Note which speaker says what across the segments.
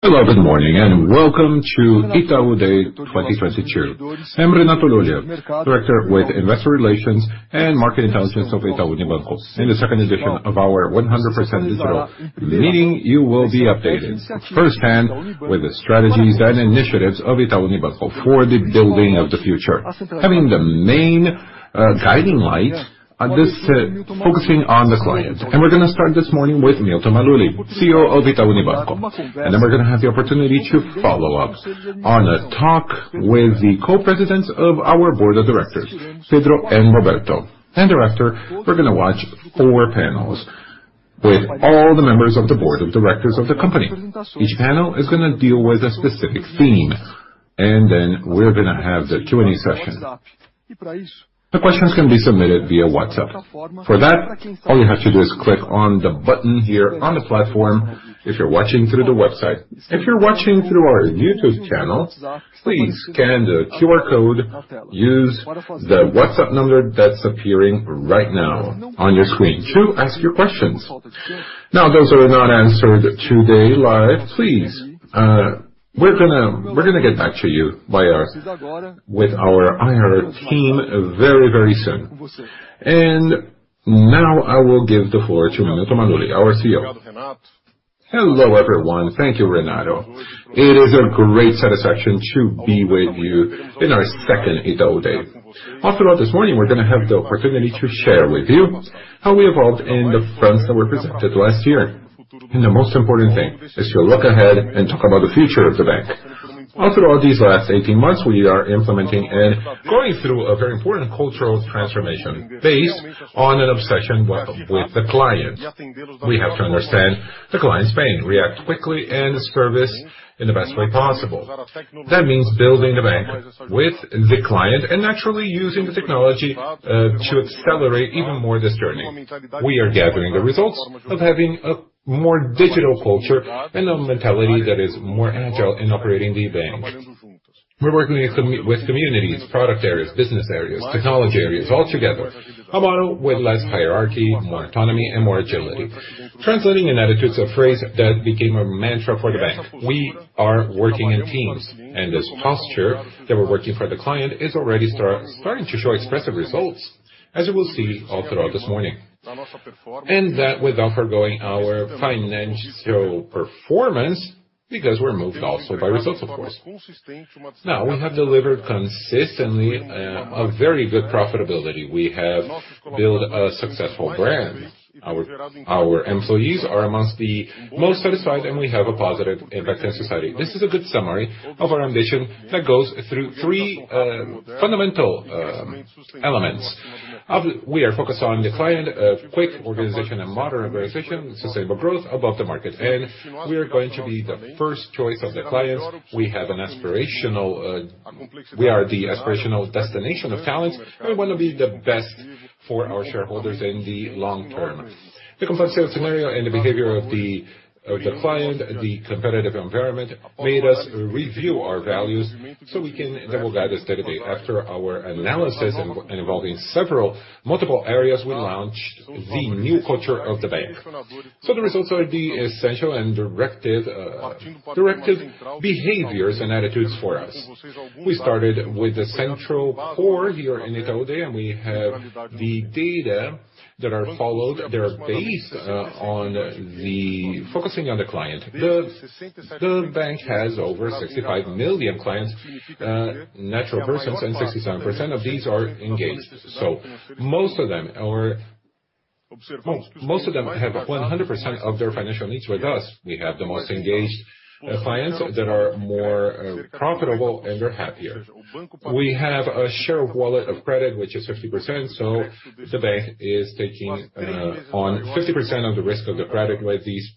Speaker 1: Hello, good morning, and welcome to Itaú Day 2022. I'm Renato Lulia, Director Head of Investor Relations and Market Intelligence of Itaú Unibanco. In the second edition of our 100% digital meeting, you will be updated firsthand with the strategies and initiatives of Itaú Unibanco for the building of the future, having the main guiding light on this, focusing on the client. We are going to start this morning with Milton Maluhy, CEO of Itaú Unibanco. We are going to have the opportunity to follow up on a talk with the co-chairmen of our board of directors, Pedro and Roberto. After, we are going to watch four panels with all the members of the board of directors of the company. Each panel is going to deal with a specific the me. We are going to have the Q&A session. The questions can be submitted via WhatsApp. For that, all you have to do is click on the button here on the platform if you're watching through the website. If you're watching through our YouTube channel, please scan the QR code, use the WhatsApp number that's appearing right now on your screen to ask your questions. Now, those are not answered today live. Please, we're going to get back to you with our IR team very, very soon. And now I will give the floor to Milton Maluhy, our CEO.
Speaker 2: Hello, everyone. Thank you, Renato. It is a great satisfaction to be with you in our second Itaú Day. All throughout this morning, we're going to have the opportunity to share with you how we evolved in the fronts that were presented last year. And the most important thing is to look ahead and talk about the future of the bank. All throughout these last 18 months, we are implementing and going through a very important cultural transformation based on an obsession with the client. We have to understand the client's pain, react quickly, and service in the best way possible. That means building the bank with the client and naturally using the technology to accelerate even more this journey. We are gathering the results of having a more digital culture and a mentality that is more agile in operating the bank. We're working with communities, product areas, business areas, technology areas all together, a model with less hierarchy, more autonomy, and more agility, translating in attitudes a phrase that became a mantra for the bank. We are working in teams, and this posture that we're working for the client is already starting to show expressive results, as you will see all throughout this morning. That without forgoing our financial performance, because we're moved also by results, of course. Now, we have delivered consistently a very good profitability. We have built a successful brand. Our employees are among the most satisfied, and we have a positive impact on society. This is a good summary of our ambition that goes through three fundamental elements. We are focused on the client, a quick organization, and modern organization, sustainable growth above the market, and we are going to be the first choice of the clients. We are the aspirational destination of talents, and we want to be the best for our shareholders in the long term. The complexity of the scenario and the behavior of the client, the competitive environment, made us review our values so we can then will guide us day to day. After our analysis involving several multiple areas, we launched the new culture of the bank. So the results are the essential and directive behaviors and attitudes for us. We started with the central core here in Itaú Day, and we have the data that are followed. They're based on the focusing on the client. The bank has over 65 million clients, natural persons, and 67% of these are engaged. So most of them have 100% of their financial needs with us. We have the most engaged clients that are more profitable, and they're happier. We have a share of wallet of credit, which is 50%. So the bank is taking on 50% of the risk of the credit with these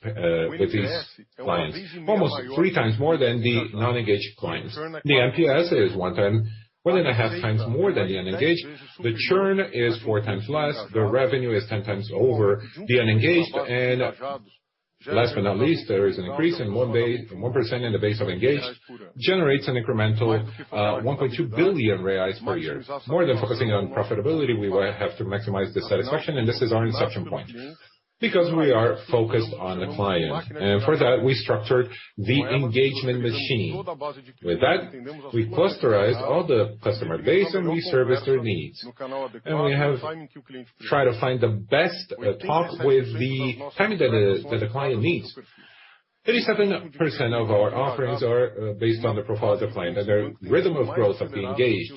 Speaker 2: clients, almost three times more than the non-engaged clients. The NPS is one time, one and a half times more than the unengaged. The churn is four times less. The revenue is 10 times over the unengaged, and last but not least, there is an increase in 1% in the base of engaged, generates an incremental 1.2 billion reais per year. More than focusing on profitability, we have to maximize the satisfaction, and this is our inception point because we are focused on the client, and for that, we structured the engagement machine. With that, we clusterized all the customer base and we serviced their needs, and we have tried to find the best talk with the timing that the client needs. 87% of our offerings are based on the profile of the client and their rhythm of growth of the engaged.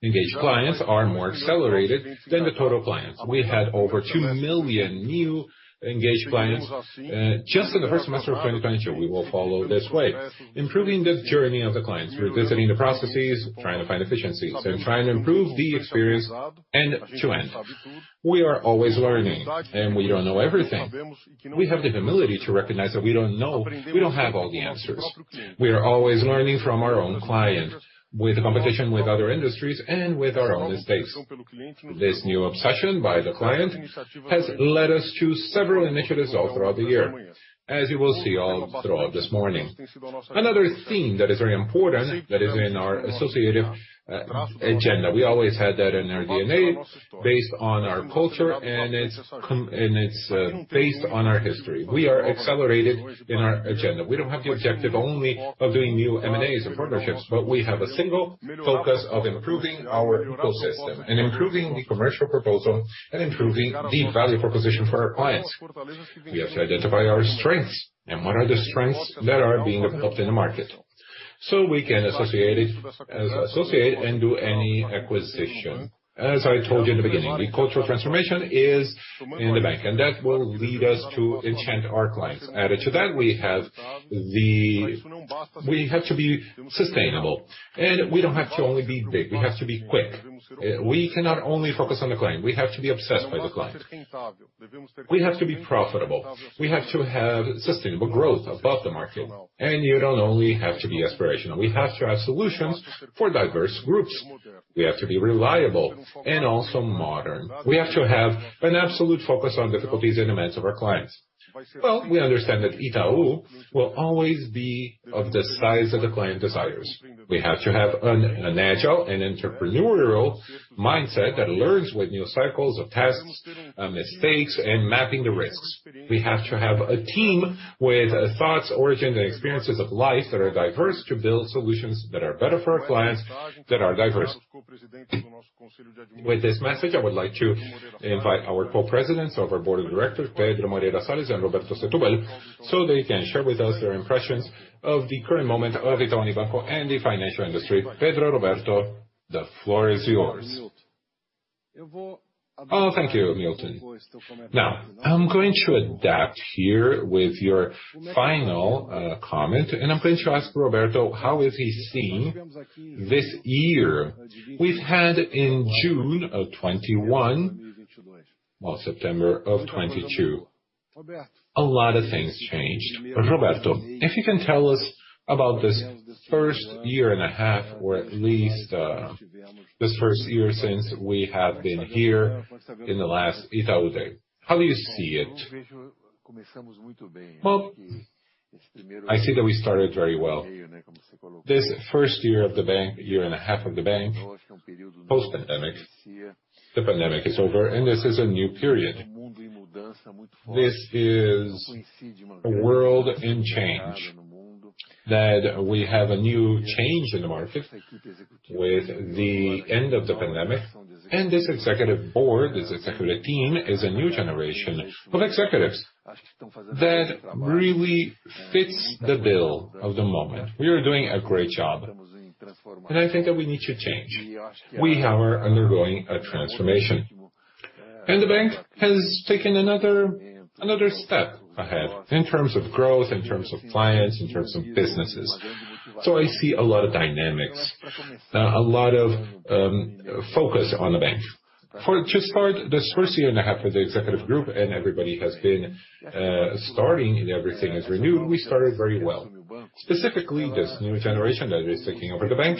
Speaker 2: Engaged clients are more accelerated than the total clients. We had over two million new engaged clients just in the first semester of 2022. We will follow this way, improving the journey of the clients, revisiting the processes, trying to find efficiencies, and trying to improve the experience end to end. We are always learning, and we don't know everything. We have the humility to recognize that we don't know. We don't have all the answers. We are always learning from our own clients with the competition, with other industries, and with our own mistakes. This new obsession with the client has led us to several initiatives all throughout the year, as you will see all throughout this morning. Another theme that is very important that is in our sustainability agenda. We always had that in our DNA based on our culture, and it's based on our history. We are accelerating in our agenda. We don't have the objective only of doing new M&As and partnerships, but we have a single focus of improving our ecosystem and improving the commercial proposal and improving the value proposition for our clients. We have to identify our strengths and what are the strengths that are being developed in the market so we can associate and do any acquisition. As I told you in the beginning, the cultural transformation is in the bank, and that will lead us to enchant our clients. Added to that, we have to be sustainable, and we don't have to only be big. We have to be quick. We cannot only focus on the client. We have to be obsessed by the client. We have to be profitable. We have to have sustainable growth above the market, and you don't only have to be aspirational. We have to have solutions for diverse groups. We have to be reliable and also modern. We have to have an absolute focus on difficulties and demands of our clients. Well, we understand that Itaú will always be of the size that the client desires. We have to have an agile and entrepreneurial mindset that learns with new cycles of tests, mistakes, and mapping the risks. We have to have a team with thoughts, origins, and experiences of life that are diverse to build solutions that are better for our clients that are diverse. With this message, I would like to invite our co-presidents of our board of directors, Pedro Moreira Salles and Roberto Setúbal, so they can share with us their impressions of the current moment of Itaú Unibanco and the financial industry. Pedro, Roberto, the floor is yours.
Speaker 3: Oh, thank you, Milton. Now, I'm going to adapt here with your final comment, and I'm going to ask Roberto how he is seeing this year we've had in June of 2021, well, September of 2022. A lot of things changed. Roberto, if you can tell us about this first year and a half, or at least this first year since we have been here in the last Itaú Day. How do you see it?
Speaker 4: Well, I see that we started very well. This first year of the bank, year and a half of the bank, post-pandemic. The pandemic is over, and this is a new period. This is a world in change that we have a new change in the market with the end of the pandemic. This executive board, this executive team is a new generation of executives that really fits the bill of the moment. We are doing a great job, and I think that we need to change. We are undergoing a transformation, and the bank has taken another step ahead in terms of growth, in terms of clients, in terms of businesses. So I see a lot of dynamics, a lot of focus on the bank. To start, this first year and a half for the executive group, and everybody has been starting and everything is renewed. We started very well. Specifically, this new generation that is taking over the bank,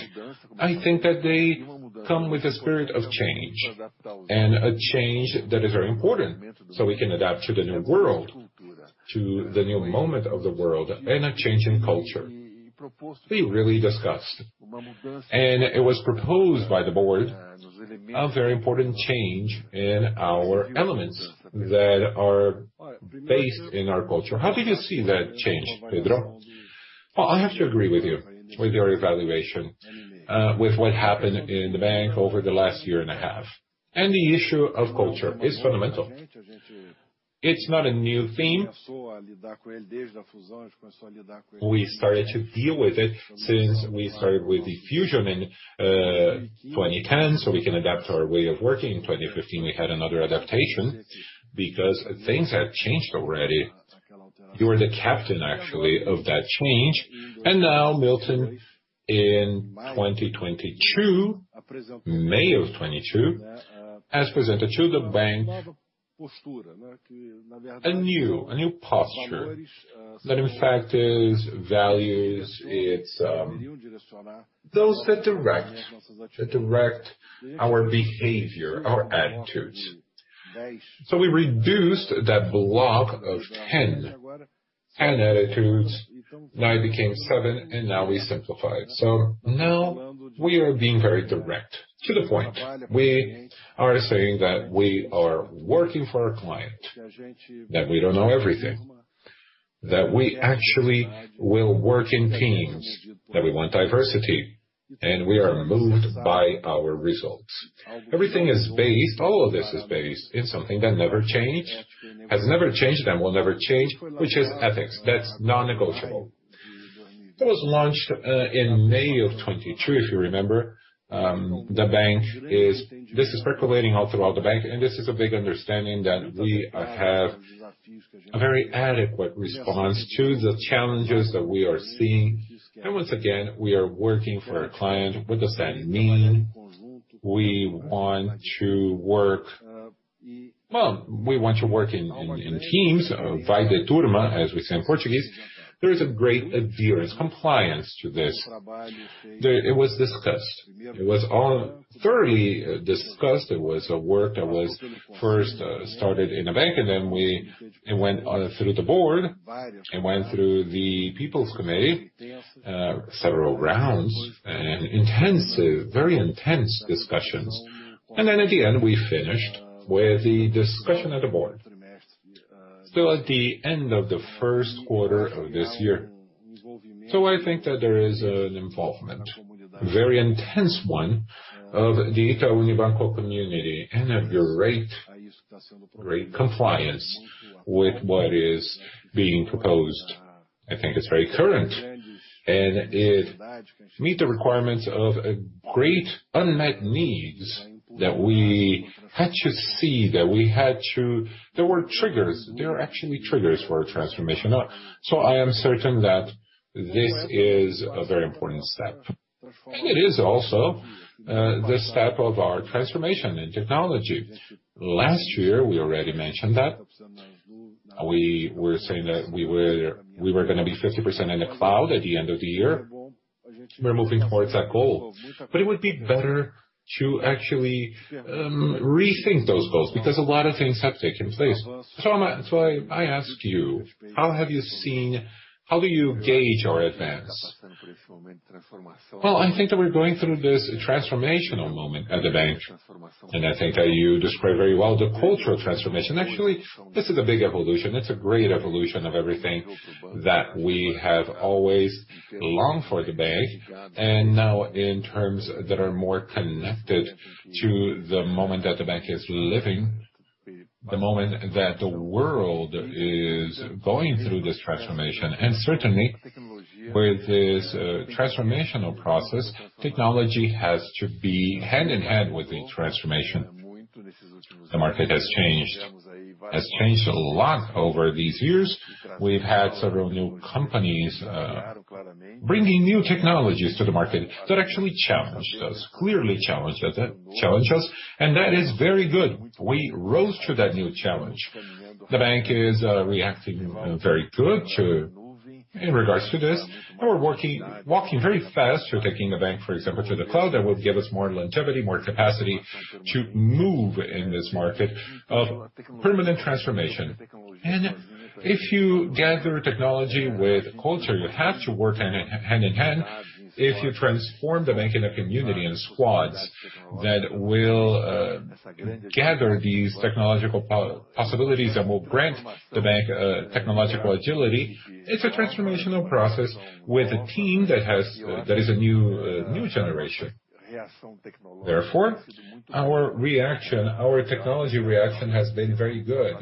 Speaker 4: I think that they come with a spirit of change and a change that is very important so we can adapt to the new world, to the new moment of the world, and a change in culture. We really discussed, and it was proposed by the board, a very important change in our elements that are based in our culture. How do you see that change, Pedro?
Speaker 3: Well, I have to agree with you with your evaluation with what happened in the bank over the last year and a half. The issue of culture is fundamental. It's not a new theme. We started to deal with it since we started with the fusion in 2010 so we can adapt our way of working. In 2015, we had another adaptation because things had changed already. You were the captain, actually, of that change. Now, Milton, in 2022, May of 2022, has presented to the bank a new posture that, in fact, values those that direct our behavior, our attitudes. We reduced that block of 10 attitudes. Now it became seven, and now we simplify it. Now we are being very direct to the point. We are saying that we are working for our client, that we don't know everything, that we actually will work in teams, that we want diversity, and we are moved by our results. Everything is based, all of this is based in something that never changed, has never changed, and will never change, which is ethics. That's non-negotiable. It was launched in May of 2022, if you remember. This is percolating all throughout the bank, and this is a big understanding that we have a very adequate response to the challenges that we are seeing. And once again, we are working for our client. What does that mean? We want to work, well, we want to work in teams, vai de turma, as we say in Portuguese. There is a great adherence, compliance to this. It was discussed. It was all thoroughly discussed. It was a work that was first started in the bank, and then we went through the board and went through the People's Committee, several rounds, and intensive, very intense discussions, and then at the end, we finished with the discussion at the board, still at the end of the first quarter of this year, so I think that there is an involvement, a very intense one of the Itaú Unibanco community and a great compliance with what is being proposed. I think it's very current, and it meets the requirements of great unmet needs that we had to see, that we had to, there were triggers. There are actually triggers for a transformation, so I am certain that this is a very important step, and it is also the step of our transformation in technology. Last year, we already mentioned that. We were saying that we were going to be 50% in the cloud at the end of the year. We're moving towards that goal. But it would be better to actually rethink those goals because a lot of things have taken place. So I ask you, how have you seen, how do you gauge our advance? Well, I think that we're going through this transformational moment at the bank, and I think that you described very well the cultural transformation. Actually, this is a big evolution. It's a great evolution of everything that we have always longed for at the bank. And now, in terms that are more connected to the moment that the bank is living, the moment that the world is going through this transformation. And certainly, with this transformational process, technology has to be hand in hand with the transformation. The market has changed, has changed a lot over these years. We've had several new companies bringing new technologies to the market that actually challenged us, clearly challenged us, and that is very good. We rose to that new challenge. The bank is reacting very good in regards to this, and we're walking very fast to taking the bank, for example, to the cloud that would give us more longevity, more capacity to move in this market of permanent transformation, and if you gather technology with culture, you have to work hand in hand. If you transform the bank in a community in squads that will gather these technological possibilities that will grant the bank technological agility, it's a transformational process with a team that is a new generation. Therefore, our reaction, our technology reaction has been very good.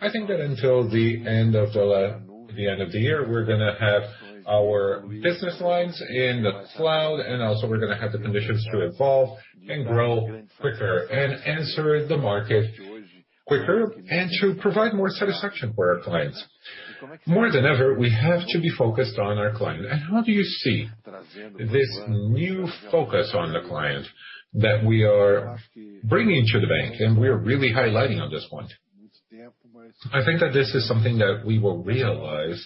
Speaker 3: I think that until the end of the year, we're going to have our business lines in the cloud, and also we're going to have the conditions to evolve and grow quicker and answer the market quicker and to provide more satisfaction for our clients. More than ever, we have to be focused on our client. And how do you see this new focus on the client that we are bringing to the bank? And we are really highlighting on this point. I think that this is something that we will realize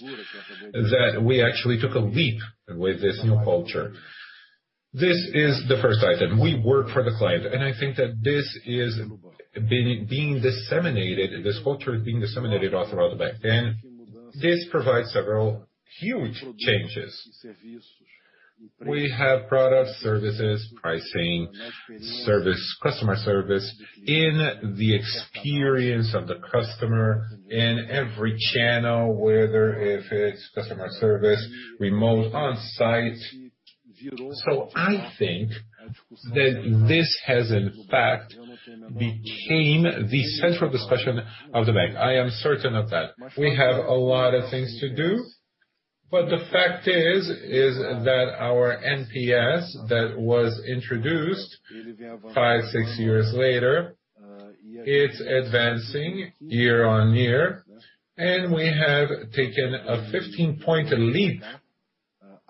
Speaker 3: that we actually took a leap with this new culture. This is the first item. We work for the client, and I think that this is being disseminated. This culture is being disseminated all throughout the bank. And this provides several huge changes. We have product services, pricing, customer service in the experience of the customer in every channel, whether if it's customer service, remote, on-site. So I think that this has, in fact, became the central discussion of the bank. I am certain of that. We have a lot of things to do, but the fact is that our NPS that was introduced five, six years later, it's advancing year-on-year, and we have taken a 15-point leap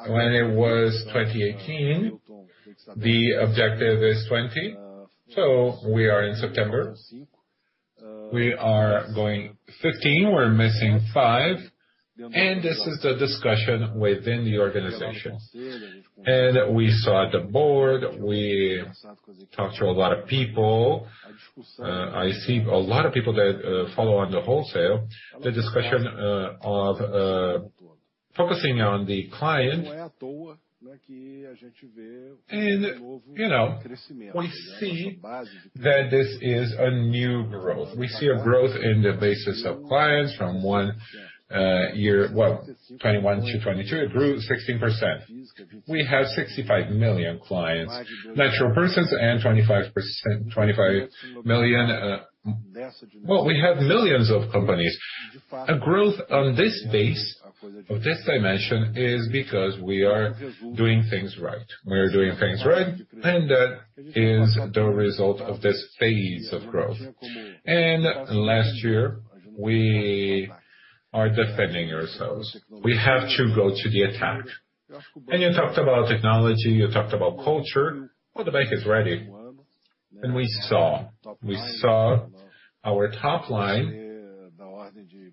Speaker 3: when it was 2018. The objective is 20, so we are in September. We are going 15. We're missing 5, and this is the discussion within the organization. And we saw the board. We talked to a lot of people. I see a lot of people that follow on the wholesale, the discussion of focusing on the client. And we see that this is a new growth. We see a growth in the base of clients from one year, well, 2021 to 2022. It grew 16%. We have 65 million clients, natural persons, and 25 million. Well, we have millions of companies. A growth on this base of this dimension is because we are doing things right. We are doing things right, and that is the result of this phase of growth. Last year, we are defending ourselves. We have to go to the attack. You talked about technology. You talked about culture. The bank is ready. We saw our top line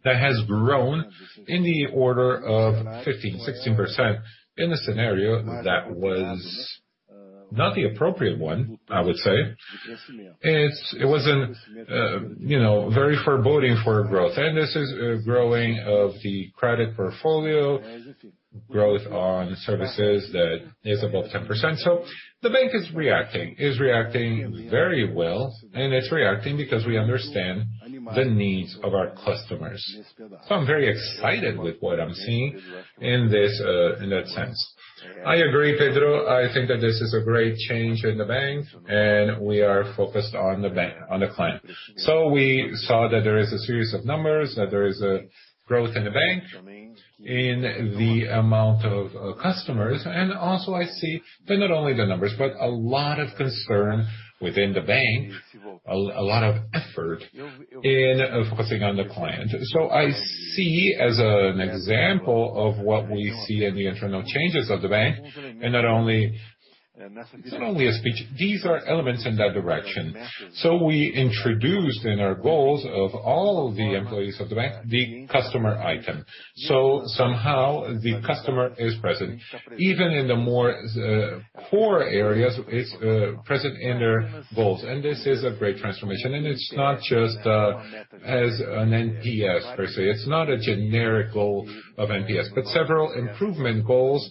Speaker 3: that has grown in the order of 15% to 16% in a scenario that was not the appropriate one, I would say. It wasn't very foreboding for growth. This is growing of the credit portfolio, growth on services that is above 10%. The bank is reacting, is reacting very well, and it's reacting because we understand the needs of our customers. I'm very excited with what I'm seeing in that sense. I agree, Pedro. I think that this is a great change in the bank, and we are focused on the client. We saw that there is a series of numbers, that there is a growth in the bank, in the amount of customers. Also, I see that not only the numbers, but a lot of concern within the bank, a lot of effort in focusing on the client. I see as an example of what we see in the internal changes of the bank, and it's not only a speech. These are elements in that direction. We introduced in our goals of all the employees of the bank, the customer item. So somehow, the customer is present. Even in the more core areas, it's present in their goals. And this is a great transformation. And it's not just as an NPS per se. It's not a generic goal of NPS, but several improvement goals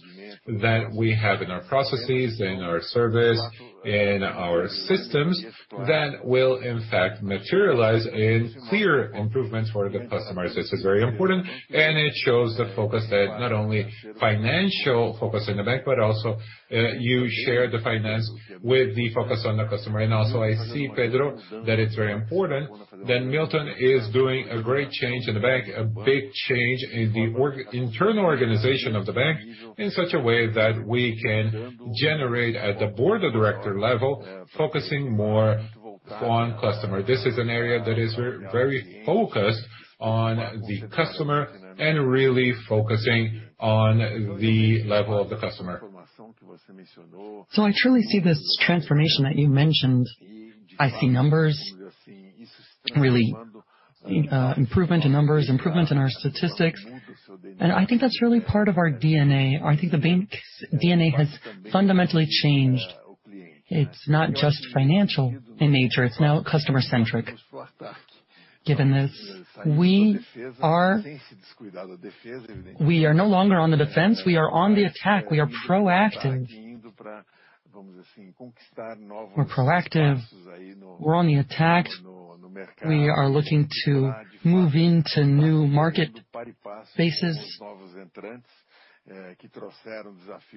Speaker 3: that we have in our processes, in our service, in our systems that will, in fact, materialize in clear improvements for the customers. This is very important, and it shows the focus that not only financial focus in the bank, but also you share the finance with the focus on the customer. And also, I see, Pedro, that it's very important that Milton is doing a great change in the bank, a big change in the internal organization of the bank in such a way that we can generate at the Board of Directors level, focusing more on customer. This is an area that is very focused on the customer and really focusing on the level of the customer.
Speaker 5: So I truly see this transformation that you mentioned. I see numbers. Really, improvement in numbers, improvement in our statistics, and I think that's really part of our DNA. I think the bank's DNA has fundamentally changed. It's not just financial in nature. It's now customer-centric. Given this, we are no longer on the defense. We are on the attack. We are proactive. We're proactive. We're on the attack, and we are looking to move into new market bases,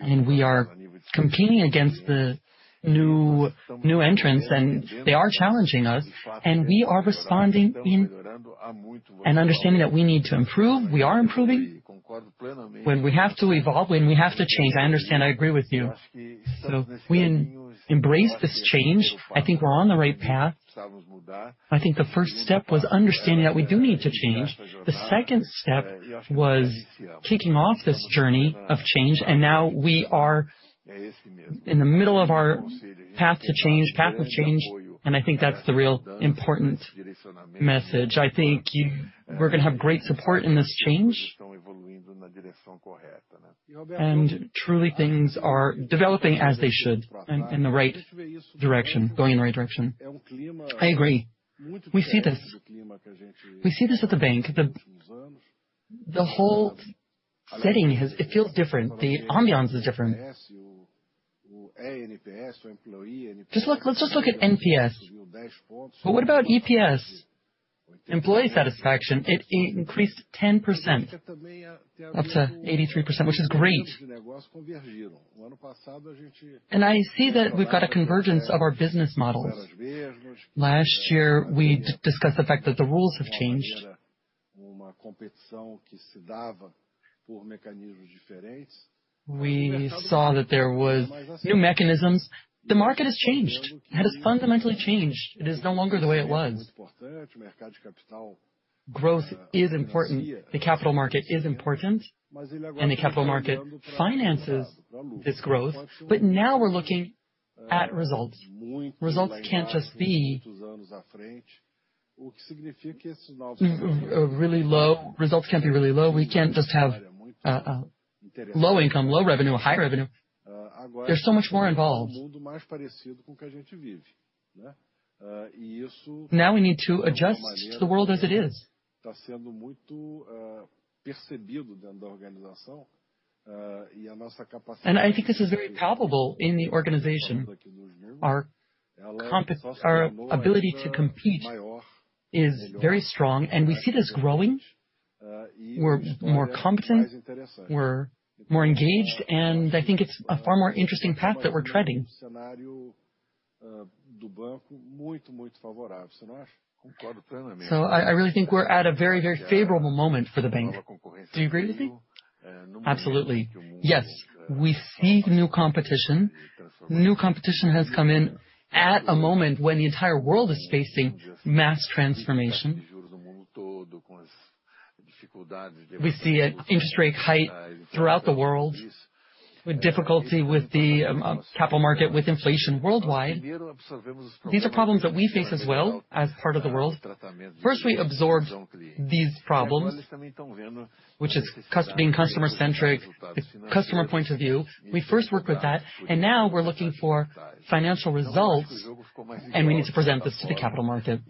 Speaker 5: and we are competing against the new entrants, and they are challenging us, and we are responding and understanding that we need to improve. We are improving. When we have to evolve, when we have to change, I understand. I agree with you, so we embrace this change. I think we're on the right path. I think the first step was understanding that we do need to change. The second step was kicking off this journey of change. And now we are in the middle of our path to change, path of change. And I think that's the real important message. I think we're going to have great support in this change. And truly, things are developing as they should in the right direction, going in the right direction. I agree. We see this. We see this at the bank. The whole setting, it feels different. The ambiance is different. Just look, let's just look at NPS. But what about eNPS, employee satisfaction? It increased 10%, up to 83%, which is great. And I see that we've got a convergence of our business models. Last year, we discussed the fact that the rules have changed. We saw that there were new mechanisms. The market has changed. It has fundamentally changed. It is no longer the way it was. Growth is important. The capital market is important, and the capital market finances this growth. But now we're looking at results. Results can't just be really low. Results can't be really low. We can't just have low income, low revenue, high revenue. There's so much more involved. Now we need to adjust to the world as it is, and I think this is very palpable in the organization. Our ability to compete is very strong, and we see this growing. We're more competent, we're more engaged, and I think it's a far more interesting path that we're treading, so I really think we're at a very, very favorable moment for the bank. Do you agree with me? Absolutely. Yes. We see new competition. New competition has come in at a moment when the entire world is facing mass transformation. We see interest rate hike throughout the world, with difficulty with the capital market, with inflation worldwide. These are problems that we face as well as part of the world. First, we absorbed these problems, which is being customer-centric, customer point of view. We first worked with that, and now we're looking for financial results, and we need to present this to the capital market.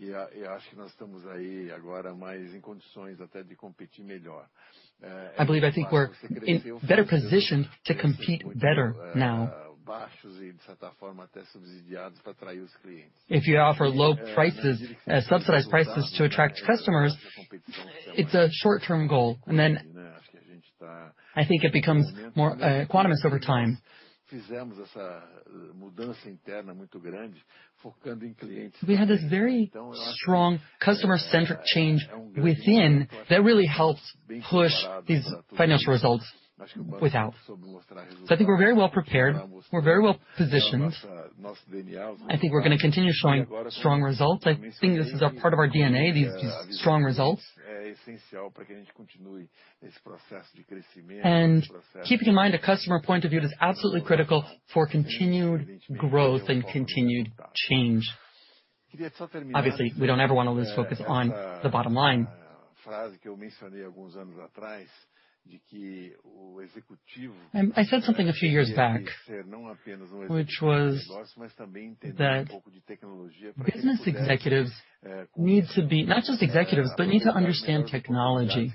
Speaker 5: I believe, I think we're in better position to compete better now. If you offer low prices, subsidized prices to attract customers, it's a short-term goal, and then I think it becomes more onerous over time. We had this very strong customer-centric change within that really helps push these financial results without. So I think we're very well prepared. We're very well positioned. I think we're going to continue showing strong results. I think this is a part of our DNA, these strong results. And keeping in mind the customer point of view is absolutely critical for continued growth and continued change. Obviously, we don't ever want to lose focus on the bottom line. I said something a few years back, which was that business executives need to be not just executives, but need to understand technology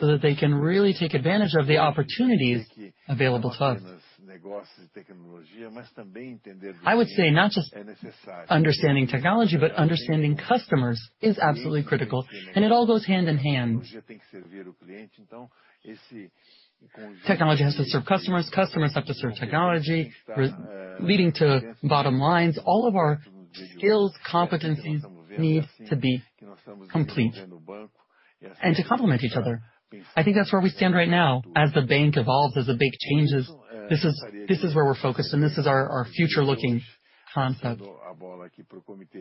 Speaker 5: so that they can really take advantage of the opportunities available to us. I would say not just understanding technology, but understanding customers is absolutely critical. And it all goes hand in hand. Technology has to serve customers. Customers have to serve technology, leading to bottom lines. All of our skills, competencies need to be complete and to complement each other. I think that's where we stand right now. As the bank evolves, as the bank changes, this is where we're focused, and this is our future-looking concept.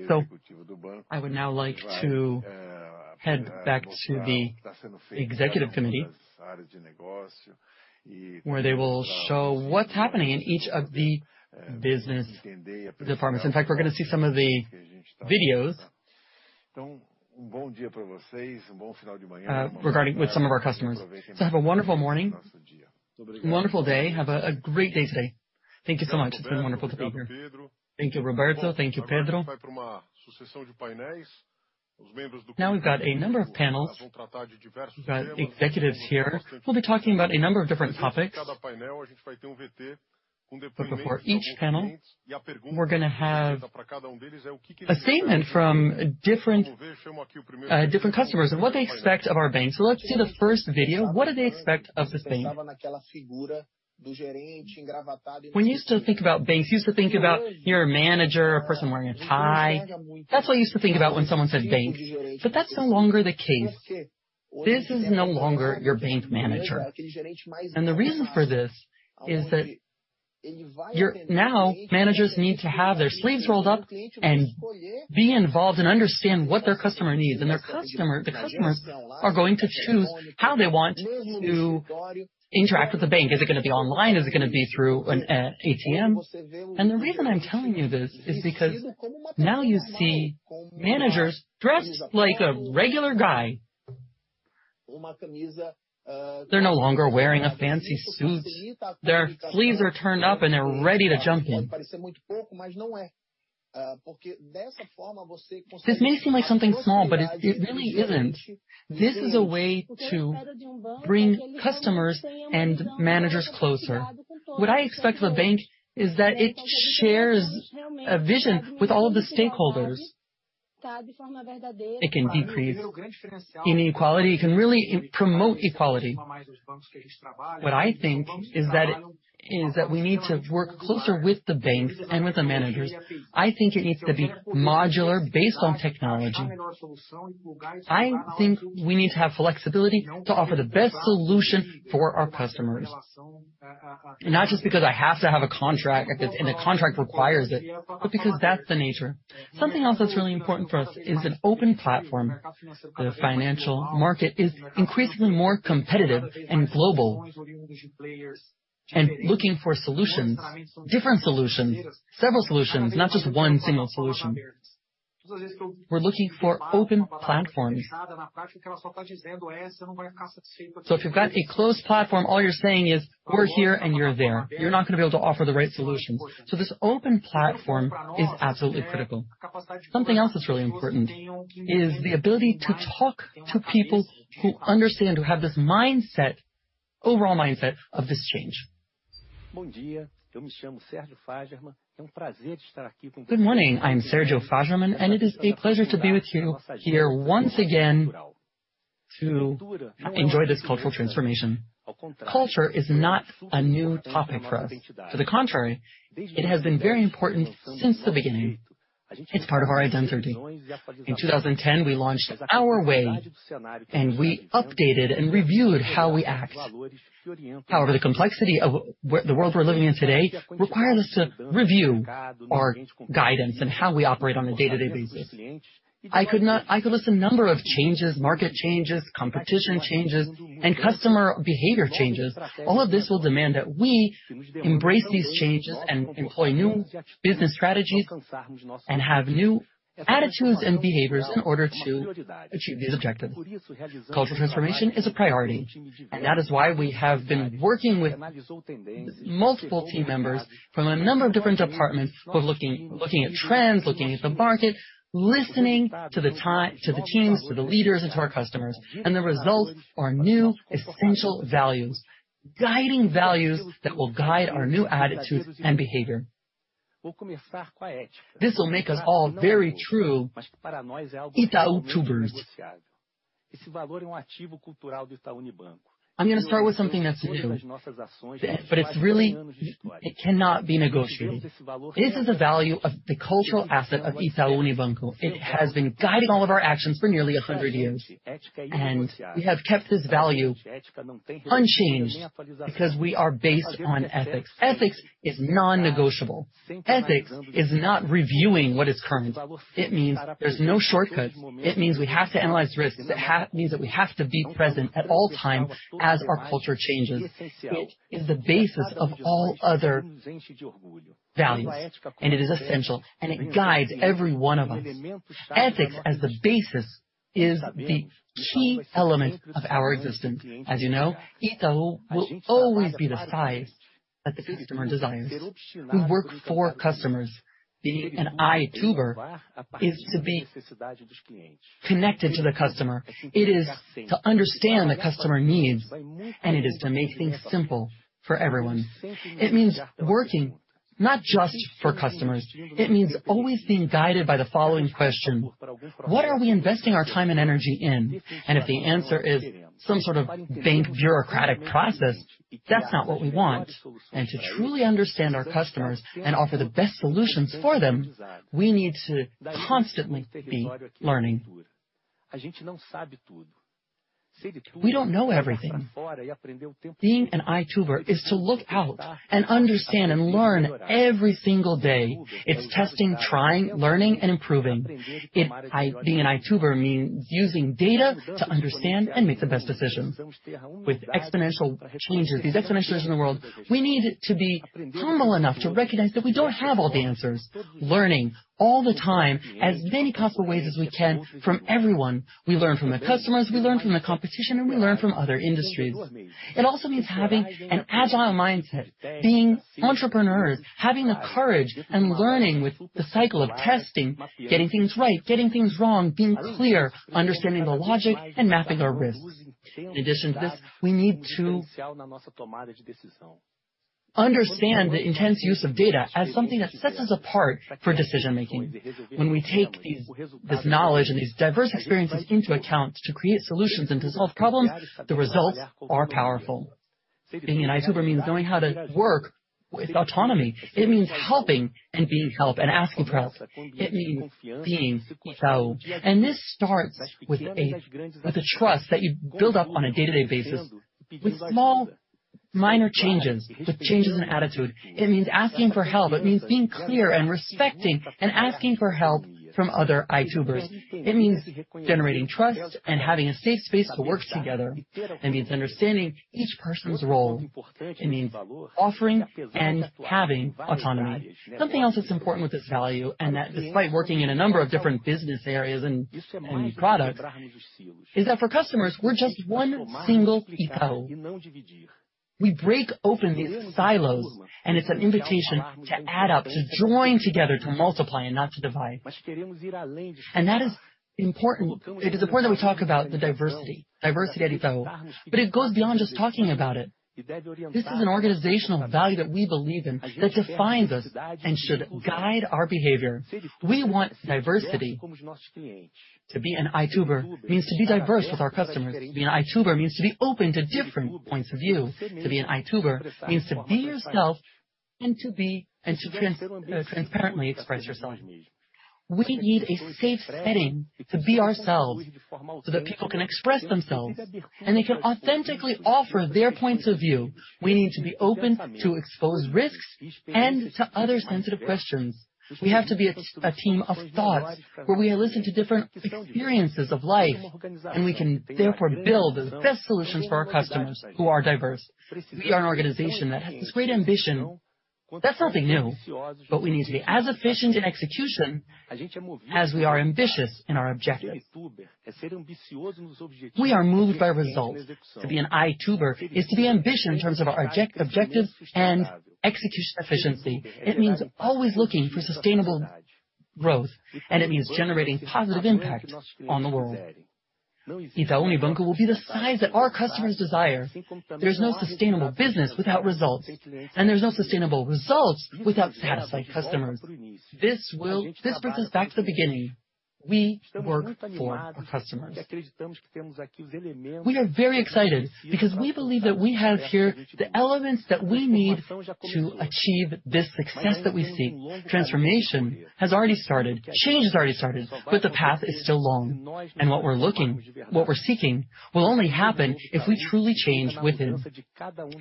Speaker 5: So I would now like to head back to the executive committee, where they will show what's happening in each of the business departments. In fact, we're going to see some of the videos regarding some of our customers. So have a wonderful morning. Wonderful day. Have a great day today. Thank you so much. It's been wonderful to be here. Thank you, Roberto. Thank you, Pedro. Now we've got a number of panels. We've got executives here. We'll be talking about a number of different topics. We're going to have a statement from different customers and what they expect of our bank. So let's see the first video. What do they expect of this bank? When you still think about banks, you used to think about your manager, a person wearing a tie. That's what you used to think about when someone said bank. But that's no longer the case. This is no longer your bank manager. And the reason for this is that now managers need to have their sleeves rolled up and be involved and understand what their customer needs. And the customers are going to choose how they want to interact with the bank. Is it going to be online? Is it going to be through an ATM? And the reason I'm telling you this is because now you see managers dressed like a regular guy. They're no longer wearing a fancy suit. Their sleeves are turned up, and they're ready to jump in. This may seem like something small, but it really isn't. This is a way to bring customers and managers closer. What I expect of a bank is that it shares a vision with all of the stakeholders. It can decrease inequality. It can really promote equality. What I think is that we need to work closer with the banks and with the managers. I think it needs to be modular based on technology. I think we need to have flexibility to offer the best solution for our customers. Not just because I have to have a contract, if the contract requires it, but because that's the nature. Something else that's really important for us is an open platform. The financial market is increasingly more competitive and global and looking for solutions, different solutions, several solutions, not just one single solution. We're looking for open platforms. So if you've got a closed platform, all you're saying is, "We're here and you're there." You're not going to be able to offer the right solutions. So this open platform is absolutely critical. Something else that's really important is the ability to talk to people who understand, who have this mindset, overall mindset of this change.
Speaker 6: Good morning. I'm Sergio Fajerman, and it is a pleasure to be with you here once again to enjoy this cultural transformation. Culture is not a new topic for us. To the contrary, it has been very important since the beginning. It's part of our identity. In 2010, we launched Our Way, and we updated and reviewed how we act. However, the complexity of the world we're living in today requires us to review our guidance and how we operate on a day-to-day basis. I could list a number of changes, market changes, competition changes, and customer behavior changes. All of this will demand that we embrace these changes and employ new business strategies and have new attitudes and behaviors in order to achieve these objectives. Cultural transformation is a priority. And that is why we have been working with multiple team members from a number of different departments, looking at trends, looking at the market, listening to the teams, to the leaders, and to our customers. And the results are new, essential values, guiding values that will guide our new attitudes and behavior. This will make us all very true Itaúbers. I'm going to start with something that's new, but it cannot be negotiated. This is the value of the cultural asset of Itaú Unibanco. It has been guiding all of our actions for nearly 100 years. We have kept this value unchanged because we are based on ethics. Ethics is non-negotiable. Ethics is not reviewing what is current. It means there's no shortcuts. It means we have to analyze risks. It means that we have to be present at all times as our culture changes. It is the basis of all other values, and it is essential, and it guides every one of us. Ethics as the basis is the key element of our existence. As you know, Itaú will always be the size that the customer desires. We work for customers. Being an Itaúber is to be connected to the customer. It is to understand the customer needs, and it is to make things simple for everyone. It means working not just for customers. It means always being guided by the following question: What are we investing our time and energy in? If the answer is some sort of bank bureaucratic process, that's not what we want. To truly understand our customers and offer the best solutions for them, we need to constantly be learning. We don't know everything. Being an Itaúber is to look out and understand and learn every single day. It's testing, trying, learning, and improving. Being an Itaúber means using data to understand and make the best decisions. With exponential changes, these exponential changes in the world, we need to be humble enough to recognize that we don't have all the answers. Learning all the time, as many possible ways as we can from everyone. We learn from the customers, we learn from the competition, and we learn from other industries. It also means having an agile mindset, being entrepreneurs, having the courage and learning with the cycle of testing, getting things right, getting things wrong, being clear, understanding the logic, and mapping our risks. In addition to this, we need to understand the intense use of data as something that sets us apart for decision-making. When we take this knowledge and these diverse experiences into account to create solutions and to solve problems, the results are powerful. Being an Itaúber means knowing how to work with autonomy. It means helping and being helped and asking for help. It means being Itaú, and this starts with a trust that you build up on a day-to-day basis with small, minor changes, with changes in attitude. It means asking for help. It means being clear and respecting and asking for help from other Itaúbers. It means generating trust and having a safe space to work together. It means understanding each person's role. It means offering and having autonomy. Something else that's important with this value, and that despite working in a number of different business areas and products, is that for customers, we're just one single Itaú. We break open these silos, and it's an invitation to add up, to join together, to multiply and not to divide, and that is important. It is important that we talk about the diversity, diversity at Itaú. But it goes beyond just talking about it. This is an organizational value that we believe in, that defines us and should guide our behavior. We want diversity. To be an Itaúber means to be diverse with our customers. To be an Itaúber means to be open to different points of view. To be an Itaúber means to be yourself and to transparently express yourself. We need a safe setting to be ourselves so that people can express themselves and they can authentically offer their points of view. We need to be open to expose risks and to other sensitive questions. We have to be a team of thoughts where we listen to different experiences of life, and we can therefore build the best solutions for our customers who are diverse. We are an organization that has this great ambition. That's nothing new, but we need to be as efficient in execution as we are ambitious in our objectives. We are moved by results. To be an Itaúber is to be ambitious in terms of our objectives and execution efficiency. It means always looking for sustainable growth, and it means generating positive impact on the world. Itaú Unibanco will be the size that our customers desire. There is no sustainable business without results, and there are no sustainable results without satisfied customers. This brings us back to the beginning. We work for our customers. We are very excited because we believe that we have here the elements that we need to achieve this success that we seek. Transformation has already started. Change has already started, but the path is still long, and what we're looking, what we're seeking, will only happen if we truly change within.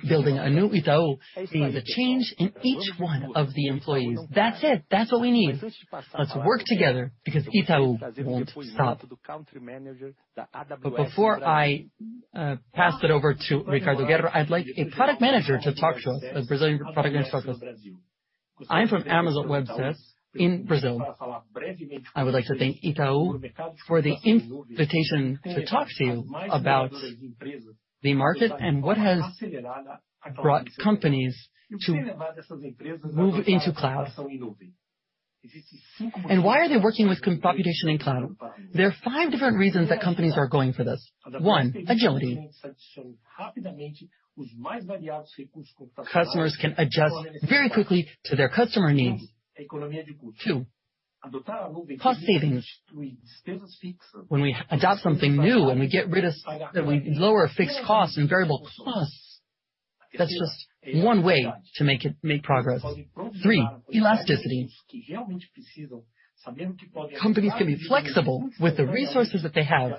Speaker 6: Building a new Itaú means a change in each one of the employees. That's it. That's what we need. Let's work together because Itaú won't stop, but before I pass it over to Ricardo Guerra, I'd like a product manager to talk to us, a Brazilian product manager to talk to us. I'm from Amazon Web Services in Brazil.
Speaker 7: I would like to thank Itaú for the invitation to talk to you about the market and what has brought companies to move into cloud, and why are they working with computation in cloud. There are five different reasons that companies are going for this. One, agility. Customers can adjust very quickly to their customer needs. Two, cost savings. When we adopt something new and we get rid of that, we lower fixed costs and variable costs. That's just one way to make progress. Three, elasticity. Companies can be flexible with the resources that they have,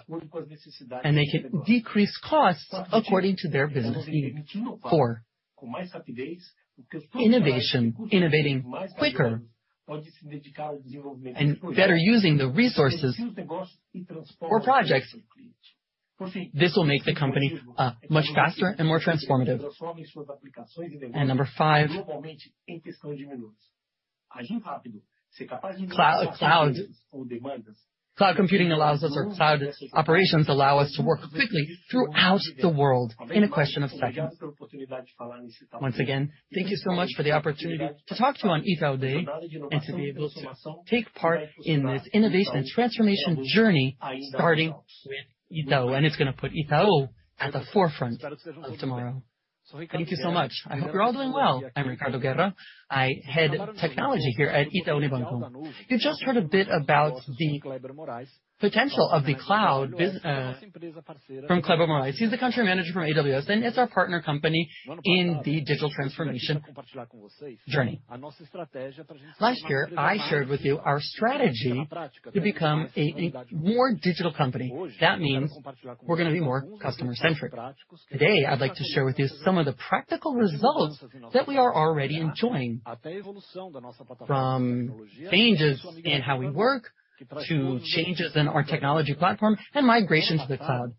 Speaker 7: and they can decrease costs according to their business needs. Four, innovation, innovating quicker and better using the resources or projects. This will make the company much faster and more transformative, and number five, cloud computing allows us or cloud operations allow us to work quickly throughout the world in a question of seconds. Once again, thank you so much for the opportunity to talk to you on Itaú Day and to be able to take part in this innovation and transformation journey starting with Itaú. And it's going to put Itaú at the forefront of tomorrow. Thank you so much. I hope you're all doing well. I'm Ricardo Guerra. I head technology here at Itaú Unibanco. You just heard a bit about the potential of the cloud from Cléber Morais. He's the country manager from AWS, and it's our partner company in the digital transformation journey. Last year, I shared with you our strategy to become a more digital company. That means we're going to be more customer-centric. Today, I'd like to share with you some of the practical results that we are already enjoying from changes in how we work to changes in our technology platform and migration to the cloud,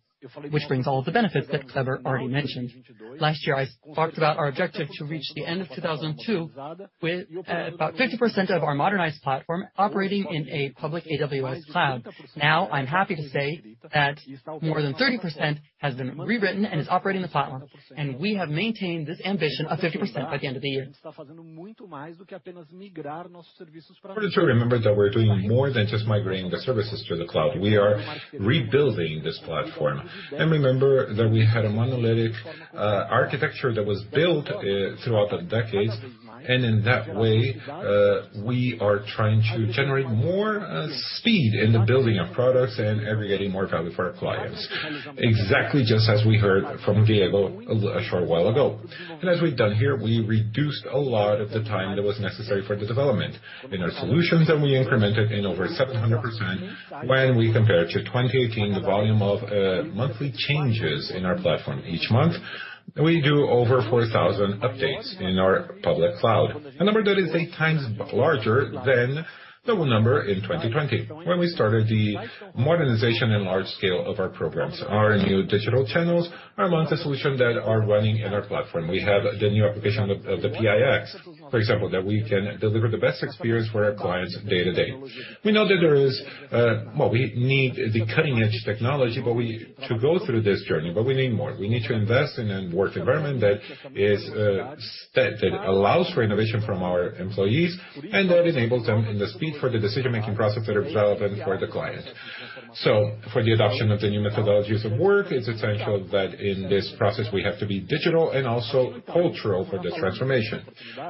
Speaker 7: which brings all of the benefits that Cléber already mentioned. Last year, I talked about our objective to reach the end of 2022 with about 50% of our modernized platform operating in a public AWS cloud. Now, I'm happy to say that more than 30% has been rewritten and is operating the platform, and we have maintained this ambition of 50% by the end of the year.
Speaker 1: We're trying to remember that we're doing more than just migrating the services to the cloud. We are rebuilding this platform. Remember that we had a monolithic architecture that was built throughout the decades, and in that way, we are trying to generate more speed in the building of products and aggregating more value for our clients, exactly just as we heard from Diego a short while ago. As we've done here, we reduced a lot of the time that was necessary for the development in our solutions, and we incremented in over 700%. When we compare to 2018, the volume of monthly changes in our platform each month, we do over 4,000 updates in our public cloud, a number that is eight times larger than the whole number in 2020 when we started the modernization and large scale of our programs. Our new digital channels are among the solutions that are running in our platform. We have the new application of the Pix, for example, that we can deliver the best experience for our clients day to day. We know that there is, well, we need the cutting-edge technology, but we need to go through this journey, but we need more. We need to invest in a work environment that allows for innovation from our employees and that enables them in the speed for the decision-making process that are relevant for the client. So for the adoption of the new methodologies of work, it's essential that in this process, we have to be digital and also cultural for the transformation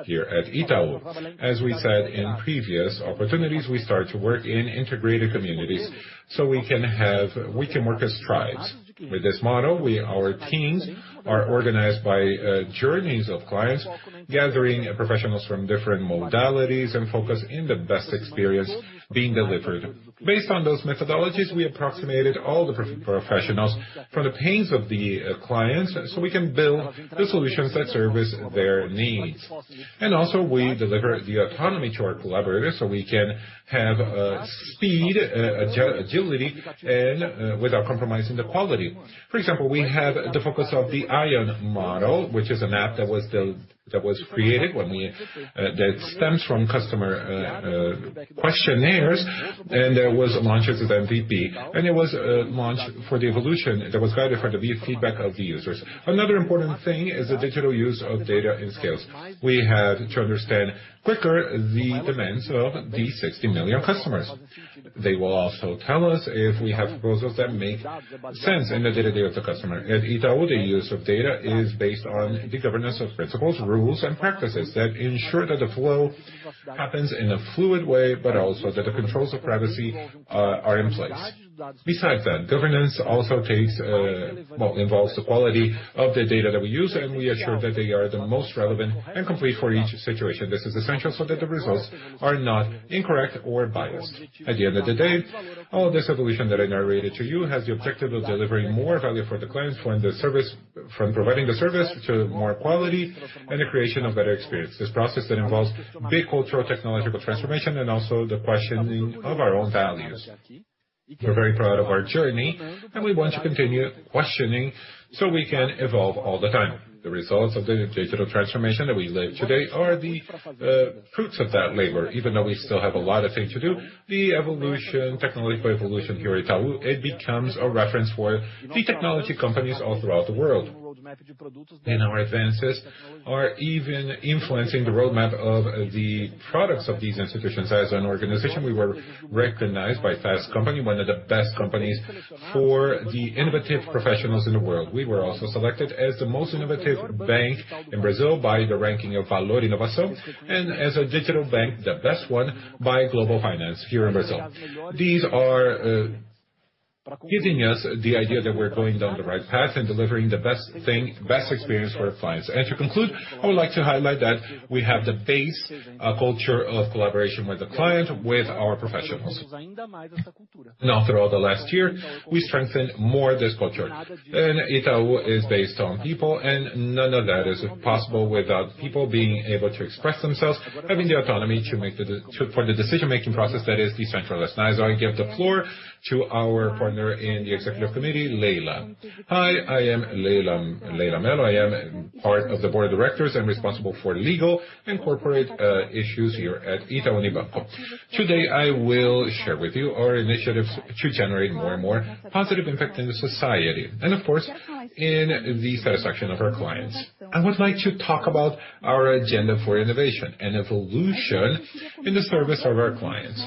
Speaker 1: here at Itaú. As we said in previous opportunities, we start to work in integrated communities so we can work as tribes. With this model, our teams are organized by journeys of clients, gathering professionals from different modalities and focusing on the best experience being delivered. Based on those methodologies, we approximated all the professionals from the pains of the clients so we can build the solutions that service their needs. And also, we deliver the autonomy to our collaborators so we can have speed, agility, and without compromising the quality. For example, we have the focus of the ION model, which is an app that was created when it stems from customer questionnaires, and it was launched as an MVP. And it was launched for the evolution that was guided for the feedback of the users. Another important thing is the digital use of data and scales. We have to understand quicker the demands of the 60 million customers. They will also tell us if we have proposals that make sense in the day-to-day of the customer. At Itaú, the use of data is based on the governance of principles, rules, and practices that ensure that the flow happens in a fluid way, but also that the controls of privacy are in place. Besides that, governance also involves the quality of the data that we use, and we ensure that they are the most relevant and complete for each situation. This is essential so that the results are not incorrect or biased. At the end of the day, all of this evolution that I narrated to you has the objective of delivering more value for the clients from providing the service to more quality and the creation of better experiences. This process involves big cultural technological transformation and also the questioning of our own values. We're very proud of our journey, and we want to continue questioning so we can evolve all the time. The results of the digital transformation that we live today are the fruits of that labor. Even though we still have a lot of things to do, the technological evolution here at Itaú, it becomes a reference for the technology companies all throughout the world. In our advances, we are even influencing the roadmap of the products of these institutions. As an organization, we were recognized by Fast Company, one of the best companies for the innovative professionals in the world. We were also selected as the most innovative bank in Brazil by the ranking of Valor Inovação, and as a digital bank, the best one by Global Finance here in Brazil. These are giving us the idea that we're going down the right path and delivering the best experience for our clients, and to conclude, I would like to highlight that we have the base culture of collaboration with the client, with our professionals. Now, throughout the last year, we strengthened more this culture, and Itaú is based on people, and none of that is possible without people being able to express themselves, having the autonomy for the decision-making process that is decentralized. Now, I'd like to give the floor to our partner in the executive committee, Leila.
Speaker 8: Hi, I am Leila Melo. I am part of the Board of Directors and responsible for legal and corporate issues here at Itaú Unibanco. Today, I will share with you our initiatives to generate more and more positive impact in society and, of course, in the satisfaction of our clients. I would like to talk about our agenda for innovation and evolution in the service of our clients.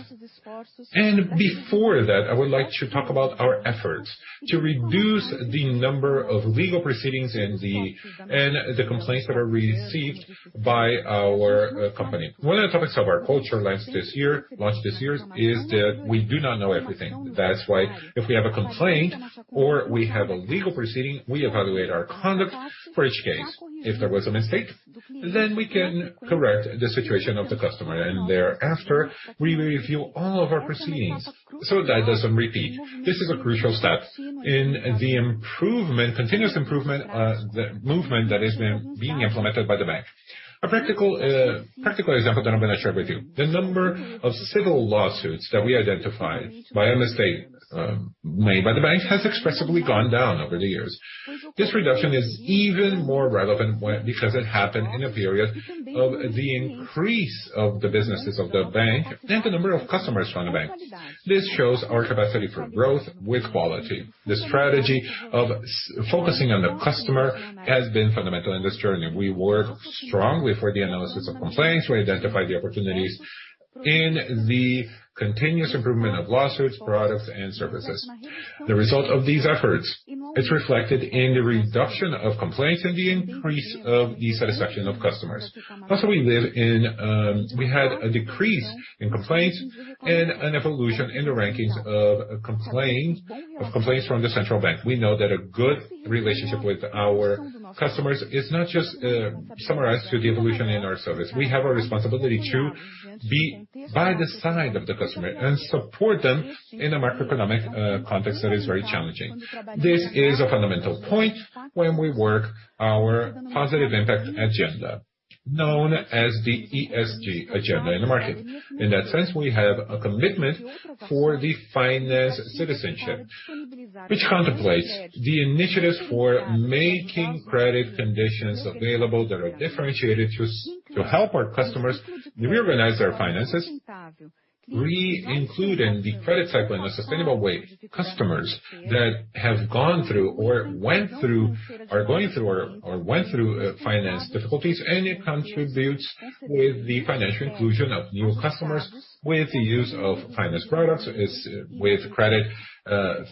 Speaker 8: Before that, I would like to talk about our efforts to reduce the number of legal proceedings and the complaints that are received by our company. One of the topics of our culture launched this year is that we do not know everything. That's why if we have a complaint or we have a legal proceeding, we evaluate our conduct for each case. If there was a mistake, then we can correct the situation of the customer. Thereafter, we review all of our proceedings so that it doesn't repeat. This is a crucial step in the continuous improvement movement that is being implemented by the bank. A practical example that I'm going to share with you. The number of civil lawsuits that we identified by a mistake made by the bank has expressively gone down over the years. This reduction is even more relevant because it happened in a period of the increase of the businesses of the bank and the number of customers from the bank. This shows our capacity for growth with quality. The strategy of focusing on the customer has been fundamental in this journey. We work strongly for the analysis of complaints. We identify the opportunities in the continuous improvement of lawsuits, products, and services. The result of these efforts is reflected in the reduction of complaints and the increase of the satisfaction of customers. Also, we had a decrease in complaints and an evolution in the rankings of complaints from the central bank. We know that a good relationship with our customers is not just summarized to the evolution in our service. We have a responsibility to be by the side of the customer and support them in a macroeconomic context that is very challenging. This is a fundamental point when we work our positive impact agenda, known as the ESG agenda in the market. In that sense, we have a commitment for the financial citizenship, which contemplates the initiatives for making credit conditions available that are differentiated to help our customers reorganize their finances, reincluding the credit cycle in a sustainable way. Customers that have gone through or are going through financial difficulties, and it contributes with the financial inclusion of new customers with the use of financial products, with credit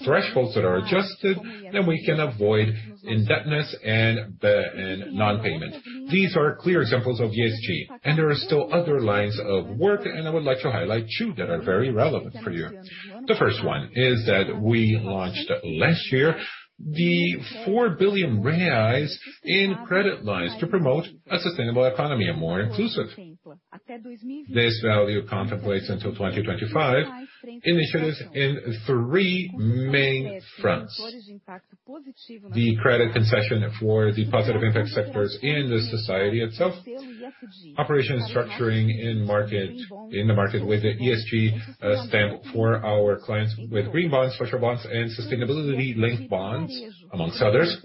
Speaker 8: thresholds that are adjusted, then we can avoid indebtedness and non-payment. These are clear examples of ESG, and there are still other lines of work, and I would like to highlight two that are very relevant for you. The first one is that we launched last year 4 billion reais in credit lines to promote a sustainable economy and more inclusive. This value contemplates until 2025 initiatives in three main fronts: the credit concession for the positive impact sectors in the society itself, operation structuring in the market with the ESG stamp for our clients with green bonds, social bonds, and sustainability-linked bonds, among others.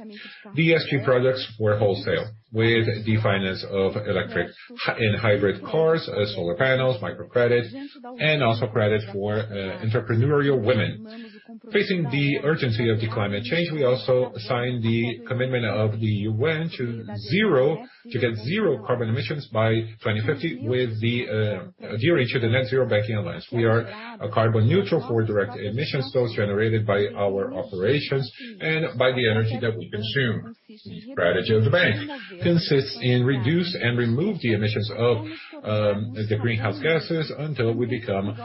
Speaker 8: The ESG products were wholesale with the finance of electric and hybrid cars, solar panels, microcredit, and also credit for entrepreneurial women. Facing the urgency of climate change, we also signed the commitment of the UN to get zero carbon emissions by 2050 by adhering to the Net Zero Banking Alliance. We are carbon neutral for direct emissions, those generated by our operations and by the energy that we consume. The strategy of the bank consists in reducing and removing the emissions of the greenhouse gases until we become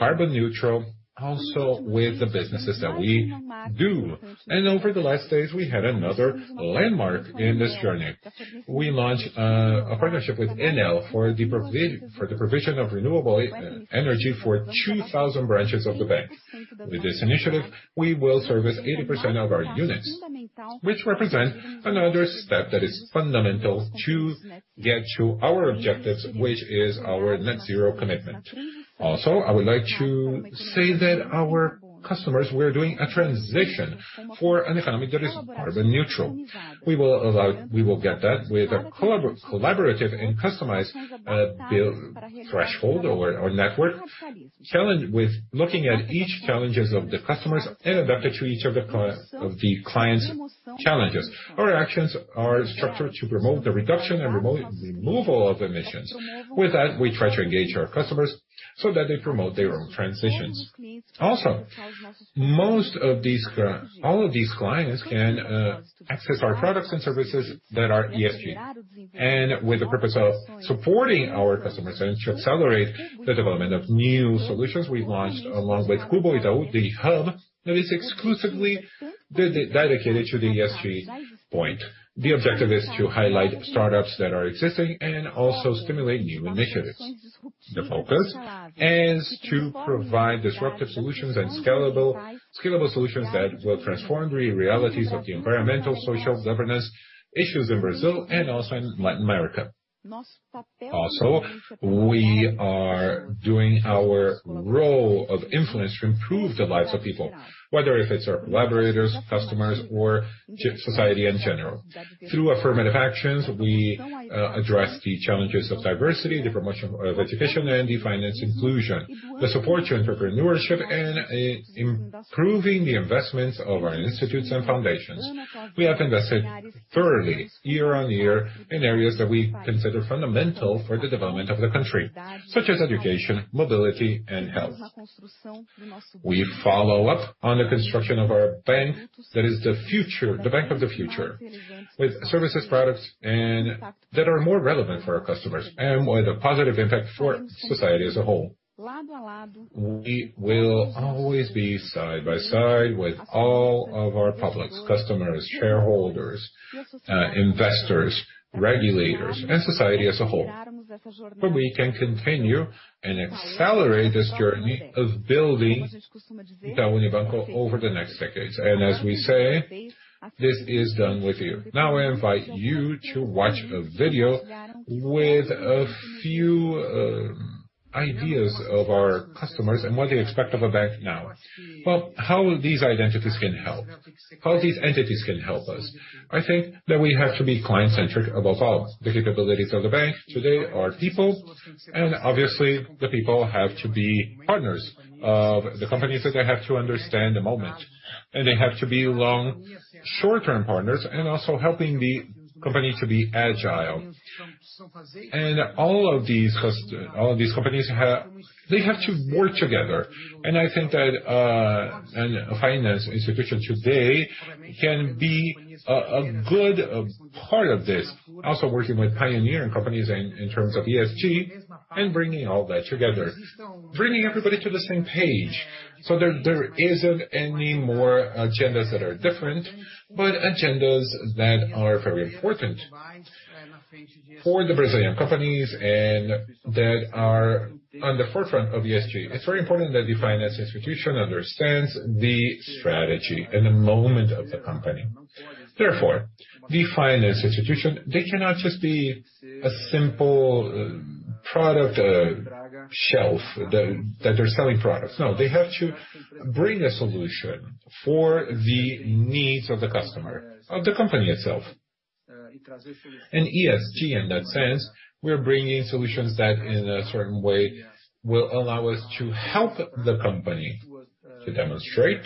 Speaker 8: carbon neutral also with the businesses that we do. Over the last days, we had another landmark in this journey. We launched a partnership with Enel for the provision of renewable energy for 2,000 branches of the bank. With this initiative, we will service 80% of our units, which represents another step that is fundamental to get to our objectives, which is our Net Zero commitment. Also, I would like to say that our customers, we are doing a transition for an economy that is carbon neutral. We will get that with a collaborative and customized threshold or network challenge with looking at each challenge of the customers and adapting to each of the clients' challenges. Our actions are structured to promote the reduction and removal of emissions. With that, we try to engage our customers so that they promote their own transitions. Also, all of these clients can access our products and services that are ESG. And with the purpose of supporting our customers and to accelerate the development of new solutions, we launched along with Cubo Itaú the hub that is exclusively dedicated to the ESG point. The objective is to highlight startups that are existing and also stimulate new initiatives. The focus is to provide disruptive solutions and scalable solutions that will transform the realities of the environmental, social, and governance issues in Brazil and also in Latin America. Also, we are doing our role of influence to improve the lives of people, whether it's our collaborators, customers, or society in general. Through affirmative actions, we address the challenges of diversity, the promotion of education, and the financial inclusion, the support to entrepreneurship, and improving the investments of our institutes and foundations. We have invested thoroughly year-on-year in areas that we consider fundamental for the development of the country, such as education, mobility, and health. We follow up on the construction of our bank that is the bank of the future with services, products, and that are more relevant for our customers and with a positive impact for society as a whole. We will always be side by side with all of our publics, customers, shareholders, investors, regulators, and society as a whole. We can continue and accelerate this journey of building Itaú Unibanco over the next decades. As we say, this is done with you. Now, I invite you to watch a video with a few ideas of our customers and what they expect of a bank now. How these identities can help, how these entities can help us. I think that we have to be client-centric above all. The capabilities of the bank today are people, and obviously, the people have to be partners of the companies that they have to understand the moment. They have to be long- and short-term partners and also helping the company to be agile. All of these companies, they have to work together. I think that a financial institution today can be a good part of this, also working with pioneering companies in terms of ESG and bringing all that together, bringing everybody to the same page. So there isn't any more agendas that are different, but agendas that are very important for the Brazilian companies and that are on the forefront of ESG. It's very important that the financial institution understands the strategy and the moment of the company. Therefore, the financial institution, they cannot just be a simple product shelf that they're selling products. No, they have to bring a solution for the needs of the customer, of the company itself. ESG, in that sense, we're bringing solutions that in a certain way will allow us to help the company to demonstrate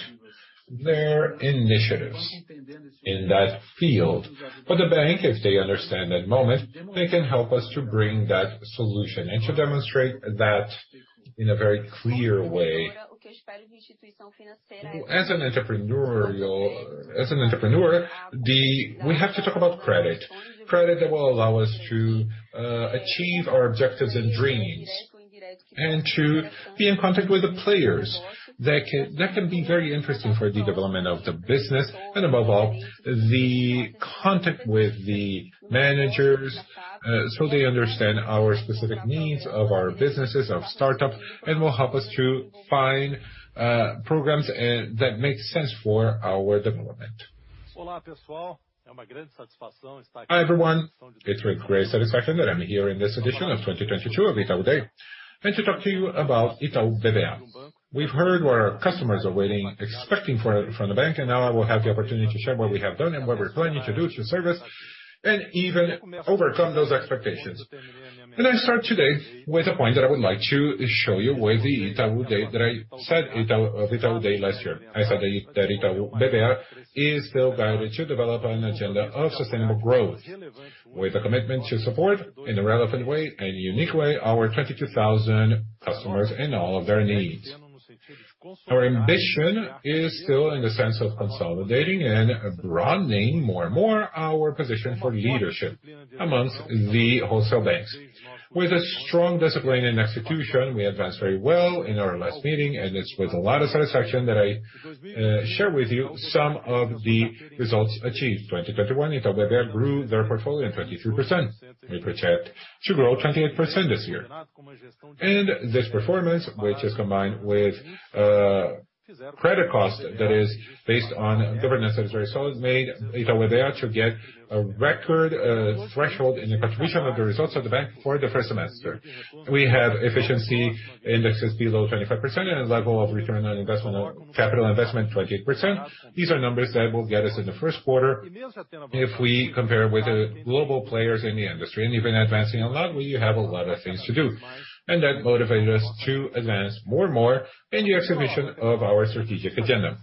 Speaker 8: their initiatives in that field. But the bank, if they understand that moment, they can help us to bring that solution and to demonstrate that in a very clear way. As an entrepreneur, we have to talk about credit. Credit that will allow us to achieve our objectives and dreams and to be in contact with the players. That can be very interesting for the development of the business and, above all, the contact with the managers so they understand our specific needs of our businesses, of startups, and will help us to find programs that make sense for our development. Hi, everyone. It's with great satisfaction that I'm here in this edition of 2022 of Itaú Day and to talk to you about Itaú BBA. We've heard what our customers are waiting, expecting from the bank, and now I will have the opportunity to share what we have done and what we're planning to do to service and even overcome those expectations, and I start today with a point that I would like to show you with the Itaú Day that I said of Itaú Day last year. I said that Itaú BBA is still guided to develop an agenda of sustainable growth with a commitment to support in a relevant way and unique way our 22,000 customers and all of their needs. Our ambition is still in the sense of consolidating and broadening more and more our position for leadership among the wholesale banks. With a strong discipline and execution, we advanced very well in our last meeting, and it's with a lot of satisfaction that I share with you some of the results achieved. 2021, Itaú BBA grew their portfolio in 23%. We project to grow 28% this year, and this performance, which is combined with credit cost that is based on governance that is very solid, made Itaú BBA to get a record threshold in the contribution of the results of the bank for the first semester. We have efficiency indexes below 25% and a level of return on investment, capital investment, 28%. These are numbers that will get us in the first quarter if we compare with the global players in the industry, and even advancing a lot, we have a lot of things to do. And that motivated us to advance more and more in the execution of our strategic agenda.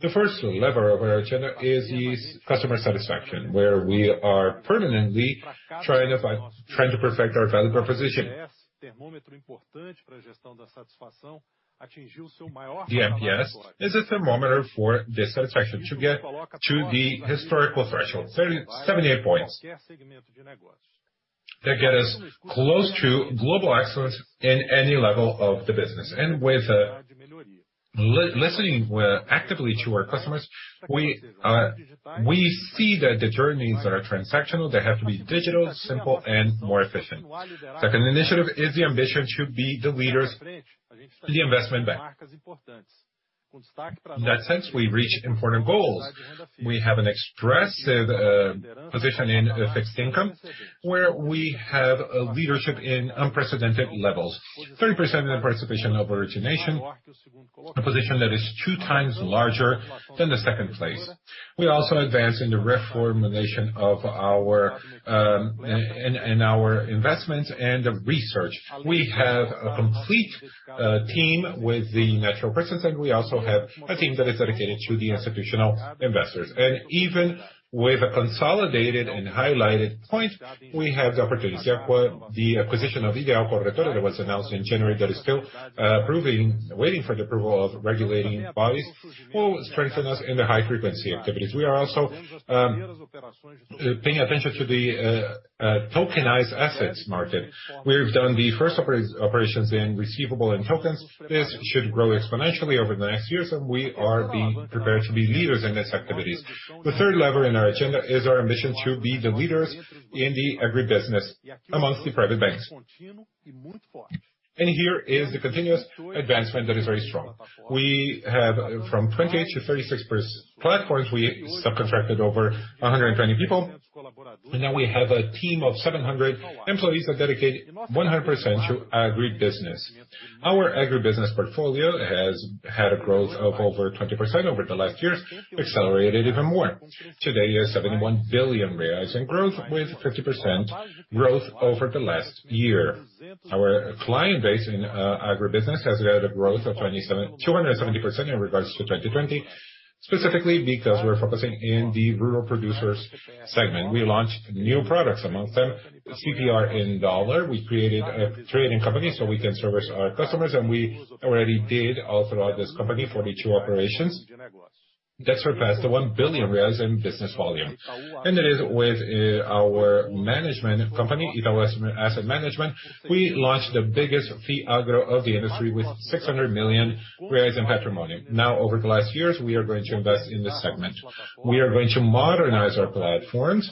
Speaker 8: The first lever of our agenda is customer satisfaction, where we are permanently trying to perfect our value proposition. The NPS is a thermometer for this satisfaction to get to the historical threshold, 78 points, that gets us close to global excellence in any level of the business. And with listening actively to our customers, we see that the journeys are transactional. They have to be digital, simple, and more efficient. Second initiative is the ambition to be the leaders in the investment bank. In that sense, we reach important goals. We have an expressive position in fixed income, where we have leadership in unprecedented levels, 30% in the participation of origination, a position that is two times larger than the second place. We also advance in the reformulation of our investments and the research. We have a complete team with the natural presence, and we also have a team that is dedicated to the institutional investors. And even with a consolidated and highlighted point, we have the opportunity for the acquisition of Ideal Corretora that was announced in January that is still waiting for the approval of regulatory bodies. This will strengthen us in the high-frequency activities. We are also paying attention to the tokenized assets market. We've done the first operations in receivables and tokens. This should grow exponentially over the next years, and we are being prepared to be leaders in these activities. The third lever in our agenda is our ambition to be the leaders in the agribusiness among the private banks. And here is the continuous advancement that is very strong. We have from 28 to 36 platforms. We subcontracted over 120 people, and now we have a team of 700 employees that dedicate 100% to agribusiness. Our agribusiness portfolio has had a growth of over 20% over the last years, accelerated even more. Today, it is 71 billion reais in growth with 50% growth over the last year. Our client base in agribusiness has had a growth of 270% in regards to 2020, specifically because we're focusing in the rural producers segment. We launched new products amongst them. CPR in dollar, we created a trading company so we can service our customers, and we already did all throughout this company 42 operations that surpassed 1 billion reais in business volume. It is with our management company, Itaú Asset Management, we launched the biggest FIAGRO of the industry with 600 million reais in patrimony. Now, over the last years, we are going to invest in this segment. We are going to modernize our platforms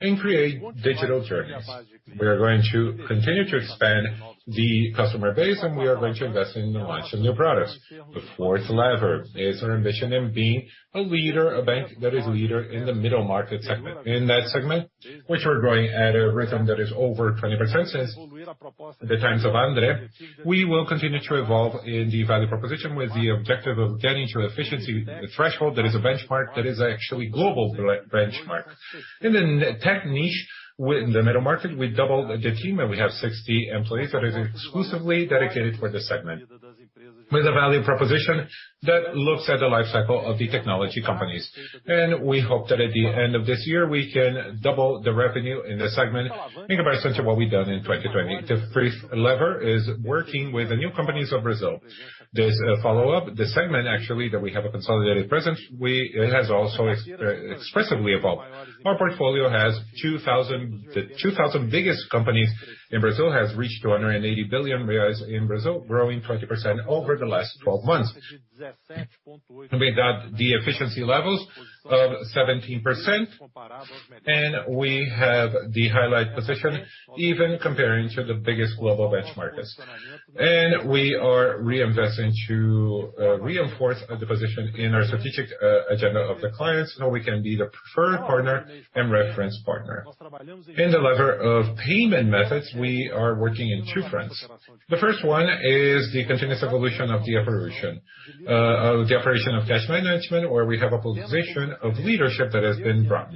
Speaker 8: and create digital journeys. We are going to continue to expand the customer base, and we are going to invest in the launch of new products. The fourth lever is our ambition in being a leader, a bank that is a leader in the middle market segment. In that segment, which we're growing at a rhythm that is over 20% since the times of André, we will continue to evolve in the value proposition with the objective of getting to efficiency threshold. That is a benchmark that is actually a global benchmark. In the tech niche within the middle market, we doubled the team, and we have 60 employees that are exclusively dedicated for this segment with a value proposition that looks at the lifecycle of the technology companies. We hope that at the end of this year, we can double the revenue in this segment in comparison to what we've done in 2020. The fifth lever is working with the new companies of Brazil. This follow-up, the segment actually that we have a consolidated presence, it has also expressively evolved. Our portfolio has 2,000 biggest companies in Brazil has reached 280 billion reais in Brazil, growing 20% over the last 12 months. We got the efficiency levels of 17%, and we have the highlight position even comparing to the biggest global benchmarkers. We are reinforcing the position in our strategic agenda of the clients so we can be the preferred partner and reference partner. In the lever of payment methods, we are working in two fronts. The first one is the continuous evolution of the operation of cash management, where we have a position of leadership that has been brought.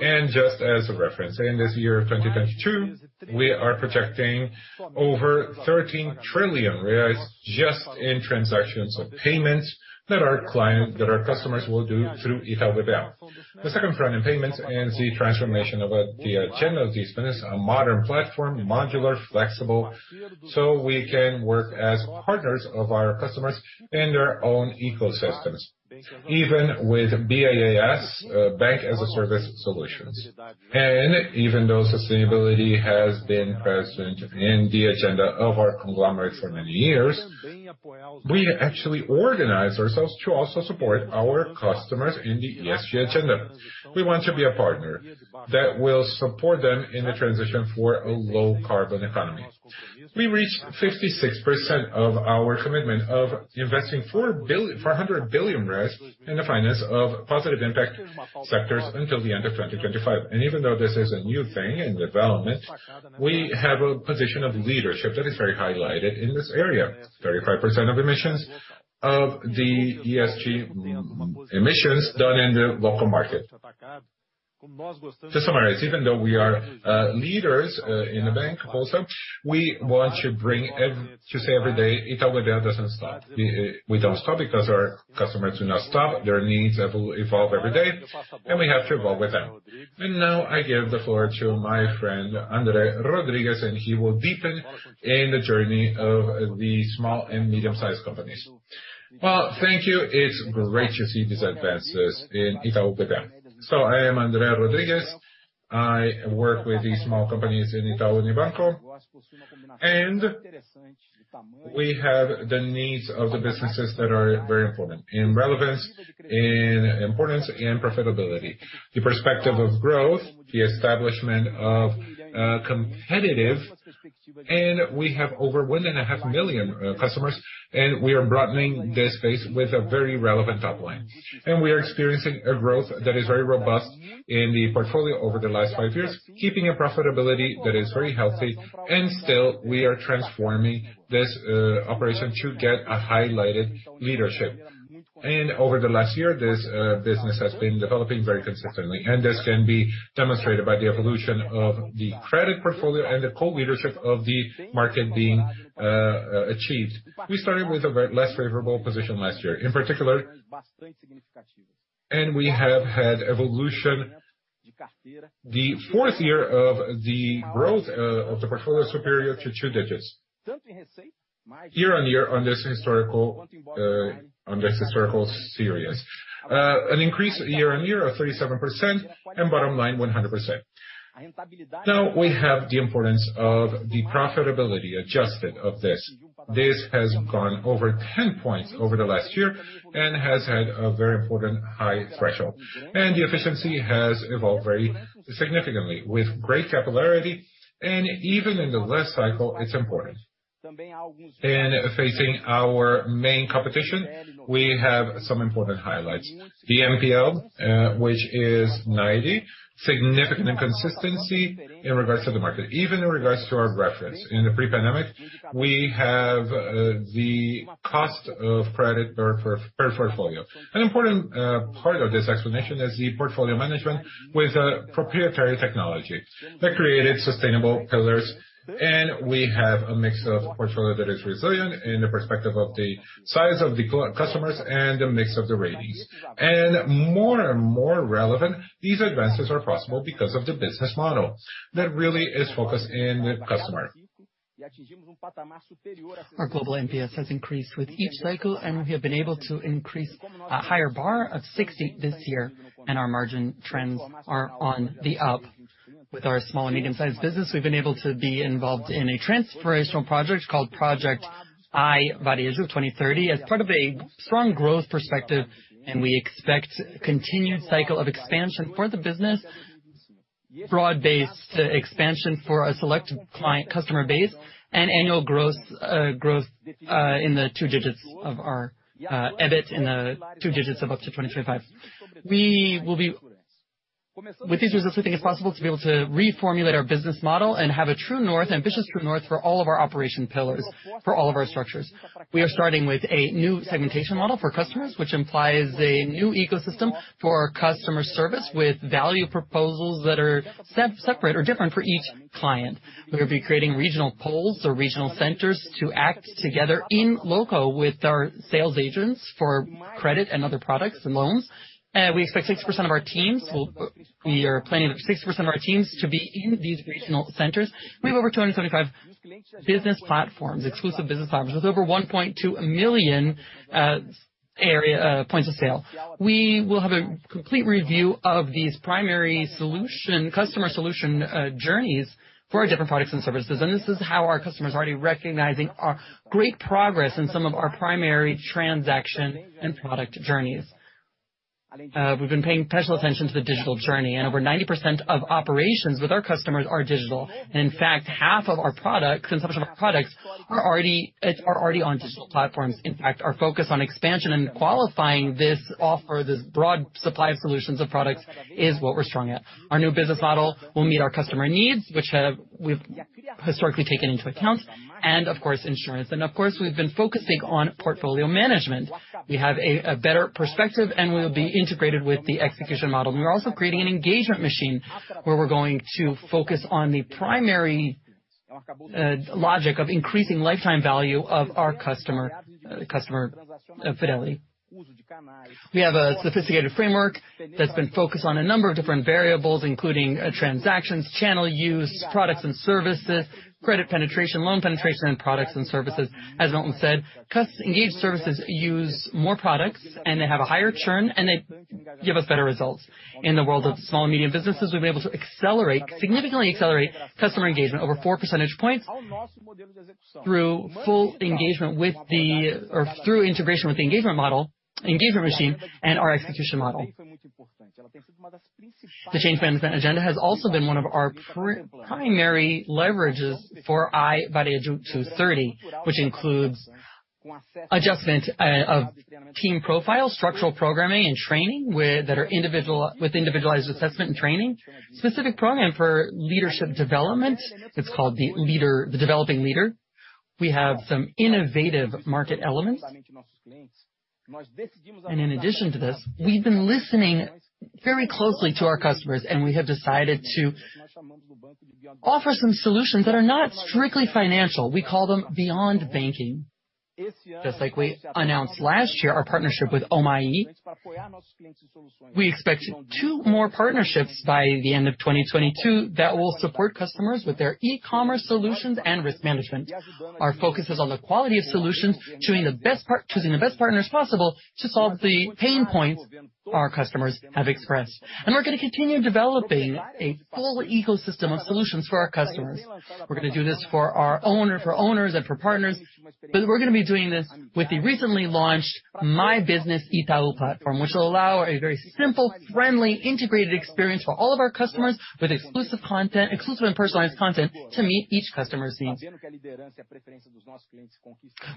Speaker 8: And just as a reference, in this year of 2022, we are projecting over 13 trillion reais just in transactions of payments that our clients, that our customers will do through Itaú BBA. The second front in payments is the transformation of the agenda of these payments, a modern platform, modular, flexible, so we can work as partners of our customers in their own ecosystems, even with BaaS, bank as a service solutions. And even though sustainability has been present in the agenda of our conglomerate for many years, we actually organize ourselves to also support our customers in the ESG agenda. We want to be a partner that will support them in the transition for a low-carbon economy. We reached 56% of our commitment of investing 400 billion in the finance of positive impact sectors until the end of 2025, and even though this is a new thing in development, we have a position of leadership that is very highlighted in this area, 35% of emissions of the ESG emissions done in the local market. To summarize, even though we are leaders in the bank also, we want to say every day, Itaú BBA doesn't stop. We don't stop because our customers do not stop. Their needs evolve every day, and we have to evolve with them, and now I give the floor to my friend André Rodrigues, and he will deepen in the journey of the small and medium-sized companies.
Speaker 9: Thank you. It's great to see these advances in Itaú BBA, so I am André Rodrigues. I work with the small companies in Itaú Unibanco, and we have the needs of the businesses that are very important in relevance, in importance, and profitability. The perspective of growth, the establishment of competitive, and we have over 1.5 million customers, and we are broadening this space with a very relevant top line, and we are experiencing a growth that is very robust in the portfolio over the last five years, keeping a profitability that is very healthy, and still, we are transforming this operation to get a highlighted leadership, and over the last year, this business has been developing very consistently, and this can be demonstrated by the evolution of the credit portfolio and the co-leadership of the market being achieved. We started with a less favorable position last year, in particular, and we have had evolution the fourth year of the growth of the portfolio superior to two digits year on year on this historical series. An increase year on year of 37% and bottom line 100%. Now we have the importance of the profitability adjusted of this. This has gone over 10 points over the last year and has had a very important high threshold, and the efficiency has evolved very significantly with great capillarity, even in the last cycle. It's important. In facing our main competition, we have some important highlights. The NPL, which is 90, significant inconsistency in regards to the market, even in regards to our reference. In the pre-pandemic, we have the cost of credit per portfolio. An important part of this explanation is the portfolio management with a proprietary technology that created sustainable pillars. We have a mix of portfolio that is resilient in the perspective of the size of the customers and the mix of the ratings. More and more relevant, these advances are possible because of the business model that really is focused in the customer. Our global NPS has increased with each cycle, and we have been able to increase a higher bar of 60 this year, and our margin trends are on the up. With our small and medium-sized business, we've been able to be involved in a transformational project called project iVarejo 2030 as part of a strong growth perspective, and we expect a continued cycle of expansion for the business, broad-based expansion for a select client customer base, and annual growth in the two digits of our EBIT in the two digits of up to 2025. With these results, we think it's possible to be able to reformulate our business model and have a true north, ambitious true north for all of our operation pillars, for all of our structures. We are starting with a new segmentation model for customers, which implies a new ecosystem for our customer service with value proposals that are separate or different for each client. We will be creating regional poles or regional centers to act together in loco with our sales agents for credit and other products and loans. We expect 60% of our teams to be in these regional centers. We have over 275 business platforms, exclusive business platforms with over 1.2 million points of sale. We will have a complete review of these primary customer solution journeys for our different products and services, and this is how our customers are already recognizing our great progress in some of our primary transaction and product journeys. We've been paying special attention to the digital journey, and over 90% of operations with our customers are digital, and in fact, half of our products and some of our products are already on digital platforms. In fact, our focus on expansion and qualifying this offer, this broad supply of solutions of products is what we're strong at. Our new business model will meet our customer needs, which we've historically taken into account, and of course, insurance, and of course, we've been focusing on portfolio management. We have a better perspective, and we will be integrated with the execution model, and we're also creating an engagement machine where we're going to focus on the primary logic of increasing lifetime value of our customer fidelity. We have a sophisticated framework that's been focused on a number of different variables, including transactions, channel use, products and services, credit penetration, loan penetration, and products and services. As Milton said, engaged services use more products, and they have a higher churn, and they give us better results. In the world of small and medium businesses, we've been able to accelerate, significantly accelerate customer engagement over four percentage points through integration with the engagement model, engagement machine, and our execution model. The change management agenda has also been one of our primary leverages for iVarejo 2030, which includes adjustment of team profiles, structural programming, and training that are with individualized assessment and training, specific program for leadership development. It's called the developing leader. We have some innovative market elements. And in addition to this, we've been listening very closely to our customers, and we have decided to offer some solutions that are not strictly financial. We call them beyond banking. Just like we announced last year, our partnership with Omie, we expect two more partnerships by the end of 2022 that will support customers with their e-commerce solutions and risk management. Our focus is on the quality of solutions, choosing the best partners possible to solve the pain points our customers have expressed, and we're going to continue developing a full ecosystem of solutions for our customers. We're going to do this for our owners and for partners, but we're going to be doing this with the recently launched Itaú Meu Negócio platform, which will allow a very simple, friendly, integrated experience for all of our customers with exclusive and personalized content to meet each customer's needs.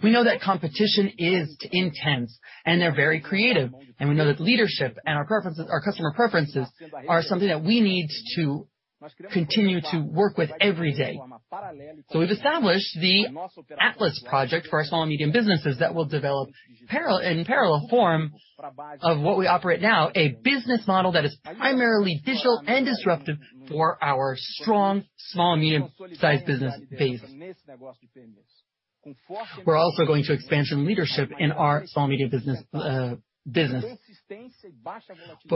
Speaker 9: We know that competition is intense, and they're very creative, and we know that leadership and our customer preferences are something that we need to continue to work with every day. We've established the Atlas project for our small and medium businesses that will develop in parallel form to what we operate now, a business model that is primarily digital and disruptive for our strong small and medium-sized business base. We're also going to expand leadership in our small and medium business, but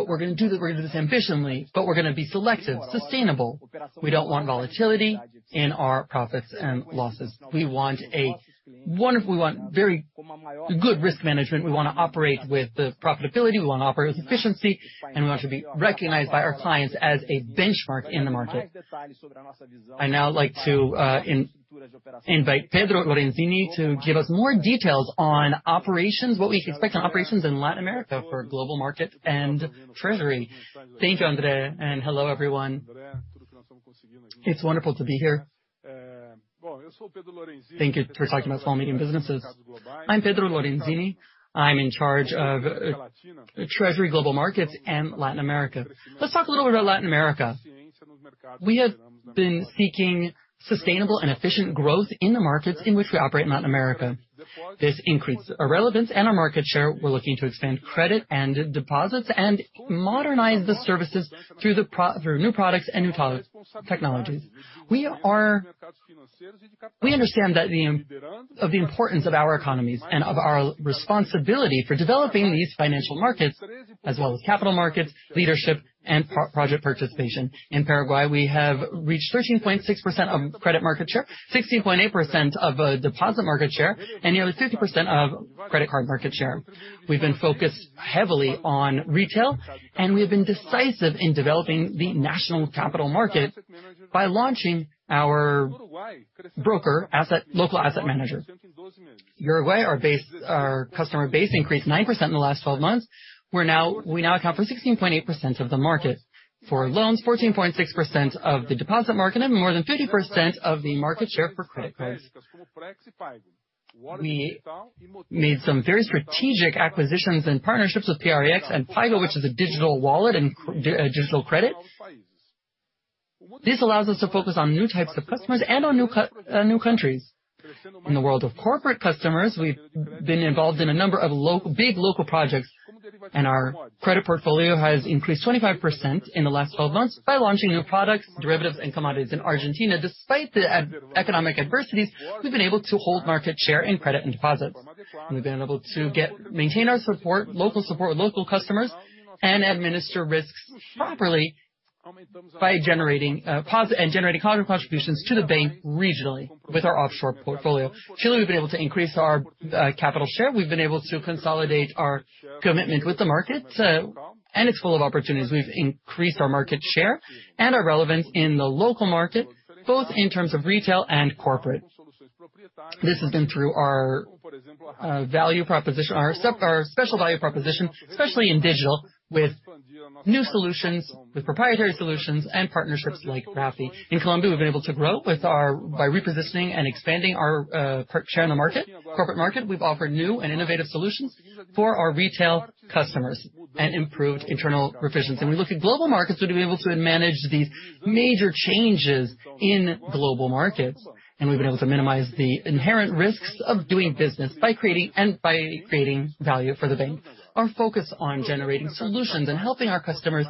Speaker 9: we're going to do this ambitiously, but we're going to be selective, sustainable. We don't want volatility in our profits and losses. We want very good risk management. We want to operate with profitability. We want to operate with efficiency, and we want to be recognized by our clients as a benchmark in the market. I'd now like to invite Pedro Lorenzini to give us more details on operations, what we can expect on operations in Latin America for global market and treasury.
Speaker 10: Thank you, And`ré, and hello, everyone. It's wonderful to be here. Thank you for talking about small and medium businesses. I'm Pedro Lorenzini. I'm in charge of treasury global markets and Latin America. Let's talk a little bit about Latin America. We have been seeking sustainable and efficient growth in the markets in which we operate in Latin America. This increased our relevance and our market share. We're looking to expand credit and deposits and modernize the services through new products and new technologies. We understand the importance of our economies and of our responsibility for developing these financial markets, as well as capital markets, leadership, and project participation. In Paraguay, we have reached 13.6% of credit market share, 16.8% of deposit market share, and nearly 50% of credit card market share. We've been focused heavily on retail, and we have been decisive in developing the national capital market by launching our broker, local asset manager. Uruguay, our customer base increased 9% in the last 12 months. We now account for 16.8% of the market for loans, 14.6% of the deposit market, and more than 50% of the market share for credit cards. We made some very strategic acquisitions and partnerships with Prex and Paygo, which is a digital wallet and digital credit. This allows us to focus on new types of customers and on new countries. In the world of corporate customers, we've been involved in a number of big local projects, and our credit portfolio has increased 25% in the last 12 months by launching new products, derivatives, and commodities in Argentina. Despite the economic adversities, we've been able to hold market share in credit and deposits. We've been able to maintain our support, local support with local customers, and administer risks properly by generating sustained contributions to the bank regionally with our offshore portfolio. Chile, we've been able to increase our capital share. We've been able to consolidate our commitment with the market, and it's full of opportunities. We've increased our market share and our relevance in the local market, both in terms of retail and corporate. This has been through our special value proposition, especially in digital, with new solutions, with proprietary solutions, and partnerships like Rappi. In Colombia, we've been able to grow by repositioning and expanding our share in the market, corporate market. We've offered new and innovative solutions for our retail customers and improved internal proficiency. We look at global markets to be able to manage these major changes in global markets, and we've been able to minimize the inherent risks of doing business by creating value for the bank. Our focus on generating solutions and helping our customers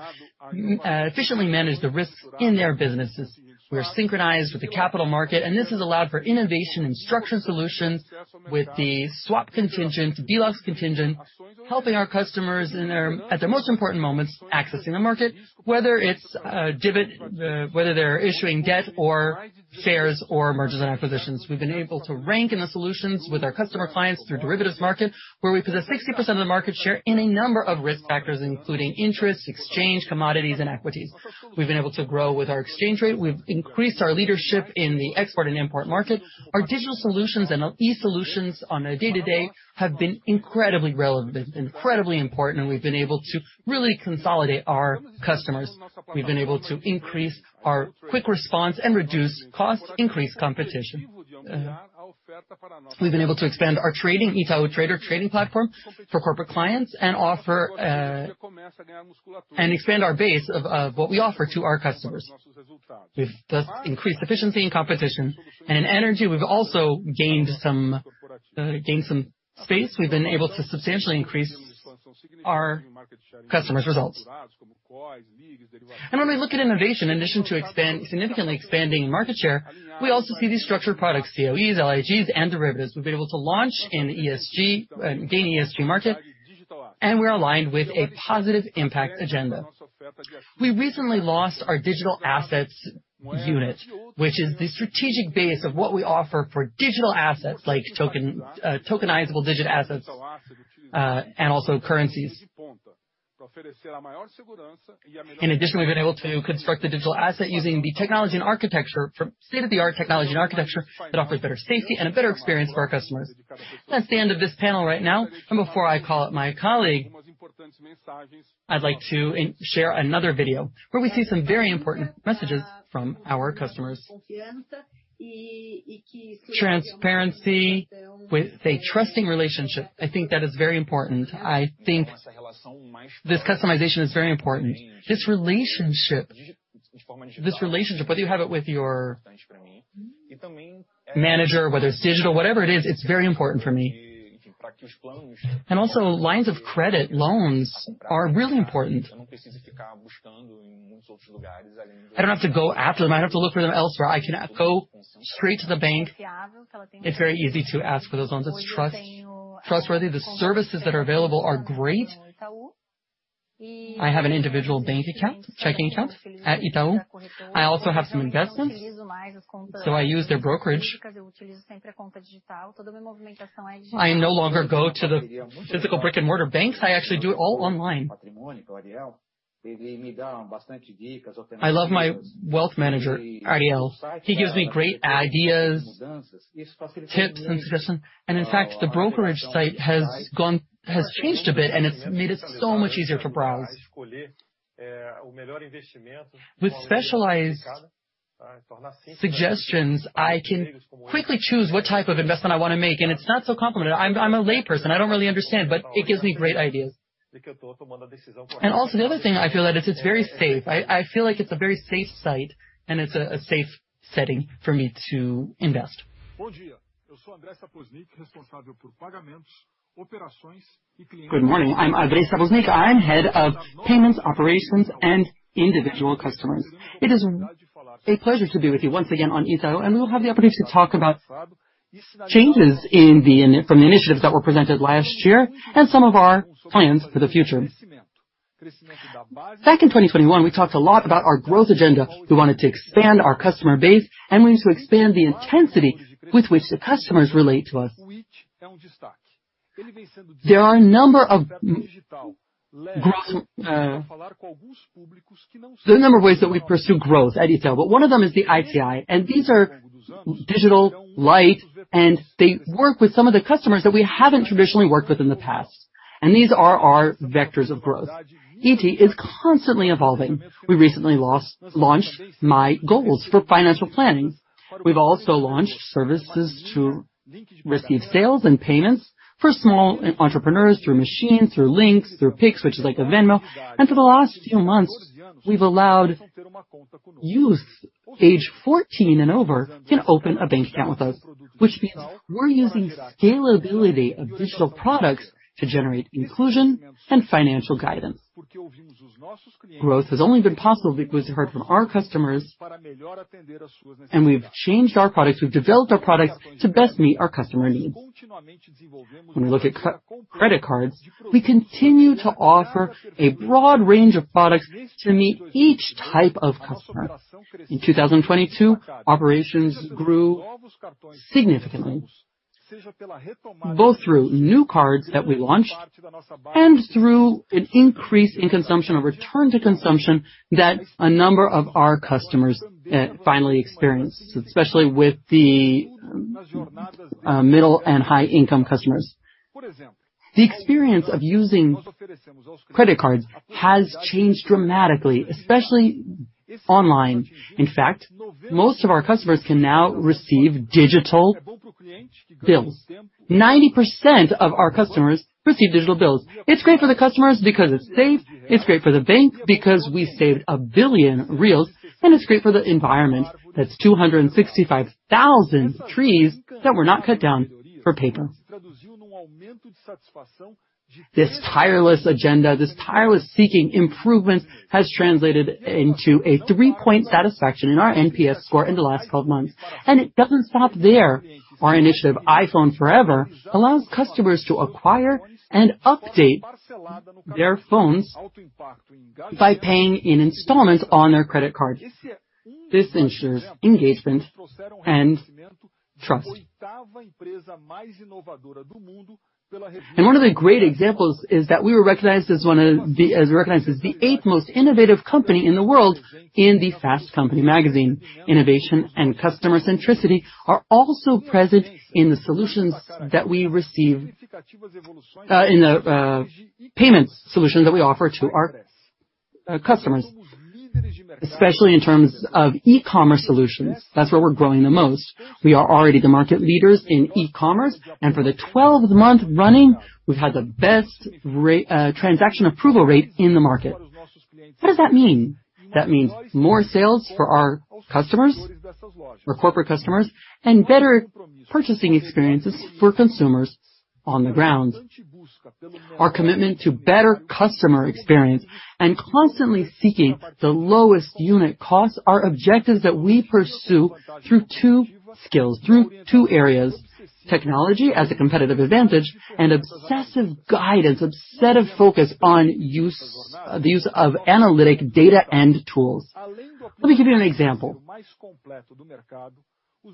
Speaker 10: efficiently manage the risks in their businesses. We are synchronized with the capital market, and this has allowed for innovation and structured solutions with the swap contingent, the BLOX contingent, helping our customers at their most important moments accessing the market, whether they're issuing debt or shares or mergers and acquisitions. We've been able to rank in the solutions with our customer clients through derivatives market, where we possess 60% of the market share in a number of risk factors, including interest, exchange, commodities, and equities. We've been able to grow with our exchange rate. We've increased our leadership in the export and import market. Our digital solutions and e-solutions on a day-to-day have been incredibly relevant, incredibly important, and we've been able to really consolidate our customers. We've been able to increase our quick response and reduce costs, increase competition. We've been able to expand our trading, Itaú Trader trading platform for corporate clients and expand our base of what we offer to our customers. We've thus increased efficiency and competition, and in energy, we've also gained some space. We've been able to substantially increase our customers' results, and when we look at innovation, in addition to significantly expanding market share, we also see these structured products, COEs, LIGs, and derivatives. We've been able to launch in the ESG and gain ESG market, and we're aligned with a positive impact agenda. We recently lost our digital assets unit, which is the strategic base of what we offer for digital assets, like tokenizable digital assets and also currencies. In addition, we've been able to construct the digital asset using the technology and architecture from state-of-the-art that offers better safety and a better experience for our customers. That's the end of this panel right now. And before I call up my colleague, I'd like to share another video where we see some very important messages from our customers. Transparency with a trusting relationship. I think that is very important. I think this customization is very important. This relationship, whether you have it with your manager, whether it's digital, whatever it is, it's very important for me. And also, lines of credit, loans are really important. I don't have to go after them. I don't have to look for them elsewhere. I can go straight to the bank. It's very easy to ask for those loans. It's trustworthy. The services that are available are great. I have an individual bank account, checking account at Itaú. I also have some investments, so I use their brokerage. I no longer go to the physical brick-and-mortar banks. I actually do it all online. I love my wealth manager, Ariel. He gives me great ideas, tips, and suggestions. And in fact, the brokerage site has changed a bit, and it's made it so much easier to browse. With specialized suggestions, I can quickly choose what type of investment I want to make, and it's not so complicated. I'm a layperson. I don't really understand, but it gives me great ideas. And also, the other thing I feel that it's very safe.
Speaker 11: I feel like it's a very safe site, and it's a safe setting for me to invest. Good morning. I'm André Saposnik. I'm head of payments, operations, and individual customers. It is a pleasure to be with you once again on Itaú, and we will have the opportunity to talk about changes from the initiatives that were presented last year and some of our plans for the future. Back in 2021, we talked a lot about our growth agenda. We wanted to expand our customer base and wanted to expand the intensity with which the customers relate to us. There are a number of ways that we pursue growth at Itaú, but one of them is the ITI, and these are digital, light, and they work with some of the customers that we haven't traditionally worked with in the past, and these are our vectors of growth. ITI is constantly evolving. We recently launched Minhas Metas for financial planning. We've also launched services to receive sales and payments for small entrepreneurs through machines, through links, through Pix, which is like a Venmo. For the last few months, we've allowed youth aged 14 and over to open a bank account with us, which means we're using scalability of digital products to generate inclusion and financial guidance. Growth has only been possible because we've heard from our customers, and we've changed our products. We've developed our products to best meet our customer needs. When we look at credit cards, we continue to offer a broad range of products to meet each type of customer. In 2022, operations grew significantly, both through new cards that we launched and through an increase in consumption or return to consumption that a number of our customers finally experienced, especially with the middle and high-income customers. The experience of using credit cards has changed dramatically, especially online. In fact, most of our customers can now receive digital bills. 90% of our customers receive digital bills. It's great for the customers because it's safe. It's great for the bank because we saved 1 billion reais, and it's great for the environment. That's 265,000 trees that were not cut down for paper. This tireless agenda, this tireless seeking improvements has translated into a three-point satisfaction in our NPS score in the last 12 months. And it doesn't stop there. Our initiative, iPhone pra Sempre, allows customers to acquire and update their phones by paying in installments on their credit card. This ensures engagement and trust. One of the great examples is that we were recognized as one of the eight most innovative companies in the world in the Fast Company magazine. Innovation and customer centricity are also present in the solutions that we receive in the payments solutions that we offer to our customers, especially in terms of e-commerce solutions. That's where we're growing the most. We are already the market leaders in e-commerce, and for the 12th month running, we've had the best transaction approval rate in the market. What does that mean? That means more sales for our customers, our corporate customers, and better purchasing experiences for consumers on the ground. Our commitment to better customer experience and constantly seeking the lowest unit cost are objectives that we pursue through two skills, through two areas: technology as a competitive advantage and obsessive guidance, obsessive focus on the use of analytic data and tools. Let me give you an example.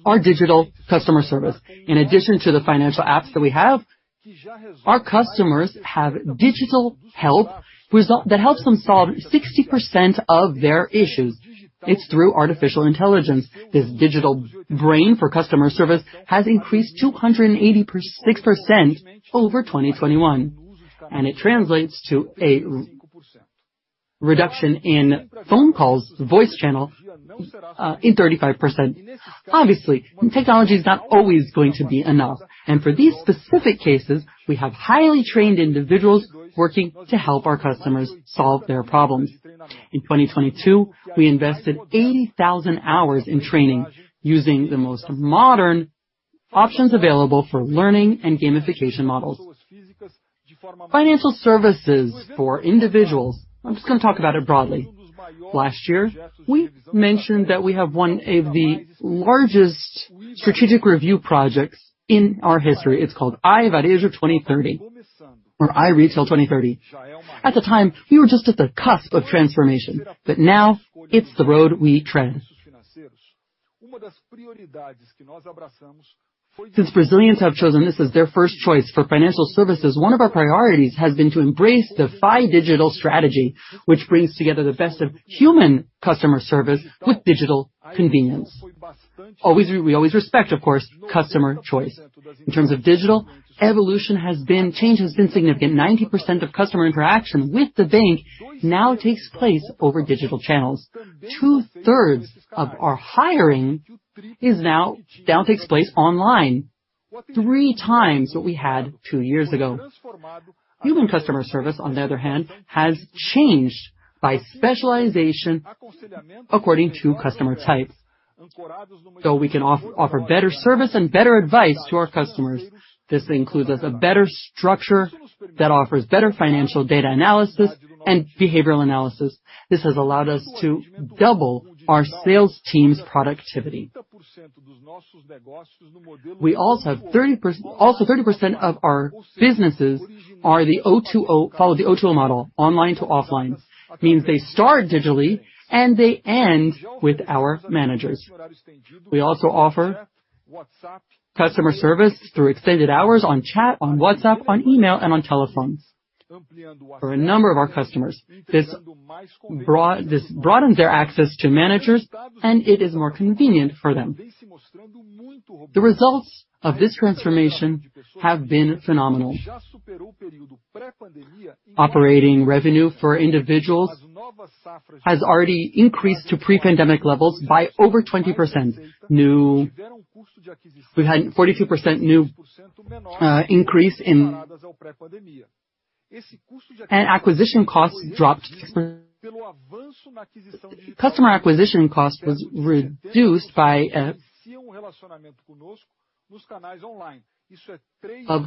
Speaker 11: Our digital customer service, in addition to the financial apps that we have, our customers have digital help that helps them solve 60% of their issues. It's through artificial intelligence. This digital brain for customer service has increased 286% over 2021, and it translates to a reduction in phone calls, voice channel in 35%. Obviously, technology is not always going to be enough, and for these specific cases, we have highly trained individuals working to help our customers solve their problems. In 2022, we invested 80,000 hours in training using the most modern options available for learning and gamification models. Financial services for individuals. I'm just going to talk about it broadly. Last year, we mentioned that we have one of the largest strategic review projects in our history. It's called iVarejo 2030 or iRetail 2030. At the time, we were just at the cusp of transformation, but now it's the road we tread. Since Brazilians have chosen this as their first choice for financial services, one of our priorities has been to embrace the FI Digital strategy, which brings together the best of human customer service with digital convenience. We always respect, of course, customer choice. In terms of digital, evolution has been, change has been significant. 90% of customer interaction with the bank now takes place over digital channels. Two-thirds of our hiring now takes place online, three times what we had two years ago. Human customer service, on the other hand, has changed by specialization according to customer type. So we can offer better service and better advice to our customers. This includes a better structure that offers better financial data analysis and behavioral analysis. This has allowed us to double our sales team's productivity. We also have 30% of our businesses follow the O2O model, online to offline. It means they start digitally and they end with our managers. We also offer customer service through extended hours on chat, on WhatsApp, on email, and on telephones for a number of our customers. This broadens their access to managers, and it is more convenient for them. The results of this transformation have been phenomenal. Operating revenue for individuals has already increased to pre-pandemic levels by over 20%. We've had a 42% increase in acquisition costs dropped. Customer acquisition costs were reduced by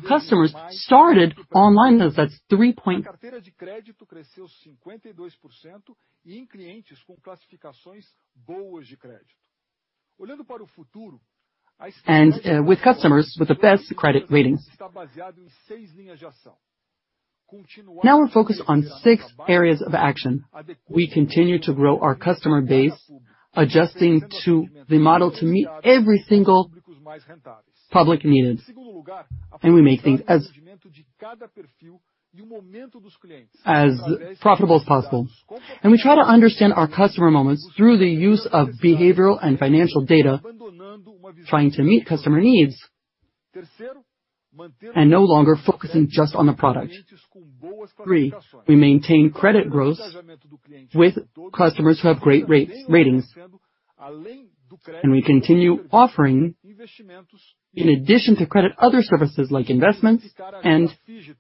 Speaker 11: customers started online. That's three. Now we're focused on six areas of action. We continue to grow our customer base, adjusting the model to meet every single public need, and we make things as profitable as possible, and we try to understand our customer moments through the use of behavioral and financial data, trying to meet customer needs and no longer focusing just on the product. Three, we maintain credit growth with customers who have great ratings, and we continue offering, in addition to credit, other services like investments and insurance.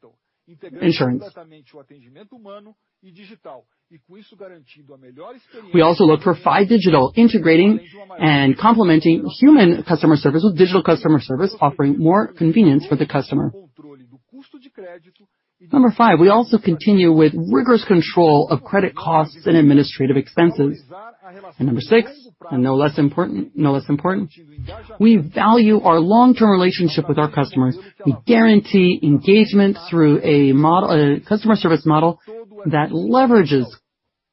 Speaker 11: We also look for five digital integrating and complementing human customer service with digital customer service, offering more convenience for the customer. Number five, we also continue with rigorous control of credit costs and administrative expenses, and number six, and no less important, we value our long-term relationship with our customers. We guarantee engagement through a customer service model that leverages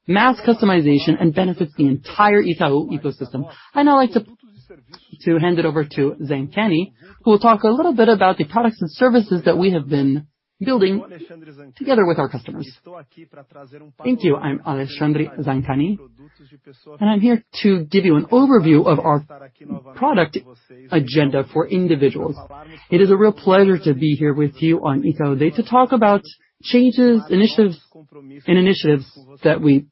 Speaker 11: mass customization and benefits the entire Itaú ecosystem, and I'd like to hand it over to Zancani, who will talk a little bit about the products and services that we have been building together with our customers.
Speaker 12: Thank you. I'm Alexandre Zancani, and I'm here to give you an overview of our product agenda for individuals. It is a real pleasure to be here with you on Itaú Day to talk about changes, initiatives, and initiatives that we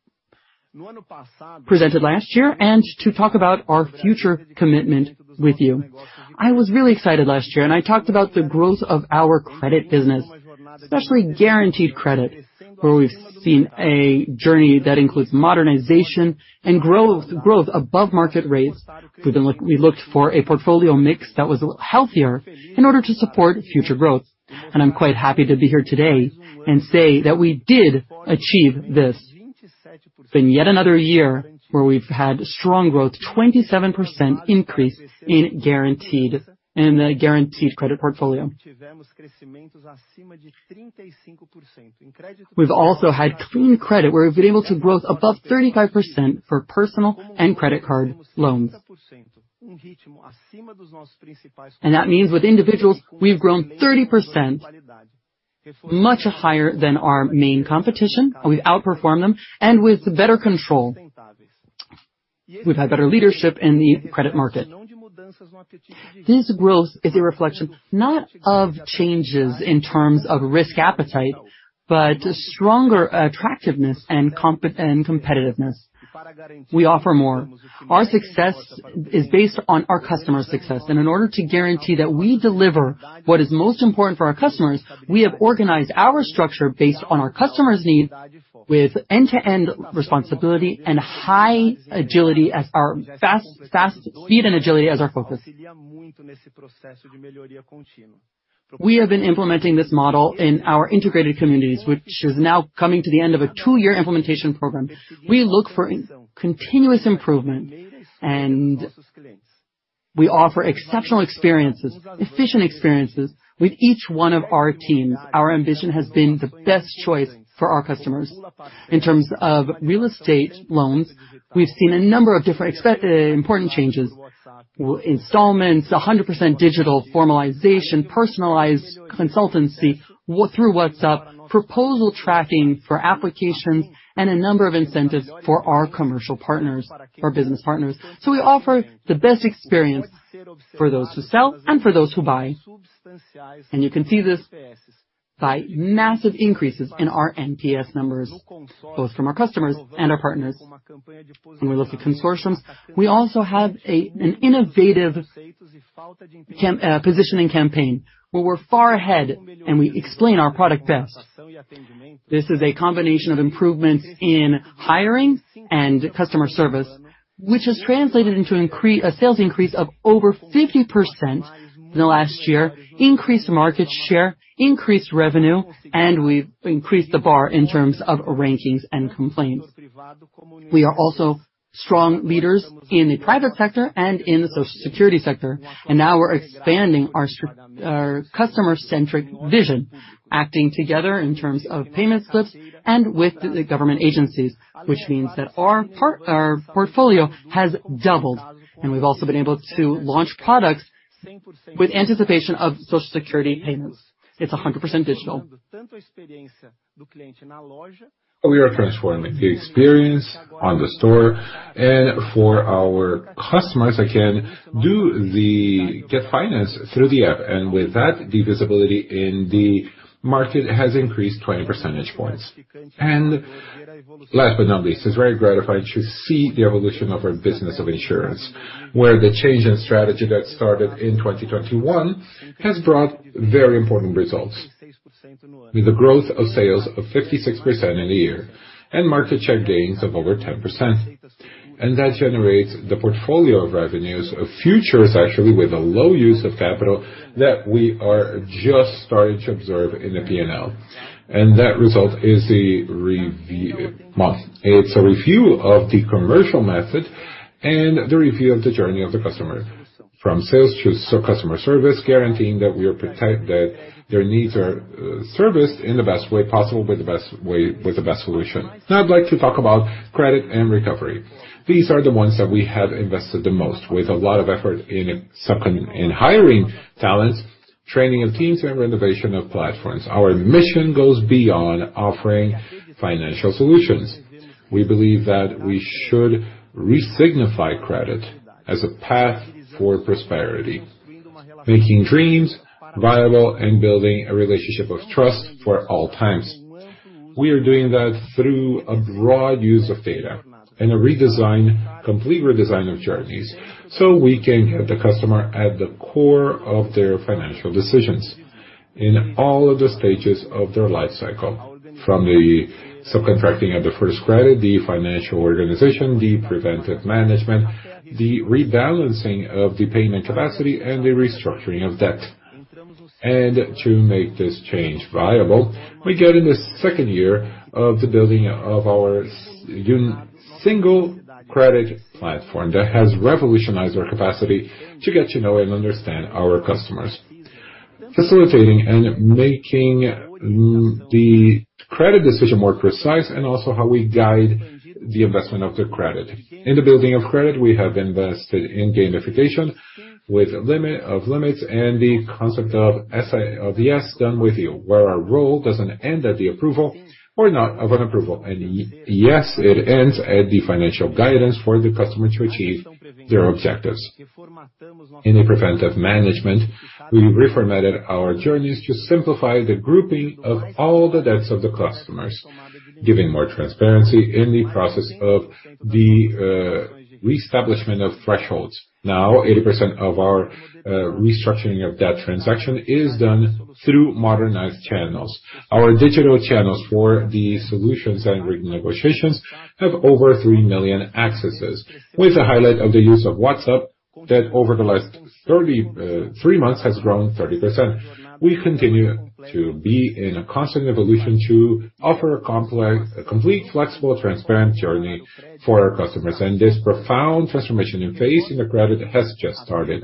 Speaker 12: presented last year and to talk about our future commitment with you. I was really excited last year, and I talked about the growth of our credit business, especially guaranteed credit, where we've seen a journey that includes modernization and growth above market rates. We looked for a portfolio mix that was healthier in order to support future growth. I'm quite happy to be here today and say that we did achieve this. It's been yet another year where we've had strong growth, 27% increase in the guaranteed credit portfolio. We've also had clean credit, where we've been able to grow above 35% for personal and credit card loans. That means with individuals, we've grown 30%, much higher than our main competition. We've outperformed them, and with better control, we've had better leadership in the credit market. This growth is a reflection not of changes in terms of risk appetite, but stronger attractiveness and competitiveness. We offer more. Our success is based on our customer success. In order to guarantee that we deliver what is most important for our customers, we have organized our structure based on our customer's need with end-to-end responsibility and high agility as our fast speed and agility as our focus. We have been implementing this model in our integrated communities, which is now coming to the end of a two-year implementation program. We look for continuous improvement, and we offer exceptional experiences, efficient experiences with each one of our teams. Our ambition has been the best choice for our customers. In terms of real estate loans, we've seen a number of different important changes: installments, 100% digital formalization, personalized consultancy through WhatsApp, proposal tracking for applications, and a number of incentives for our commercial partners, our business partners, so we offer the best experience for those who sell and for those who buy, and you can see this by massive increases in our NPS numbers, both from our customers and our partners, and we look at consortiums. We also have an innovative positioning campaign where we're far ahead, and we explain our product best. This is a combination of improvements in hiring and customer service, which has translated into a sales increase of over 50% in the last year, increased market share, increased revenue, and we've increased the bar in terms of rankings and complaints. We are also strong leaders in the private sector and in the social security sector. Now we're expanding our customer-centric vision, acting together in terms of payment slips and with the government agencies, which means that our portfolio has doubled. We've also been able to launch products with anticipation of social security payments. It's 100% digital. We are transforming the experience on the store. For our customers, again, do the Get Finance through the app. With that, the visibility in the market has increased 20 percentage points. Last but not least, it's very gratifying to see the evolution of our business of insurance, where the change in strategy that started in 2021 has brought very important results, with a growth of sales of 56% in a year and market share gains of over 10%. That generates the portfolio of revenues of futures, actually, with a low use of capital that we are just starting to observe in the P&L. That result is the review. It's a review of the commercial method and the review of the journey of the customer from sales to customer service, guaranteeing that their needs are serviced in the best way possible with the best solution. Now I'd like to talk about credit and recovery. These are the ones that we have invested the most, with a lot of effort in hiring talents, training of teams, and renovation of platforms. Our mission goes beyond offering financial solutions. We believe that we should re-signify credit as a path for prosperity, making dreams viable and building a relationship of trust for all times. We are doing that through a broad use of data and a complete redesign of journeys so we can get the customer at the core of their financial decisions in all of the stages of their life cycle, from the subcontracting of the first credit, the financial organization, the preventive management, the rebalancing of the payment capacity, and the restructuring of debt. And to make this change viable, we get in the second year of the building of our single credit platform that has revolutionized our capacity to get to know and understand our customers, facilitating and making the credit decision more precise and also how we guide the investment of the credit. In the building of credit, we have invested in gamification with limit of limits and the concept of SI of yes done with you, where our role doesn't end at the approval or not of an approval, and yes, it ends at the financial guidance for the customer to achieve their objectives. In the preventive management, we reformatted our journeys to simplify the grouping of all the debts of the customers, giving more transparency in the process of the reestablishment of thresholds. Now, 80% of our restructuring of that transaction is done through modernized channels. Our digital channels for the solutions and written negotiations have over 3 million accesses, with a highlight of the use of WhatsApp that over the last three months has grown 30%. We continue to be in a constant evolution to offer a complete, flexible, transparent journey for our customers. This profound transformation in financing the credit has just started.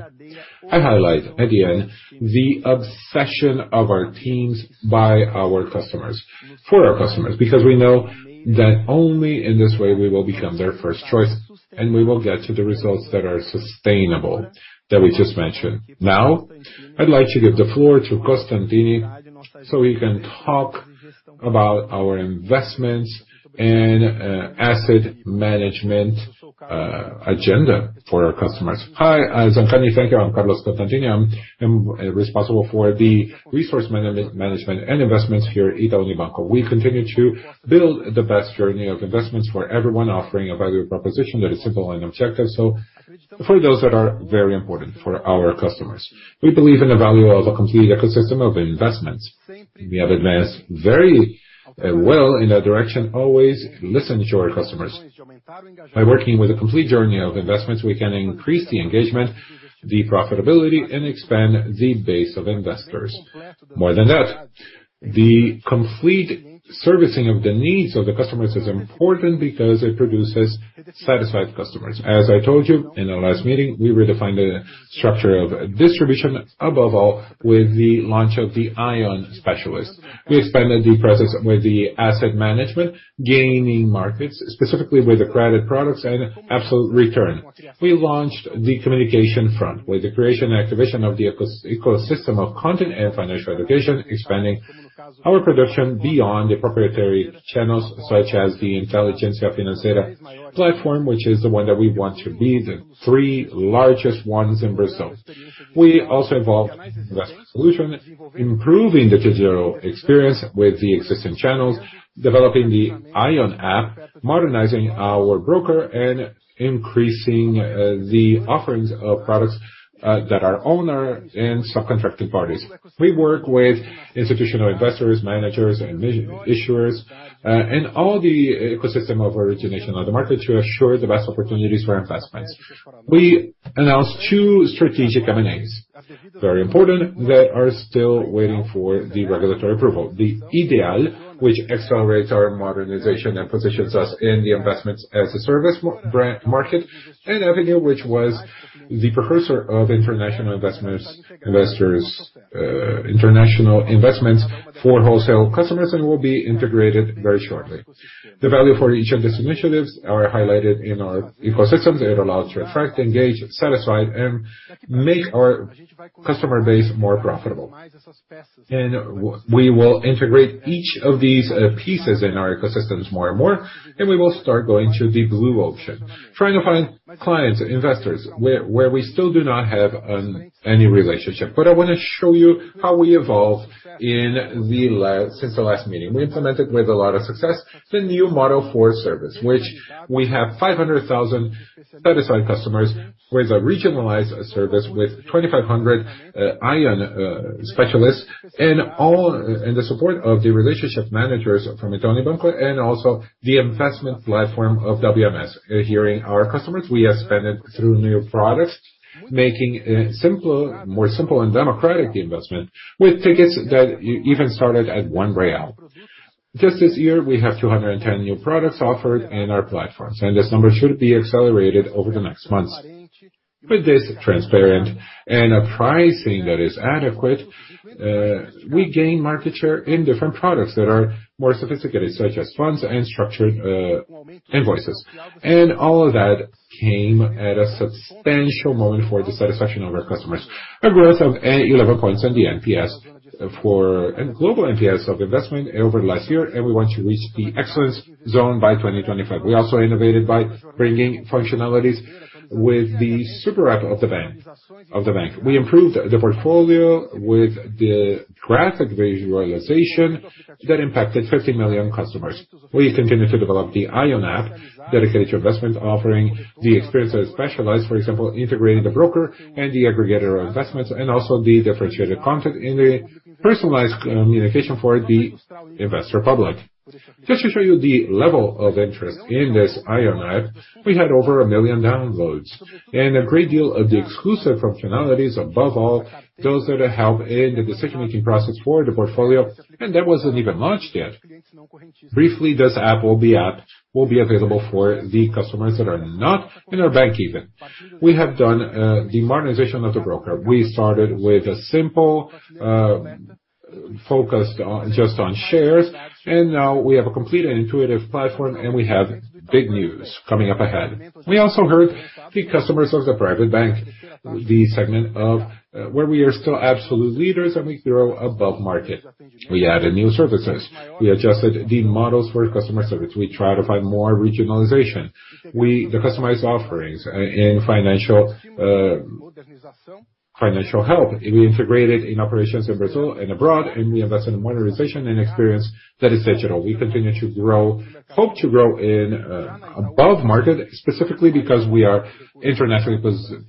Speaker 12: I highlight at the end the obsession of our teams by our customers, for our customers, because we know that only in this way we will become their first choice and we will get to the results that are sustainable that we just mentioned. Now, I'd like to give the floor to Constantini so we can talk about our investments and asset management agenda for our customers.
Speaker 13: Hi, Zancani. Thank you. I'm Carlos Constantini. I'm responsible for the wealth management and investments here at Itaú Unibanco. We continue to build the best journey of investments for everyone, offering a value proposition that is simple and objective, so for those that are very important for our customers. We believe in the value of a complete ecosystem of investments. We have advanced very well in that direction, always listening to our customers. By working with a complete journey of investments, we can increase the engagement, the profitability, and expand the base of investors. More than that, the complete servicing of the needs of the customers is important because it produces satisfied customers. As I told you in the last meeting, we redefined the structure of distribution, above all with the launch of the íon specialist. We expanded the process with the asset management, gaining markets, specifically with the credit products and absolute return. We launched the communication front with the creation and activation of the ecosystem of content and financial education, expanding our production beyond the proprietary channels such as the Inteligência Financeira platform, which is the one that we want to be the three largest ones in Brazil. We also involved investment solution, improving the digital experience with the existing channels, developing the íon app, modernizing our broker, and increasing the offerings of products that are owner and subcontracting parties. We work with institutional investors, managers, and issuers, and all the ecosystem of origination on the market to assure the best opportunities for investments. We announced two strategic M&As, very important, that are still waiting for the regulatory approval, the Ideal, which accelerates our modernization and positions us in the investments as a service market, and Avenue, which was the precursor of international investments, international investments for wholesale customers and will be integrated very shortly. The value for each of these initiatives are highlighted in our ecosystems. It allows to attract, engage, satisfy, and make our customer base more profitable. And we will integrate each of these pieces in our ecosystems more and more, and we will start going to the blue ocean, trying to find clients, investors, where we still do not have any relationship. But I want to show you how we evolve since the last meeting. We implemented with a lot of success the new model for service, which we have 500,000 satisfied customers with a regionalized service with 2,500 ION specialists and all in the support of the relationship managers from Itaú Unibanco and also the investment platform of WMS. Adhering our customers, we have expanded through new products, making it simpler, more simple and democratic the investment with tickets that even started at 1 real. Just this year, we have 210 new products offered in our platforms, and this number should be accelerated over the next months. With this transparency and a pricing that is adequate, we gain market share in different products that are more sophisticated, such as funds and structured invoices, and all of that came at a substantial moment for the satisfaction of our customers, a growth of 11 points on the NPS for a global NPS of investment over the last year, and we want to reach the excellence zone by 2025. We also innovated by bringing functionalities with the super app of the bank. We improved the portfolio with the graphic visualization that impacted 50 million customers. We continue to develop the ION app dedicated to investment, offering the experience of specialists, for example, integrating the broker and the aggregator of investments, and also the differentiated content in the personalized communication for the investor public. Just to show you the level of interest in this ION app, we had over a million downloads and a great deal of the exclusive functionalities, above all those that help in the decision-making process for the portfolio, and that wasn't even launched yet. Briefly, this app will be available for the customers that are not in our bank even. We have done the modernization of the broker. We started with a simple focus just on shares, and now we have a complete and intuitive platform, and we have big news coming up ahead. We also heard the customers of the private bank, the segment of where we are still absolute leaders and we grow above market. We added new services. We adjusted the models for customer service. We try to find more regionalization, the customized offerings in financial help. We integrated in operations in Brazil and abroad, and we invested in modernization and experience that is digital. We continue to grow, hope to grow above market, specifically because we are internationally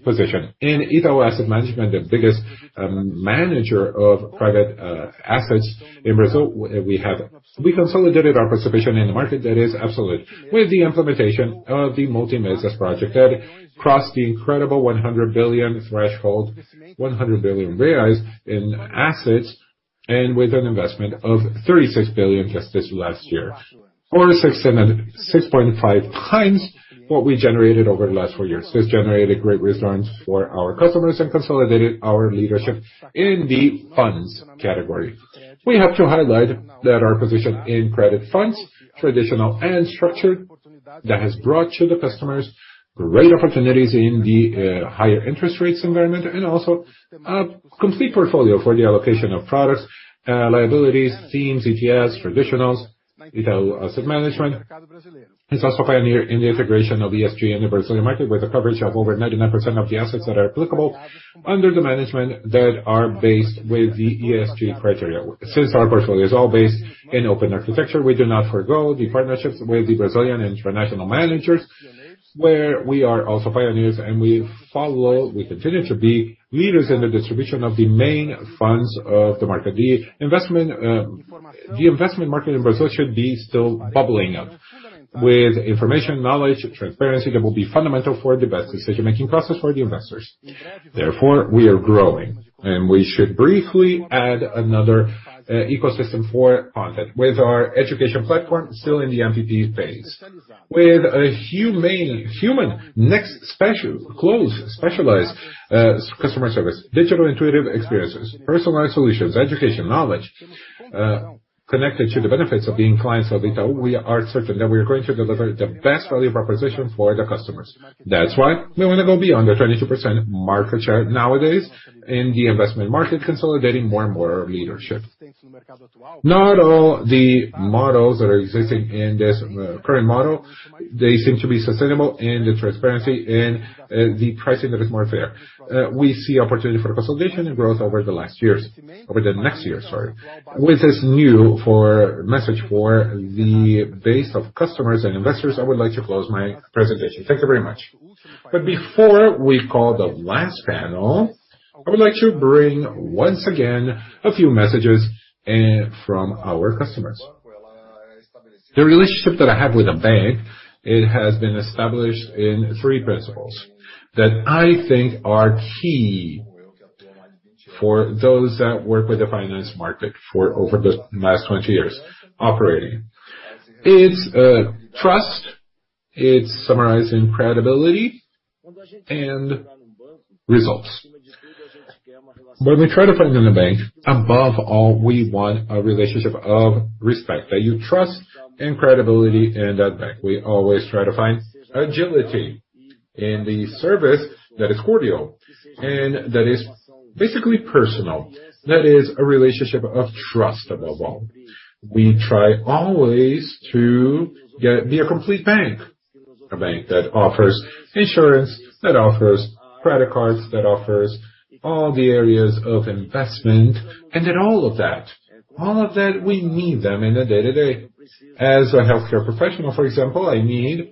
Speaker 13: positioned. In Itaú Asset Management, the biggest manager of private assets in Brazil, we have. We consolidated our participation in the market that is absolute with the implementation of the Multimarket Project that crossed the incredible 100 billion threshold, 100 billion reais in assets, and with an investment of 36 billion just this last year, or 6.5x what we generated over the last four years. This generated great returns for our customers and consolidated our leadership in the funds category. We have to highlight that our position in credit funds, traditional and structured, that has brought to the customers great opportunities in the higher interest rates environment and also a complete portfolio for the allocation of products, liabilities, themes, ETFs, traditionals, Itaú Asset Management. It's also a pioneer in the integration of ESG in the Brazilian market with a coverage of over 99% of the assets that are applicable under the management that are based with the ESG criteria. Since our portfolio is all based in open architecture, we do not forgo the partnerships with the Brazilian international managers, where we are also pioneers, and we follow, we continue to be leaders in the distribution of the main funds of the market. The investment market in Brazil should be still bubbling up with information, knowledge, transparency that will be fundamental for the best decision-making process for the investors. Therefore, we are growing, and we should briefly add another ecosystem for content with our education platform still in the MPP phase, with a human specialized customer service, digital intuitive experiences, personalized solutions, education, knowledge. Connected to the benefits of being clients of Itaú, we are certain that we are going to deliver the best value proposition for the customers. That's why we want to go beyond the 22% market share nowadays in the investment market, consolidating more and more leadership. Not all the models that are existing in this current model, they seem to be sustainable in the transparency and the pricing that is more fair. We see opportunity for consolidation and growth over the last years, over the next year, sorry, with this new message for the base of customers and investors. I would like to close my presentation. Thank you very much.
Speaker 1: But before we call the last panel, I would like to bring once again a few messages from our customers. The relationship that I have with a bank, it has been established in three principles that I think are key for those that work with the finance market for over the last 20 years operating. It's trust, it's summarizing credibility, and results. When we try to find in a bank, above all, we want a relationship of respect, that you trust and credibility in that bank. We always try to find agility in the service that is cordial and that is basically personal, that is a relationship of trust above all. We try always to be a complete bank, a bank that offers insurance, that offers credit cards, that offers all the areas of investment, and that all of that, all of that, we need them in the day-to-day. As a healthcare professional, for example, I need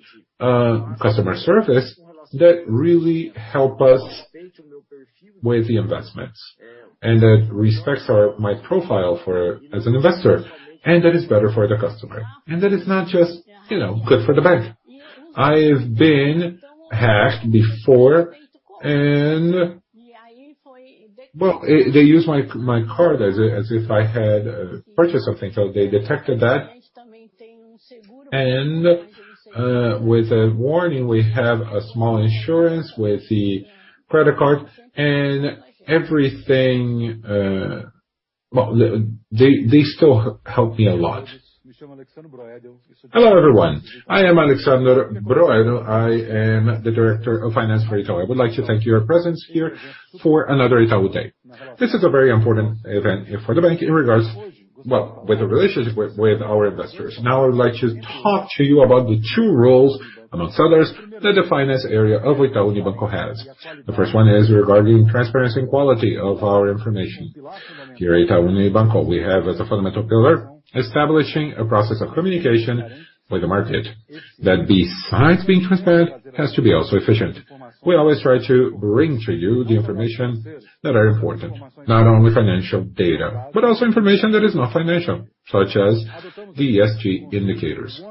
Speaker 1: customer service that really helps us with the investments and that respects my profile as an investor and that is better for the customer, and that is not just good for the bank. I've been hacked before, and well, they use my card as if I had purchased something. So they detected that, and with a warning, we have a small insurance with the credit card, and everything, well, they still help me a lot.
Speaker 14: Hello, everyone. I am Alexsandro Broedel. I am the director of finance for Itaú. I would like to thank you for your presence here for another Itaú Day. This is a very important event for the bank in regards, well, with the relationship with our investors. Now, I would like to talk to you about the two roles, amongst others, that the finance area of Itaú Unibanco has. The first one is regarding transparency and quality of our information. Here at Itaú Unibanco, we have as a fundamental pillar establishing a process of communication with the market that, besides being transparent, has to be also efficient. We always try to bring to you the information that is important, not only financial data, but also information that is not financial, such as the ESG indicators.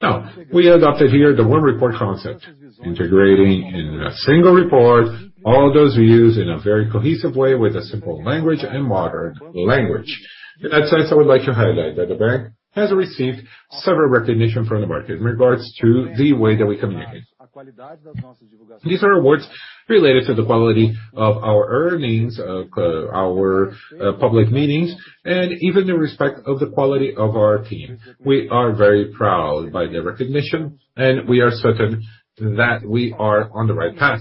Speaker 14: Now, we adopted here the one-report concept, integrating in a single report all those views in a very cohesive way with a simple language and modern language. In that sense, I would like to highlight that the bank has received several recognitions from the market in regards to the way that we communicate. These are words related to the quality of our earnings, our public meetings, and even the respect of the quality of our team. We are very proud of the recognition, and we are certain that we are on the right path.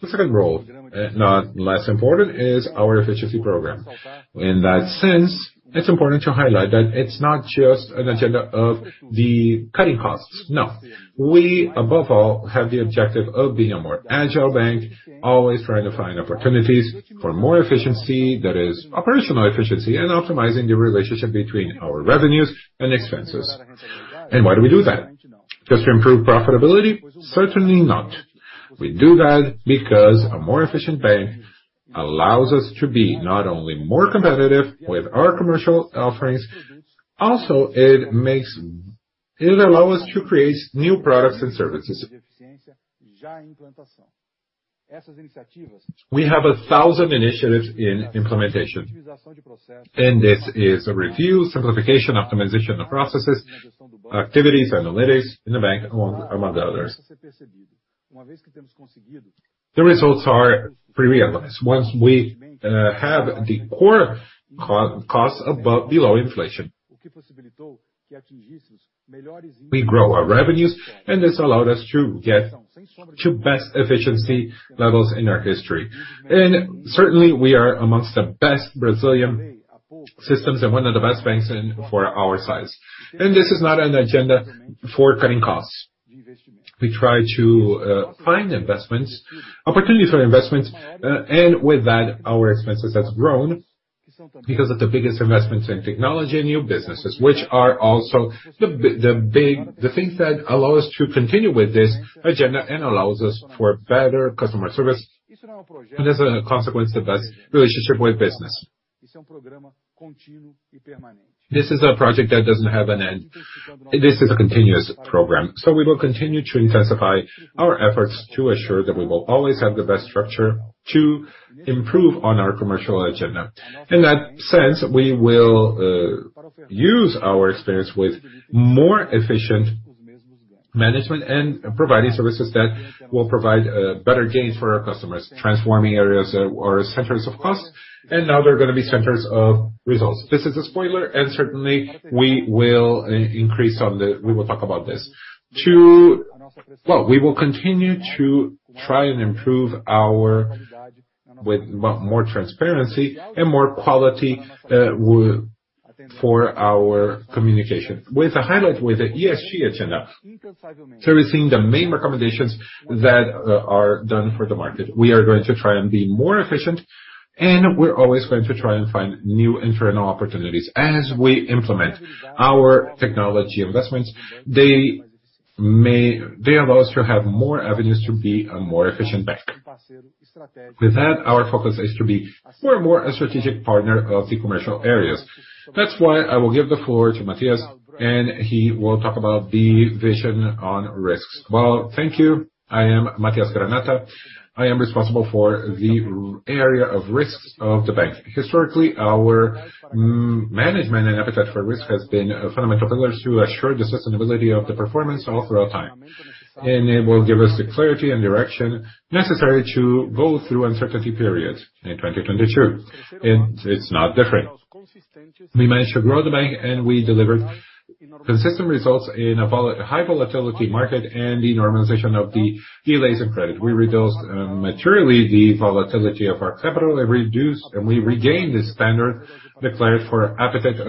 Speaker 14: The second role, not less important, is our efficiency program. In that sense, it's important to highlight that it's not just an agenda of the cutting costs. No, we, above all, have the objective of being a more agile bank, always trying to find opportunities for more efficiency that is operational efficiency and optimizing the relationship between our revenues and expenses. And why do we do that? Just to improve profitability? Certainly not. We do that because a more efficient bank allows us to be not only more competitive with our commercial offerings, also it allows us to create new products and services. We have a thousand initiatives in implementation, and this is review, simplification, optimization of processes, activities, analytics in the bank, among others. The results are pretty remarkable. Once we have the core costs above and below inflation, we grow our revenues, and this allowed us to get to best efficiency levels in our history, and certainly, we are among the best Brazilian systems and one of the best banks for our size. This is not an agenda for cutting costs. We try to find investments, opportunities for investments, and with that, our expenses have grown because of the biggest investments in technology and new businesses, which are also the things that allow us to continue with this agenda and allow us for better customer service, as a consequence, the best relationship with business. This is a project that doesn't have an end. This is a continuous program. We will continue to intensify our efforts to assure that we will always have the best structure to improve on our commercial agenda. In that sense, we will use our experience with more efficient management and providing services that will provide better gains for our customers, transforming areas that are centers of cost, and now they're going to be centers of results. This is a spoiler, and certainly, we will talk about this. We will continue to try and improve ours with more transparency and more quality for our communication. With a highlight on the ESG agenda, servicing the main recommendations that are done for the market, we are going to try and be more efficient, and we're always going to try and find new internal opportunities as we implement our technology investments. They allow us to have more avenues to be a more efficient bank. With that, our focus is to be more and more a strategic partner of the commercial areas. That's why I will give the floor to Matias, and he will talk about the vision on risks.
Speaker 15: Thank you. I am Matias Granata. I am responsible for the area of risks of the bank. Historically, our management and appetite for risk has been fundamental pillars to assure the sustainability of the performance all throughout time. It will give us the clarity and direction necessary to go through uncertainty periods in 2022. It's not different. We managed to grow the bank, and we delivered consistent results in a high volatility market and the normalization of the delays in credit. We reduced materially the volatility of our capital, and we regained the standard declared for risk appetite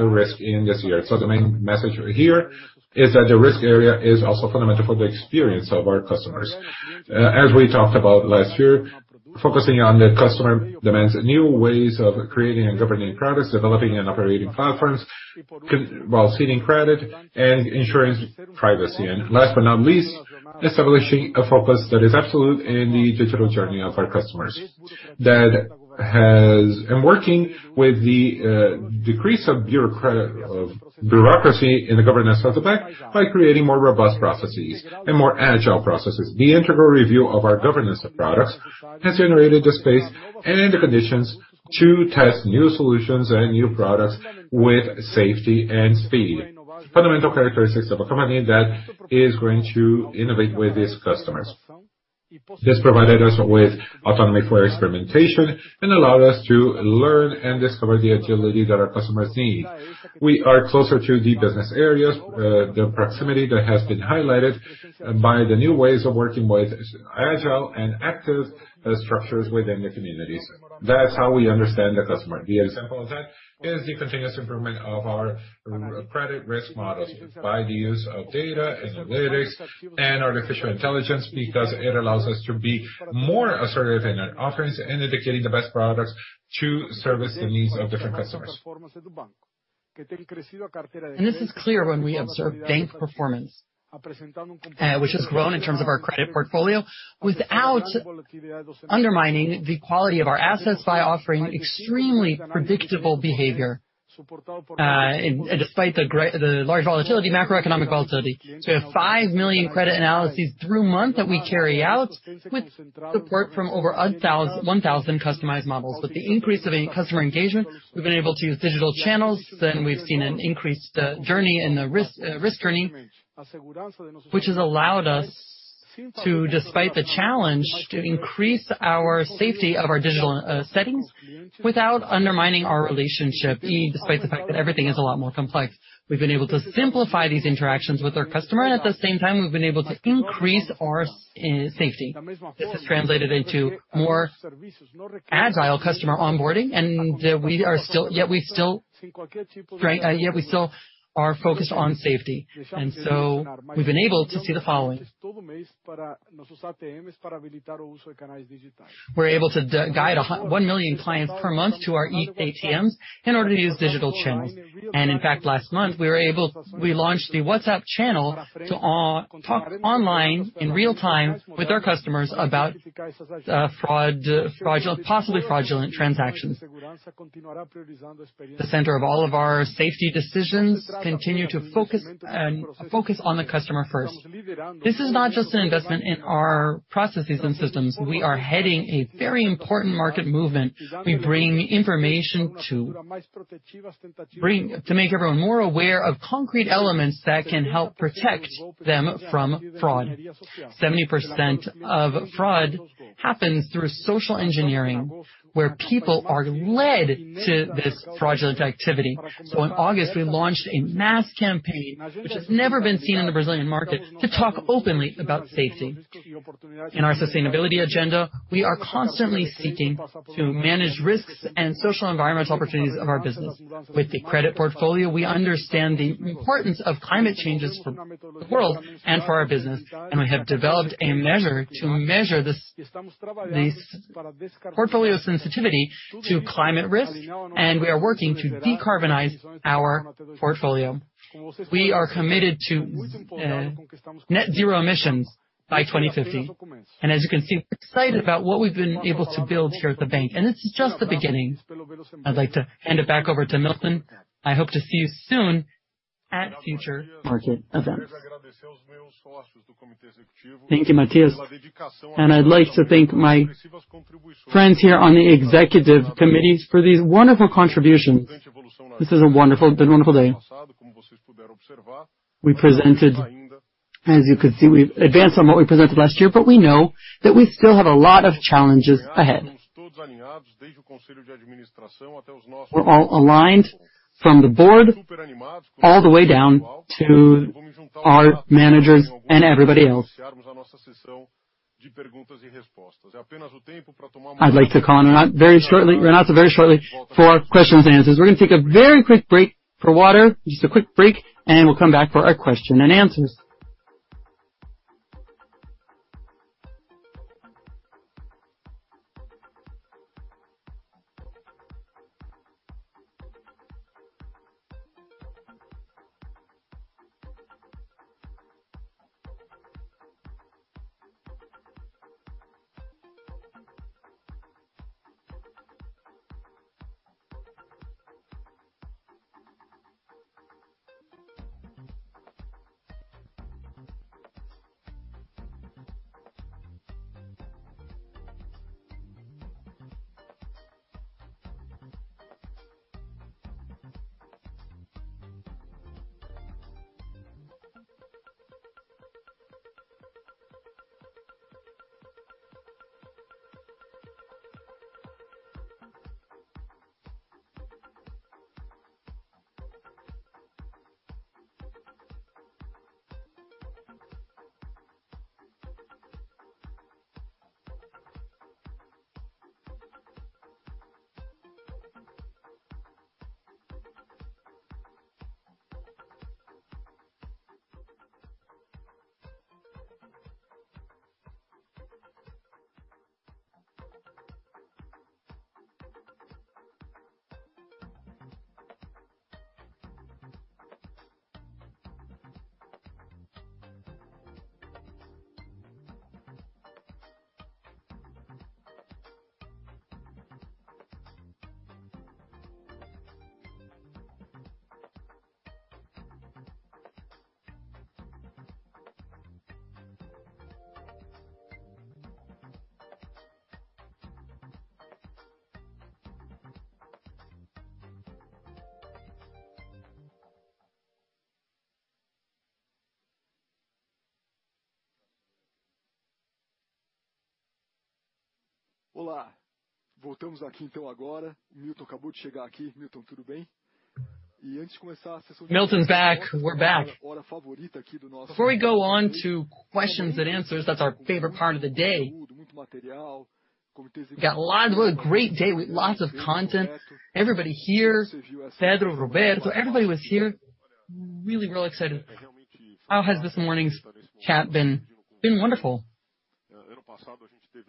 Speaker 15: in this year, so the main message here is that the risk area is also fundamental for the experience of our customers. As we talked about last year, focusing on the customer demands, new ways of creating and governing products, developing and operating platforms while securing credit and ensuring privacy, and last but not least, establishing a focus that is absolute in the digital journey of our customers that has been working with the decrease of bureaucracy in the governance of the bank by creating more robust processes and more agile processes. The integral review of our governance of products has generated the space and the conditions to test new solutions and new products with safety and speed. Fundamental characteristics of a company that is going to innovate with its customers. This provided us with autonomy for experimentation and allowed us to learn and discover the agility that our customers need. We are closer to the business areas, the proximity that has been highlighted by the new ways of working with agile and active structures within the communities. That's how we understand the customer. The example of that is the continuous improvement of our credit risk models by the use of data and analytics and artificial intelligence because it allows us to be more assertive in our offerings and indicating the best products to service the needs of different customers. And this is clear when we observe bank performance, which has grown in terms of our credit portfolio without undermining the quality of our assets by offering extremely predictable behavior despite the large volatility, macroeconomic volatility. We have 5 million credit analyses per month that we carry out with support from over 1,000 customized models. With the increase of customer engagement, we've been able to use digital channels, and we've seen an increased journey in the risk journey, which has allowed us to, despite the challenge, increase our safety of our digital settings without undermining our relationship, despite the fact that everything is a lot more complex. We've been able to simplify these interactions with our customer, and at the same time, we've been able to increase our safety. This has translated into more agile customer onboarding, and yet we still are focused on safety. We've been able to see the following. We're able to guide 1 million clients per month to our ATMs in order to use digital channels. In fact, last month, we were able to launch the WhatsApp channel to talk online in real time with our customers about possibly fraudulent transactions. The center of all of our safety decisions continues to focus on the customer first. This is not just an investment in our processes and systems. We are heading a very important market movement. We bring information to make everyone more aware of concrete elements that can help protect them from fraud. 70% of fraud happens through social engineering, where people are led to this fraudulent activity. In August, we launched a mass campaign, which has never been seen in the Brazilian market, to talk openly about safety. In our sustainability agenda, we are constantly seeking to manage risks and social and environmental opportunities of our business. With the credit portfolio, we understand the importance of climate changes for the world and for our business, and we have developed a measure to measure this portfolio sensitivity to climate risk, and we are working to decarbonize our portfolio. We are committed to net zero emissions by 2050, and as you can see, we're excited about what we've been able to build here at the bank, and this is just the beginning. I'd like to hand it back over to Milton. I hope to see you soon at future market events.
Speaker 2: Thank you, Matias, and I'd like to thank my friends here on the executive committee for these wonderful contributions. This has been a wonderful day. We presented, as you could see, we've advanced on what we presented last year, but we know that we still have a lot of challenges ahead. We're all aligned from the board all the way down to our managers and everybody else. I'd like to call Renato very shortly for questions and answers. We're going to take a very quick break for water, just a quick break, and we'll come back for our question and` answers. Olá, voltamos aqui então agora. Milton acabou de chegar aqui. Milton, tudo bem? E antes de começar a sessão de... Milton's back. We're back. Before we go on to questions and answers, that's our favorite part of the day. We've got a lot of great day with lots of content. Everybody here, Pedro, Roberto, everybody was here. Really, really excited. How has this morning's chat been? It's been wonderful.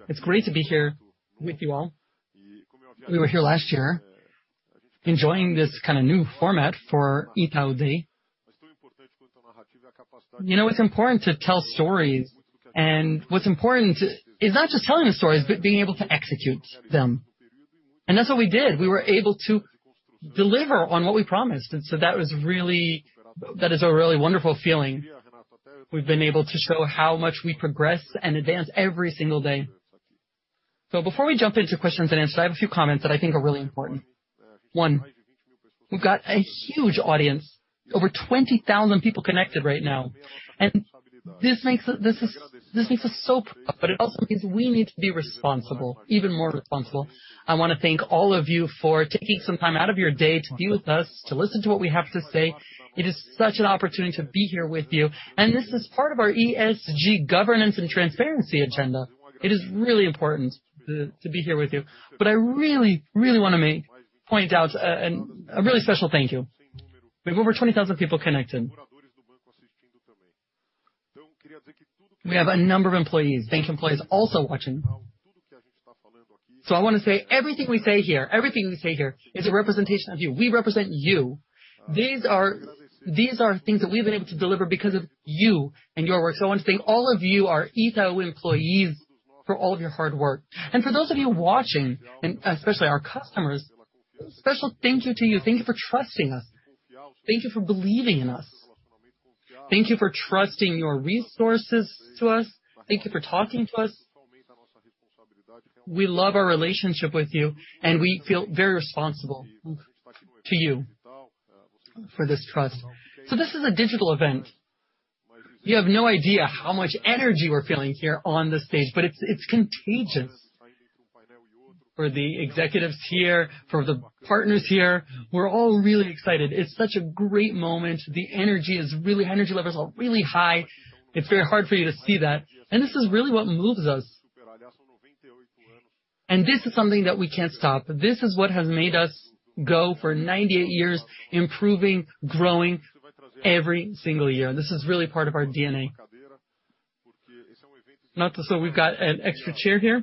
Speaker 2: It's great to be here with you all. We were here last year enjoying this kind of new format for Itaú Day. You know, it's important to tell stories, and what's important is not just telling the stories, but being able to execute them, and that's what we did. We were able to deliver on what we promised, and so that is a really wonderful feeling. We've been able to show how much we progress and advance every single day, so before we jump into questions and answers, I have a few comments that I think are really important. One, we've got a huge audience, over 20,000 people connected right now, and this makes us so... but it also means we need to be responsible, even more responsible. I want to thank all of you for taking some time out of your day to be with us, to listen to what we have to say. It is such an opportunity to be here with you, and this is part of our ESG governance and transparency agenda. It is really important to be here with you, but I really, really want to point out a really special thank you. We have over 20,000 people connected. We have a number of employees, bank employees also watching, so I want to say everything we say here, everything we say here is a representation of you. We represent you. These are things that we've been able to deliver because of you and your work. So I want to thank all of you, our Itaú employees, for all of your hard work, and for those of you watching, and especially our customers, a special thank you to you. Thank you for trusting us. Thank you for believing in us. Thank you for trusting your resources to us. Thank you for talking to us. We love our relationship with you, and we feel very responsible to you for this trust. So this is a digital event. You have no idea how much energy we're feeling here on the stage, but it's contagious for the executives here, for the partners here. We're all really excited. It's such a great moment. The energy levels are really high. It's very hard for you to see that. And this is really what moves us. And this is something that we can't stop. This is what has made us go for 98 years, improving, growing every single year. And this is really part of our DNA. So we've got an extra chair here.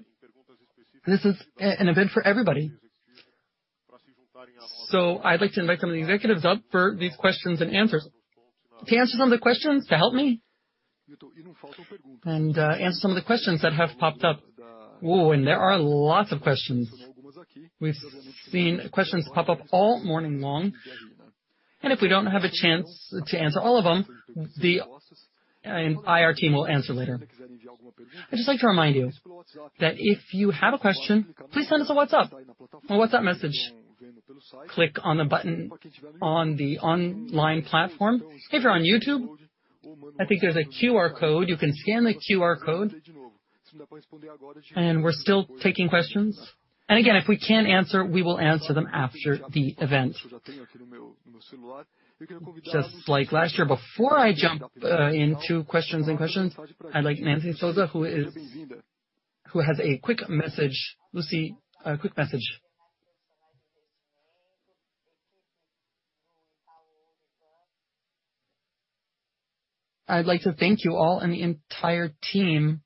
Speaker 2: This is an event for everybody. So I'd like to invite some of the executives up for these questions and answers. To answer some of the questions, to help me, and answer some of the questions that have popped up. Oh, and there are lots of questions. We've seen questions pop up all morning long, and if we don't have a chance to answer all of them, IR team will answer later. I'd just like to remind you that if you have a question, please send us a WhatsApp or WhatsApp message. Click on the button on the online platform. If you're on YouTube, I think there's a QR code. You can scan the QR code, and we're still taking questions, and again, if we can't answer, we will answer them after the event. Just like last year, before I jump into questions and questions, I'd like Luciana, who has a quick message. Lucy, a quick message. I'd like to thank you all and the entire team.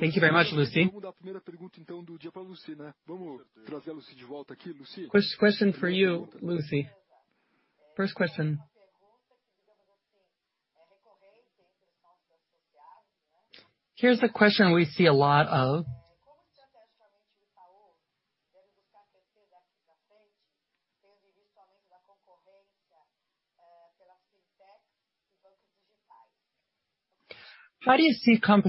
Speaker 2: Thank you very much, Lucy. Thank you very much, Lucy. We'll move on to the first question from Lucy. Here's a question we see a lot of. Thank you so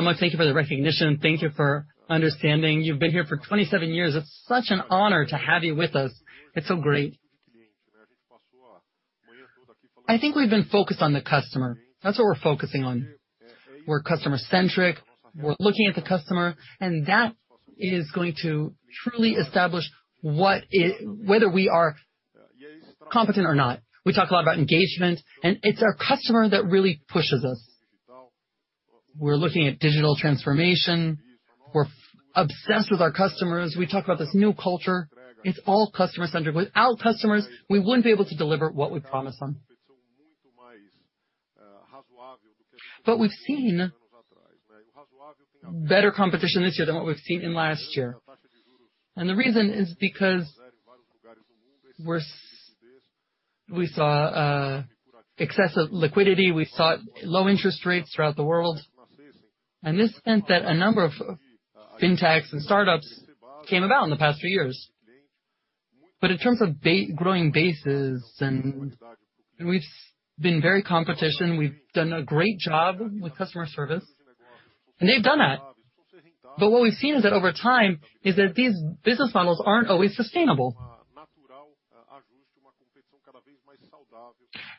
Speaker 2: much. Thank you for the recognition. Thank you for understanding. You've been here for 27 years. It's such an honor to have you with us. It's so great. I think we've been focused on the customer. That's what we're focusing on. We're customer-centric. We're looking at the customer, and that is going to truly establish whether we are competent or not. We talk a lot about engagement, and it's our customer that really pushes us. We're looking at digital transformation. We're obsessed with our customers. We talk about this new culture. It's all customer-centric. Without customers, we wouldn't be able to deliver what we promised them. But we've seen better competition this year than what we've seen in last year. The reason is because we saw excessive liquidity. We saw low interest rates throughout the world. This meant that a number of fintechs and startups came about in the past few years. In terms of growing bases, we've been very competitive. We've done a great job with customer service, and they've done that. What we've seen is that over time, these business models aren't always sustainable.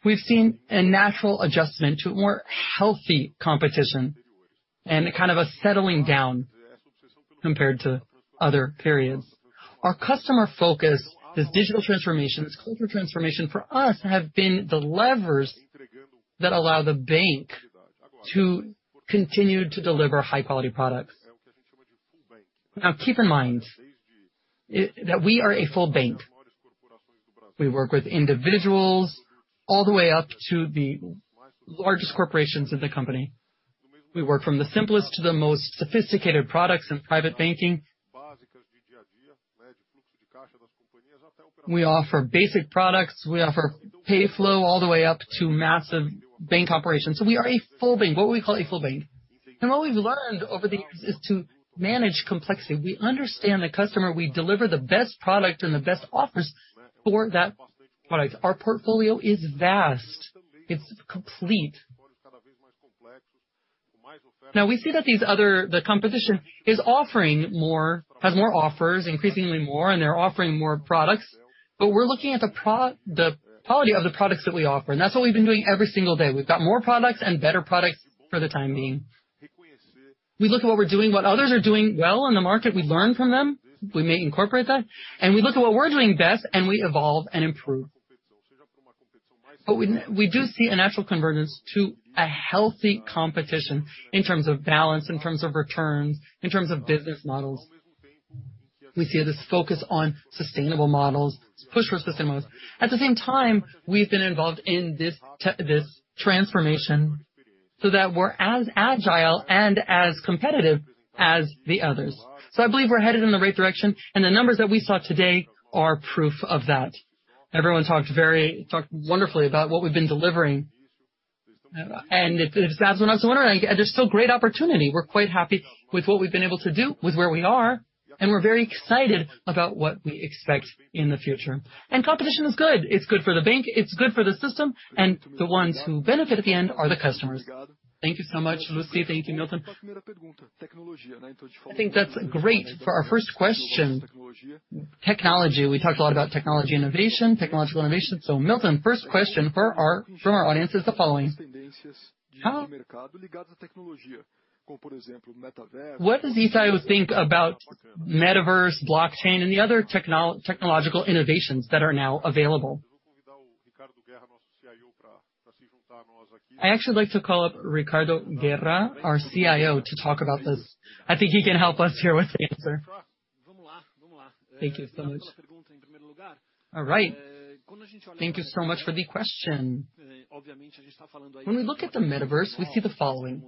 Speaker 2: We've seen a natural adjustment to more healthy competition and kind of a settling down compared to other periods. Our customer focus, this digital transformation, this cultural transformation for us, have been the levers that allow the bank to continue to deliver high-quality products. Now, keep in mind that we are a full bank. We work with individuals all the way up to the largest corporations in the company. We work from the simplest to the most sophisticated products in private banking. We offer basic products. We offer Payflow all the way up to massive bank operations. So we are a full bank, what we call a full bank, and what we've learned over the years is to manage complexity. We understand the customer. We deliver the best product and the best offers for that product. Our portfolio is vast. It's complete. Now, we see that the competition is offering more, has more offers, increasingly more, and they're offering more products, but we're looking at the quality of the products that we offer, and that's what we've been doing every single day. We've got more products and better products for the time being. We look at what we're doing, what others are doing well in the market. We learn from them. We may incorporate that. And we look at what we're doing best, and we evolve and improve. But we do see a natural convergence to a healthy competition in terms of balance, in terms of returns, in terms of business models. We see this focus on sustainable models, push for sustainable models. At the same time, we've been involved in this transformation so that we're as agile and as competitive as the others. So I believe we're headed in the right direction, and the numbers that we saw today are proof of that. Everyone talked wonderfully about what we've been delivering. And it's absolutely wonderful. And there's still great opportunity. We're quite happy with what we've been able to do, with where we are, and we're very excited about what we expect in the future. And competition is good. It's good for the bank. It's good for the system. The ones who benefit at the end are the customers. Thank you so much, Lucy. Thank you, Milton. I think that's great for our first question. Technology. We talked a lot about technology innovation, technological innovation. Milton, first question from our audience is the following. What does the CIO think about Metaverse, blockchain, and the other technological innovations that are now available? I actually like to call up Ricardo Guerra, our CIO, to talk about this. I think he can help us here with the answer.
Speaker 7: Thank you so much. Alright. Thank you so much for the question. When we look at the Metaverse, we see the following.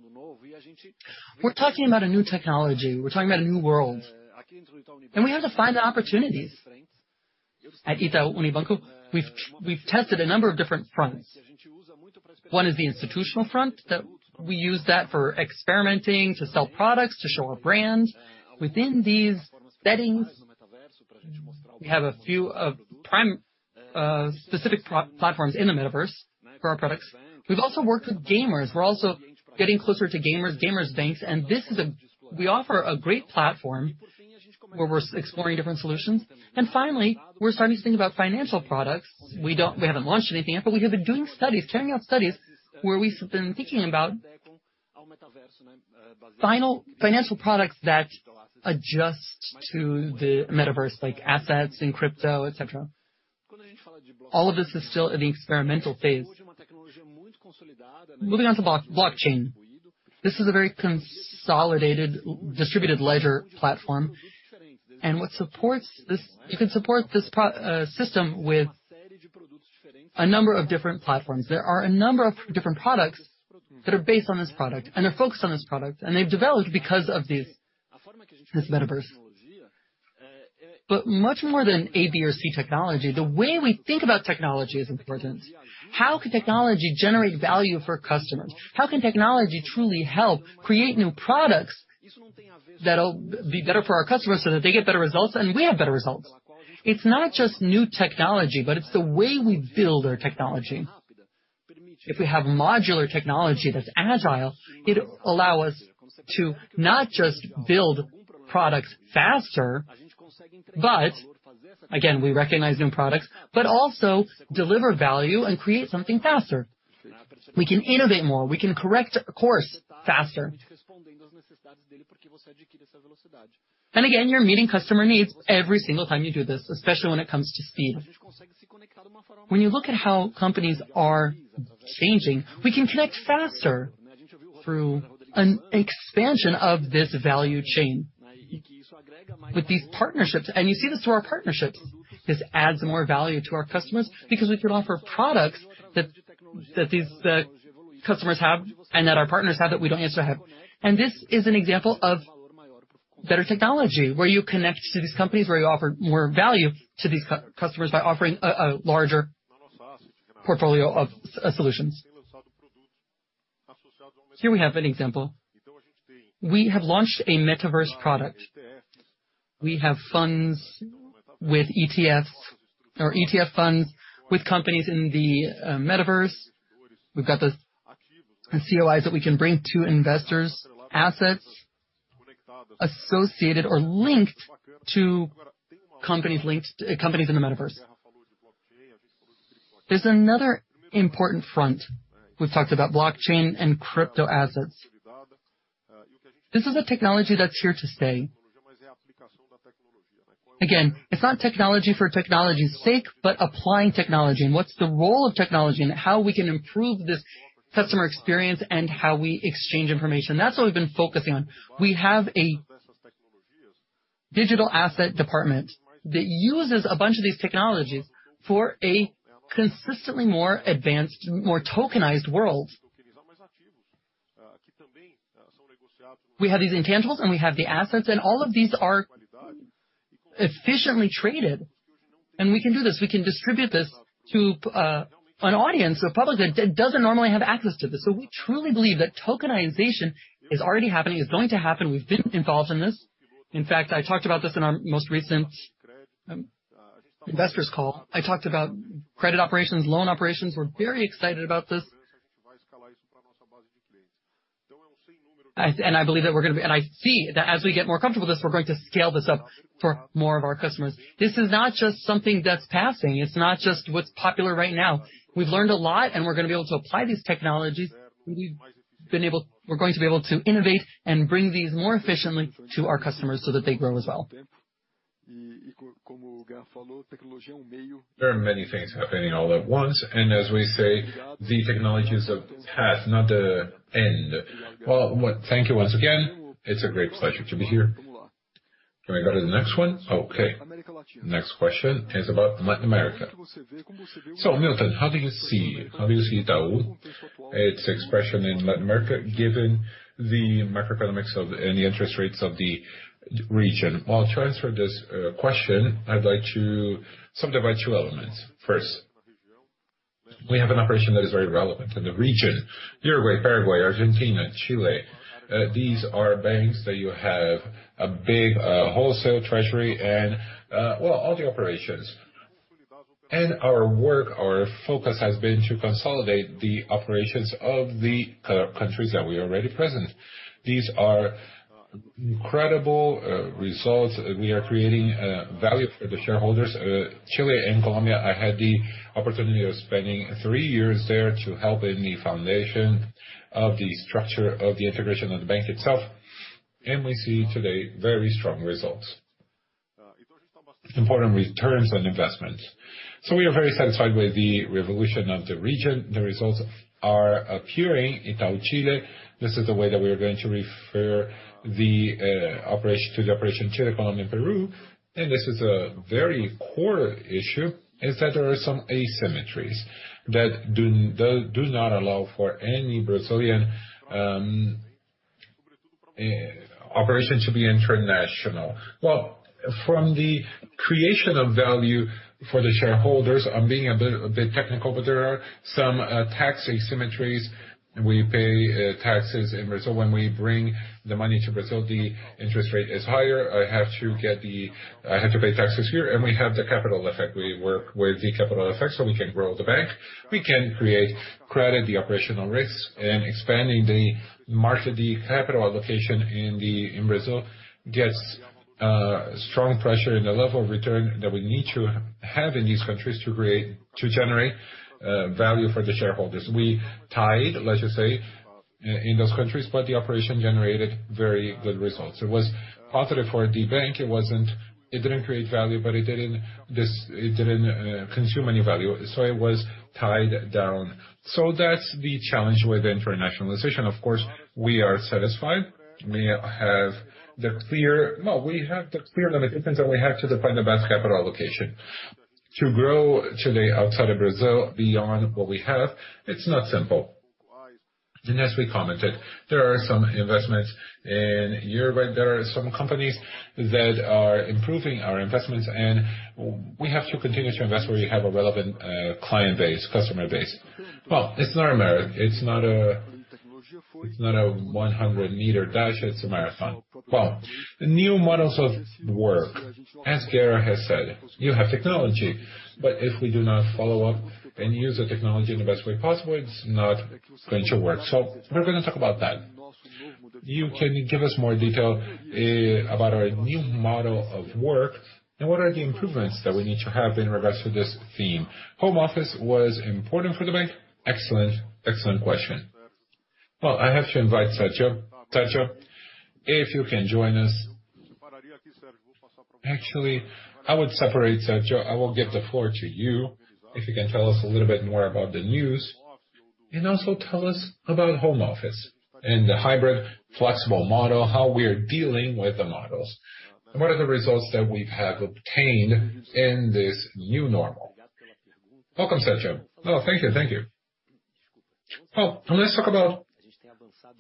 Speaker 7: We're talking about a new technology. We're talking about a new world. We have to find the opportunities. At Itaú Unibanco, we've tested a number of different fronts. One is the institutional front. We use that for experimenting, to sell products, to show our brand. Within these settings, we have a few specific platforms in the Metaverse for our products. We've also worked with gamers. We're also getting closer to gamers, Player's banks, and we offer a great platform where we're exploring different solutions. And finally, we're starting to think about financial products. We haven't launched anything yet, but we have been doing studies, carrying out studies where we've been thinking about financial financial products that adjust to the Metaverse, like assets and crypto, etc. All of this is still in the experimental phase. Moving on to Blockchain. This is a very consolidated, distributed ledger platform. What supports this? You can support this system with a number of different platforms. There are a number of different products that are based on this product, and they're focused on this product, and they've developed because of this Metaverse. But much more than A, B, or C technology, the way we think about technology is important. How can technology generate value for customers? How can technology truly help create new products that will be better for our customers so that they get better results and we have better results? It's not just new technology, but it's the way we build our technology. If we have modular technology that's agile, it will allow us to not just build products faster, but again, we recognize new products, but also deliver value and create something faster. We can innovate more. We can correct course faster. And again, you're meeting customer needs every single time you do this, especially when it comes to speed. When you look at how companies are changing, we can connect faster through an expansion of this value chain with these partnerships. And you see this through our partnerships. This adds more value to our customers because we can offer products that these customers have and that our partners have that we don't yet have. And this is an example of better technology where you connect to these companies, where you offer more value to these customers by offering a larger portfolio of solutions. Here we have an example. We have launched a Metaverse product. We have funds with ETFs or ETF funds with companies in the Metaverse. We've got the COEs that we can bring to investors, assets associated or linked to companies in the Metaverse. There's another important front. We've talked about blockchain and crypto assets. This is a technology that's here to stay. Again, it's not technology for technology's sake, but applying technology and what's the role of technology and how we can improve this customer experience and how we exchange information. That's what we've been focusing on. We have a digital asset department that uses a bunch of these technologies for a consistently more advanced, more tokenized world. We have these intangibles, and we have the assets, and all of these are efficiently traded. And we can do this. We can distribute this to an audience or public that doesn't normally have access to this. So we truly believe that tokenization is already happening, is going to happen. We've been involved in this. In fact, I talked about this in our most recent investors' call. I talked about credit operations, loan operations. We're very excited about this. I believe that we're going to be, and I see that as we get more comfortable with this, we're going to scale this up for more of our customers. This is not just something that's passing. It's not just what's popular right now. We've learned a lot, and we're going to be able to apply these technologies. We've been able, we're going to be able to innovate and bring these more efficiently to our customers so that they grow as well. There are many things happening all at once, and as we say, the technology is a path, not the end. Thank you once again. It's a great pleasure to be here. Can we go to the next one? Okay. Next question is about Latin America.
Speaker 5: So, Milton, how do you see, how do you see Itaú, its expression in Latin America given the macroeconomics and the interest rates of the region? Well, to answer this question, I'd like to subdivide two elements. First, we have an operation that is very relevant in the region: Uruguay, Paraguay, Argentina, Chile. These are banks that you have a big wholesale treasury and, well, all the operations. And our work, our focus has been to consolidate the operations of the countries that we are already present. These are incredible results. We are creating value for the shareholders. Chile and Colombia, I had the opportunity of spending three years there to help in the foundation of the structure of the integration of the bank itself. And we see today very strong results, important returns on investments. So we are very satisfied with the evolution of the region. The results are appearing in Itaú Chile. This is the way that we are going to refer to the operation Chile, Colombia, and Peru. This is a very core issue: there are some asymmetries that do not allow for any Brazilian operation to be international. From the creation of value for the shareholders, I'm being a bit technical, but there are some tax asymmetries. We pay taxes in Brazil. When we bring the money to Brazil, the interest rate is higher. I have to pay taxes here. We have the capital effect. We work with the capital effect so we can grow the bank. We can create credit, the operational risks, and expanding the market, the capital allocation in Brazil gets strong pressure in the level of return that we need to have in these countries to generate value for the shareholders. We tied, let's just say, in those countries, but the operation generated very good results. It was positive for the bank. It didn't create value, but it didn't consume any value. So it was tied down. So that's the challenge with internationalization. Of course, we are satisfied. We have the clear, well, we have the clear limitations that we have to define the best capital allocation. To grow today outside of Brazil beyond what we have, it's not simple. And as we commented, there are some investments in Uruguay. There are some companies that are improving our investments, and we have to continue to invest where we have a relevant client base, customer base. Well, it's not a, it's not a 100-meter dash. It's a marathon. Well, new models of work, as Guerra has said, you have technology. But if we do not follow up and use the technology in the best way possible, it's not going to work. So we're going to talk about that. You can give us more detail about our new model of work and what are the improvements that we need to have in regards to this theme. Home office was important for the bank? Excellent, excellent question. Well, I have to invite Sergio. Sergio, if you can join us. Actually, I would separate Sergio. I will give the floor to you if you can tell us a little bit more about the news and also tell us about home office and the hybrid flexible model, how we are dealing with the models, and what are the results that we have obtained in this new normal. Welcome, Sergio.
Speaker 6: Oh, thank you, thank you. Well, let's talk about,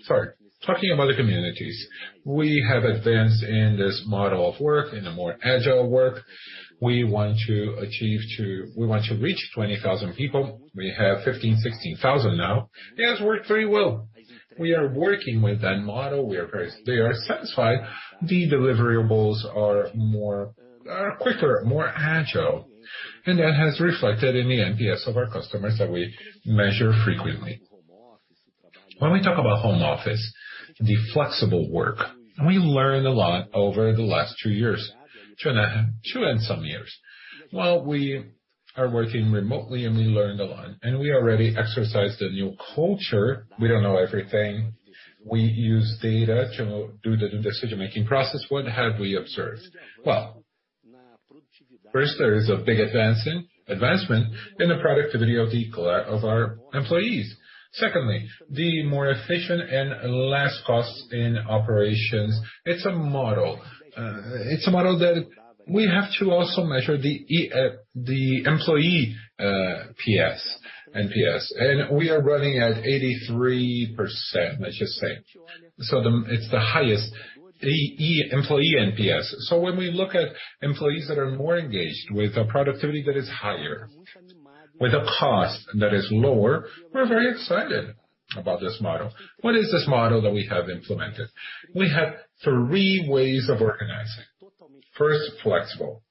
Speaker 6: sorry, talking about the communities. We have advanced in this model of work, in a more agile work. We want to reach 20,000 people. We have 15,000, 16,000 now. It has worked very well. We are working with that model. They are satisfied. The deliverables are quicker, more agile, and that has reflected in the NPS of our customers that we measure frequently. When we talk about home office, the flexible work, we learned a lot over the last two and some years. We are working remotely, and we learned a lot. We already exercised a new culture. We don't know everything. We use data to do the decision-making process. What have we observed? First, there is a big advancement in the productivity of our employees. Secondly, the more efficient and less costs in operations. It's a model. It's a model that we have to also measure the employee NPS. We are running at 83%, let's just say. It's the highest employee NPS. When we look at employees that are more engaged with a productivity that is higher, with a cost that is lower, we're very excited about this model. What is this model that we have implemented? We have three ways of organizing. First, flexible.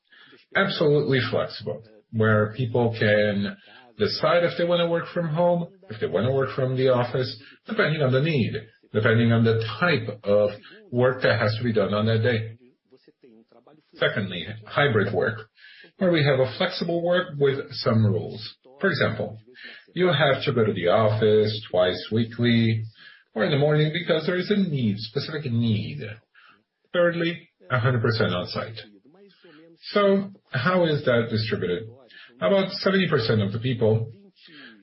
Speaker 6: Absolutely flexible, where people can decide if they want to work from home, if they want to work from the office, depending on the need, depending on the type of work that has to be done on that day. Secondly, hybrid work, where we have a flexible work with some rules. For example, you have to go to the office twice weekly or in the morning because there is a specific need. Thirdly, 100% on-site. So how is that distributed? About 70% of the people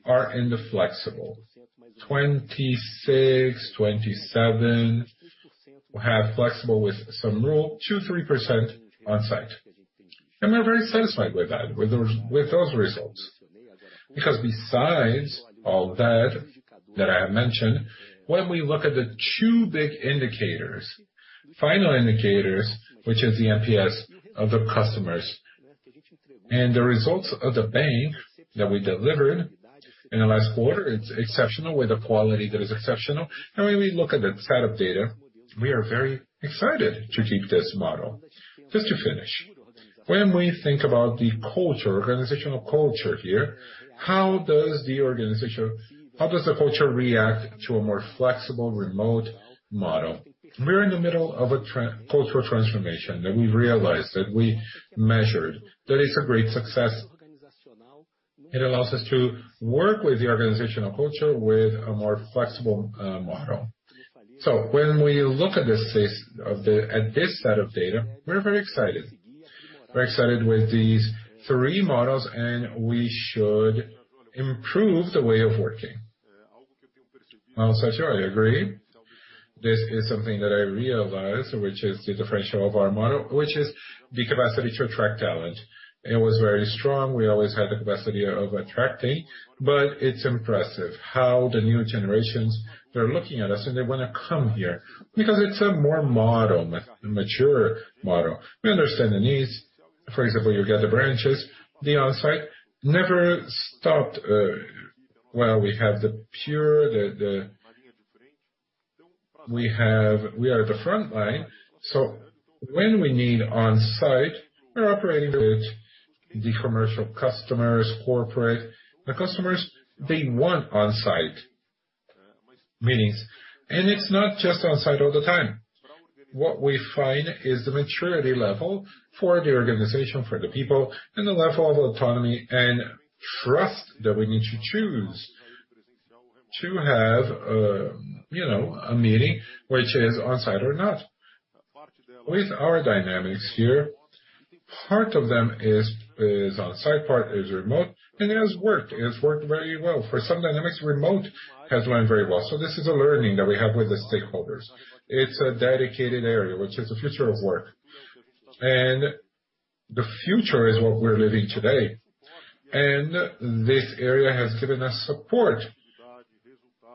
Speaker 6: are in the flexible. 26% to 27% have flexible with some rule, 2% to 3% on-site. And we're very satisfied with that, with those results. Because besides all that that I have mentioned, when we look at the two big indicators, final indicators, which is the NPS of the customers and the results of the bank that we delivered in the last quarter, it's exceptional with a quality that is exceptional. And when we look at the set of data, we are very excited to keep this model. Just to finish, when we think about the culture, organizational culture here, how does the organization, how does the culture react to a more flexible remote model? We're in the middle of a cultural transformation that we realized, that we measured, that it's a great success. It allows us to work with the organizational culture with a more flexible model. So when we look at this set of data, we're very excited. We're excited with these three models, and we should improve the way of working. Well, Sergio, I agree. This is something that I realized, which is the differential of our model, which is the capacity to attract talent. It was very strong. We always had the capacity of attracting, but it's impressive how the new generations, they're looking at us, and they want to come here because it's a more mature model. We understand the needs. For example, you get the branches, the on-site never stopped. Well, we have the pure, we are at the front line. So when we need on-site, we're operating with the commercial customers, corporate. The customers, they want on-site meetings. And it's not just on-site all the time. What we find is the maturity level for the organization, for the people, and the level of autonomy and trust that we need to choose to have a meeting, which is on-site or not. With our dynamics here, part of them is on-site, part is remote, and it has worked. It has worked very well. For some dynamics, remote has run very well. So this is a learning that we have with the stakeholders. It's a dedicated area, which is the future of work. And the future is what we're living today. And this area has given us support,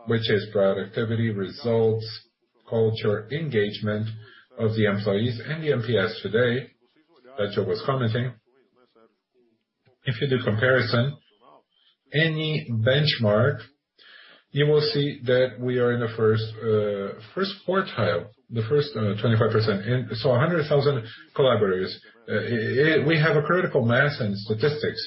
Speaker 6: which is productivity, results, culture, engagement of the employees and the NPS today that Joe was commenting. If you do comparison, any benchmark, you will see that we are in the first quartile, the first 25%. And so 100,000 collaborators. We have a critical mass and statistics.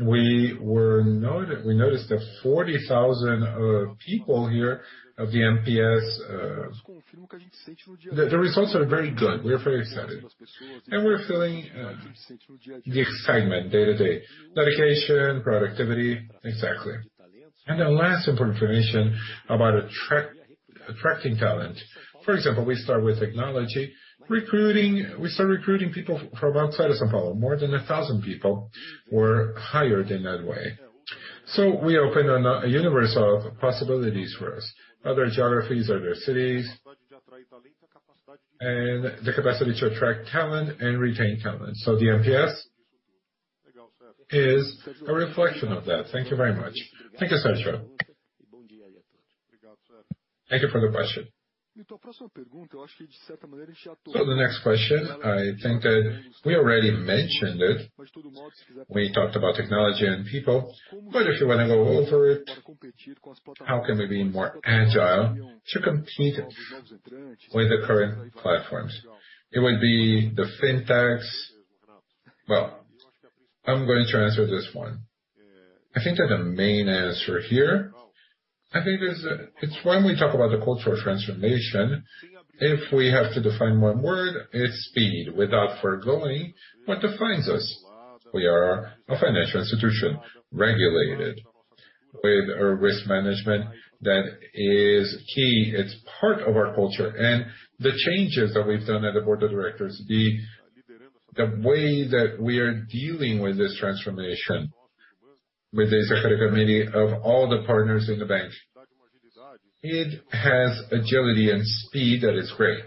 Speaker 6: We noticed that 40,000 people here of the NPS. The results are very good. We're very excited, and we're feeling the excitement day to day. Dedication, productivity. Exactly, and the last important information about attracting talent. For example, we start with technology. We start recruiting people from outside of São Paulo. More than 1,000 people were hired in that way. So we opened a universe of possibilities for us. Other geographies, other cities, and the capacity to attract talent and retain talent. So the NPS is a reflection of that. Thank you very much. Thank you, Sergio. Thank you for the question. The next question, I think that we already mentioned it. We talked about technology and people, but if you want to go over it, how can we be more agile to compete with the current platforms? It would be the fintechs. I'm going to answer this one. I think that the main answer here, I think it's when we talk about the cultural transformation, if we have to define one word, it's speed without forgoing what defines us. We are a financial institution, regulated with a risk management that is key. It's part of our culture, and the changes that we've done at the board of directors, the way that we are dealing with this transformation with the executive committee of all the partners in the bank, it has agility and speed that is great,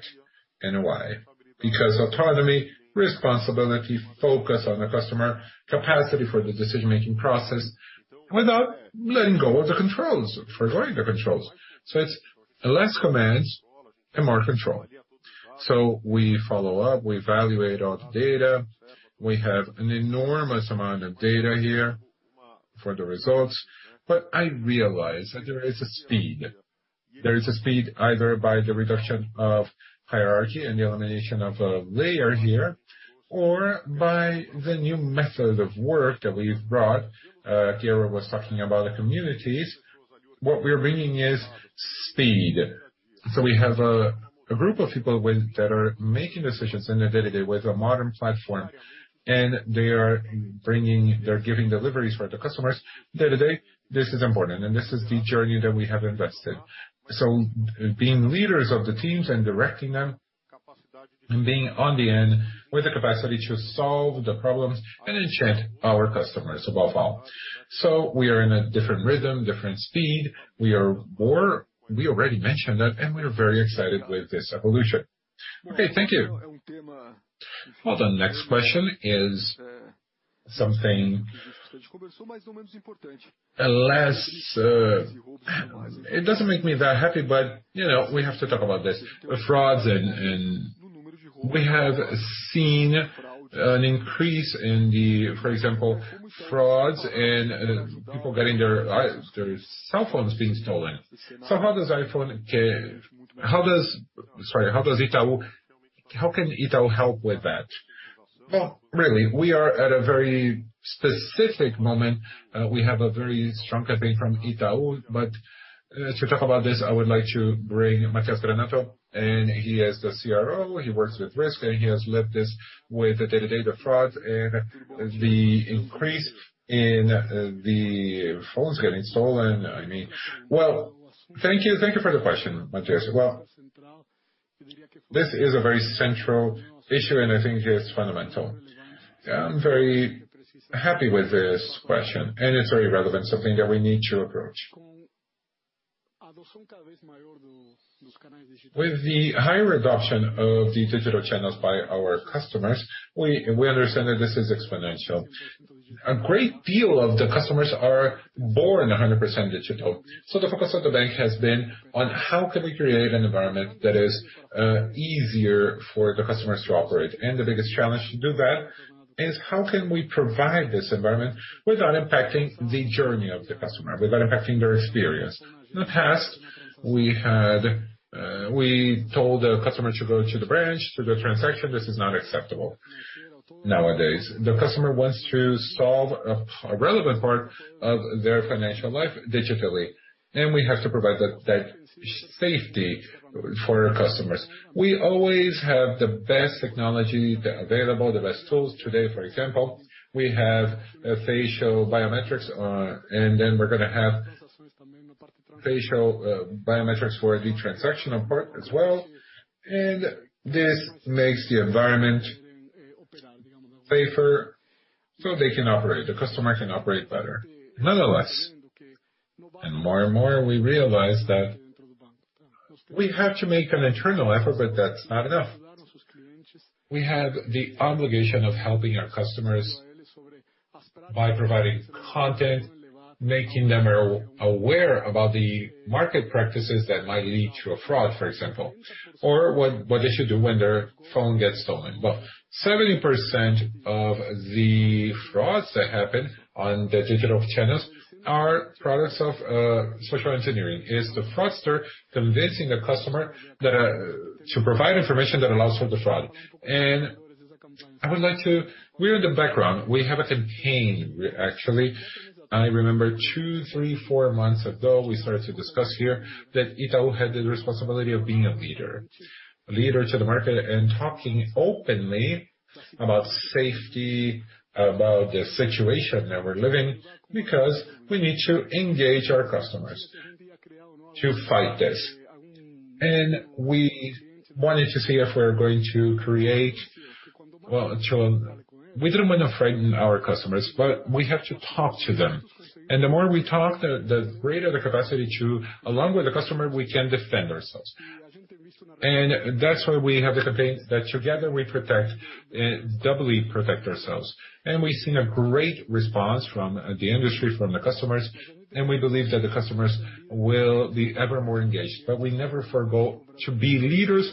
Speaker 6: and why? Because autonomy, responsibility, focus on the customer, capacity for the decision-making process without letting go of the controls, forgoing the controls, so it's less commands and more control, so we follow up, we evaluate all the data. We have an enormous amount of data here for the results. I realize that there is a speed. There is a speed either by the reduction of hierarchy and the elimination of a layer here, or by the new method of work that we've brought. Guerra was talking about the communities. What we're bringing is speed. We have a group of people that are making decisions in the day-to-day with a modern platform, and they are bringing, they're giving deliveries for the customers. Day-to-day, this is important, and this is the journey that we have invested. Being leaders of the teams and directing them and being on the end with the capacity to solve the problems and enchant our customers above all. We are in a different rhythm, different speed. We already mentioned that, and we are very excited with this evolution. Okay, thank you. Well, the next question is something less, it doesn't make me that happy, but we have to talk about this. The frauds, and we have seen an increase in the, for example, frauds and people getting their cell phones being stolen. So how does iPhone, sorry, how does Itaú, how can Itaú help with that? Well, really, we are at a very specific moment. We have a very strong campaign from Itaú, but to talk about this, I would like to bring Matias Granata, and he is the CRO. He works with risk, and he has led this with the day-to-day of fraud and the increase in the phones getting stolen. I mean, well, thank you. Thank you for the question, Mathias. Well, this is a very central issue, and I think it's fundamental. I'm very happy with this question, and it's very relevant, something that we need to approach. With the higher adoption of the digital channels by our customers, we understand that this is exponential. A great deal of the customers are born 100% digital. So the focus of the bank has been on how can we create an environment that is easier for the customers to operate? And the biggest challenge to do that is how can we provide this environment without impacting the journey of the customer, without impacting their experience? In the past, we told the customer to go to the branch to do a transaction. This is not acceptable nowadays. The customer wants to solve a relevant part of their financial life digitally, and we have to provide that safety for our customers. We always have the best technology available, the best tools. Today, for example, we have facial biometrics, and then we're going to have facial biometrics for the transactional part as well. This makes the environment safer so they can operate. The customer can operate better. Nonetheless, and more and more, we realize that we have to make an internal effort, but that's not enough. We have the obligation of helping our customers by providing content, making them aware about the market practices that might lead to a fraud, for example, or what they should do when their phone gets stolen. 70% of the frauds that happen on the digital channels are products of social engineering. It's the fraudster convincing the customer to provide information that allows for the fraud. I would like to. We're in the background. We have a campaign, actually. I remember two, three, four months ago, we started to discuss here that Itaú had the responsibility of being a leader, a leader to the market and talking openly about safety, about the situation that we're living because we need to engage our customers to fight this. And we wanted to see if we're going to create, well, we don't want to frighten our customers, but we have to talk to them. And the more we talk, the greater the capacity to, along with the customer, we can defend ourselves. And that's why we have the campaign that together we protect and doubly protect ourselves. And we've seen a great response from the industry, from the customers, and we believe that the customers will be ever more engaged. But we never forget to be leaders,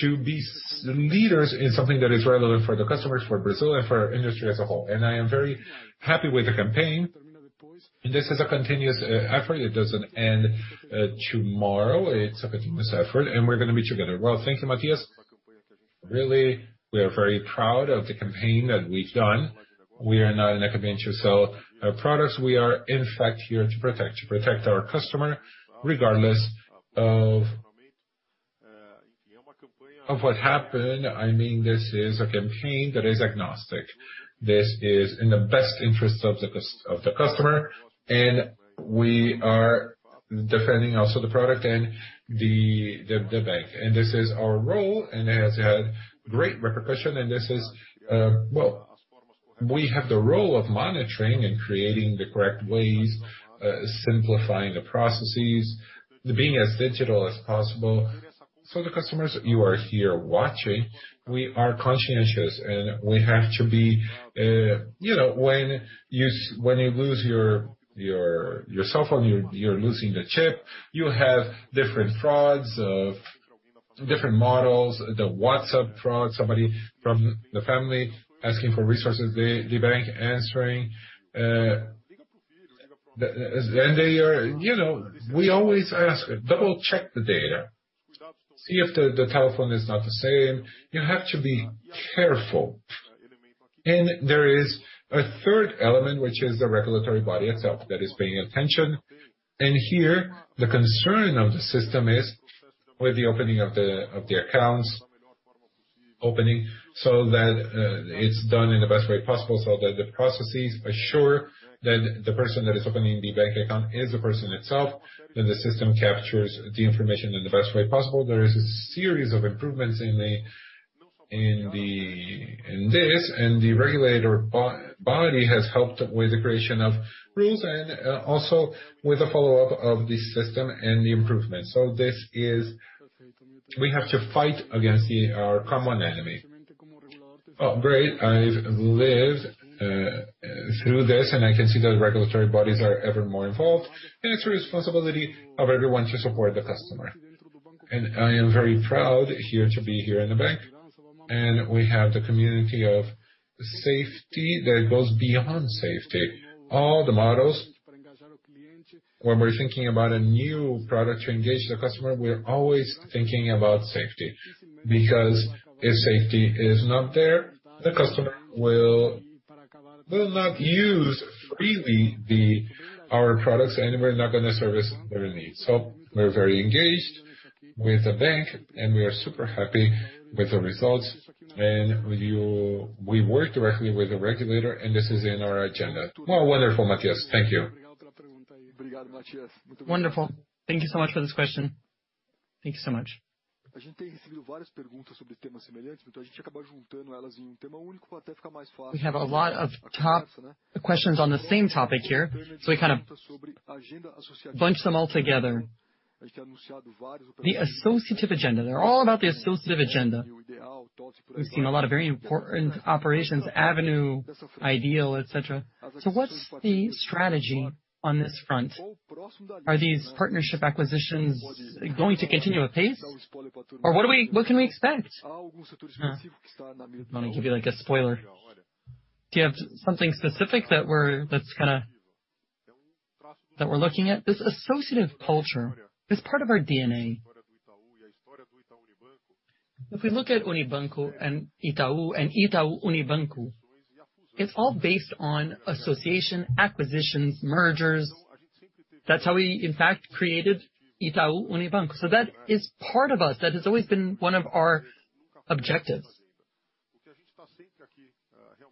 Speaker 6: to be leaders in something that is relevant for the customers, for Brazil, and for our industry as a whole. And I am very happy with the campaign. And this is a continuous effort. It doesn't end tomorrow. It's a continuous effort, and we're going to be together. Well, thank you, Matias. Really, we are very proud of the campaign that we've done. We are not in a campaign to sell our products. We are, in fact, here to protect, to protect our customer regardless of what happened. I mean, this is a campaign that is agnostic. This is in the best interest of the customer, and we are defending also the product and the bank. And this is our role, and it has had great repercussion. And this is, well, we have the role of monitoring and creating the correct ways, simplifying the processes, being as digital as possible. So the customers you are here watching, we are conscientious, and we have to be, when you lose your cell phone, you're losing the chip. You have different frauds of different models, the WhatsApp fraud, somebody from the family asking for resources, the bank answering. And we always ask, "Double-check the data. See if the telephone is not the same." You have to be careful. And there is a third element, which is the regulatory body itself that is paying attention. Here, the concern of the system is with the opening of the accounts, opening so that it's done in the best way possible, so that the processes assure that the person that is opening the bank account is the person itself, that the system captures the information in the best way possible. There is a series of improvements in this, and the regulatory body has helped with the creation of rules and also with the follow-up of the system and the improvements, so we have to fight against our common enemy. Well, great. I've lived through this, and I can see that regulatory bodies are ever more involved, and it's a responsibility of everyone to support the customer. I am very proud here to be here in the bank, and we have the community of safety that goes beyond safety. All the models, when we're thinking about a new product to engage the customer, we're always thinking about safety because if safety is not there, the customer will not use freely our products, and we're not going to service their needs. So we're very engaged with the bank, and we are super happy with the results. And we work directly with the regulator, and this is in our agenda. Well, wonderful, Matias.Thank you. Wonderful. Thank you so much for this question. Thank you so much. A gente tem recebido várias perguntas sobre temas semelhantes, então a gente acaba juntando elas em tema único até ficar mais fácil. We have a lot of top questions on the same topic here, so we kind of bunch them all together. The acquisition agenda, they're all about the acquisition agenda. We've seen a lot of very important operations, Avenue, Ideal, etc. So, what's the strategy on this front? Are these partnership acquisitions going to continue at pace? Or what can we expect? I'm going to give you like a spoiler. Do you have something specific that we're looking at? This associative culture, it's part of our DNA. If we look at Unibanco and Itaú and Itaú Unibanco, it's all based on association, acquisitions, mergers. That's how we, in fact, created Itaú Unibanco. So that is part of us. That has always been one of our objectives.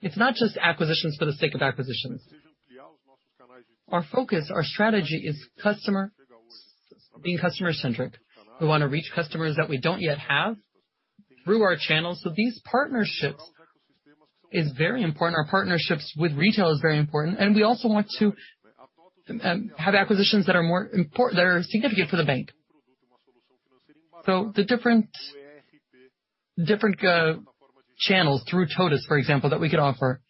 Speaker 6: It's not just acquisitions for the sake of acquisitions. Our focus, our strategy is customer-centered. We want to reach customers that we don't yet have through our channels. So these partnerships are very important. Our partnerships with retail are very important. And we also want to have acquisitions that are significant for the bank. So the different channels through TOTVS, for example, that we could offer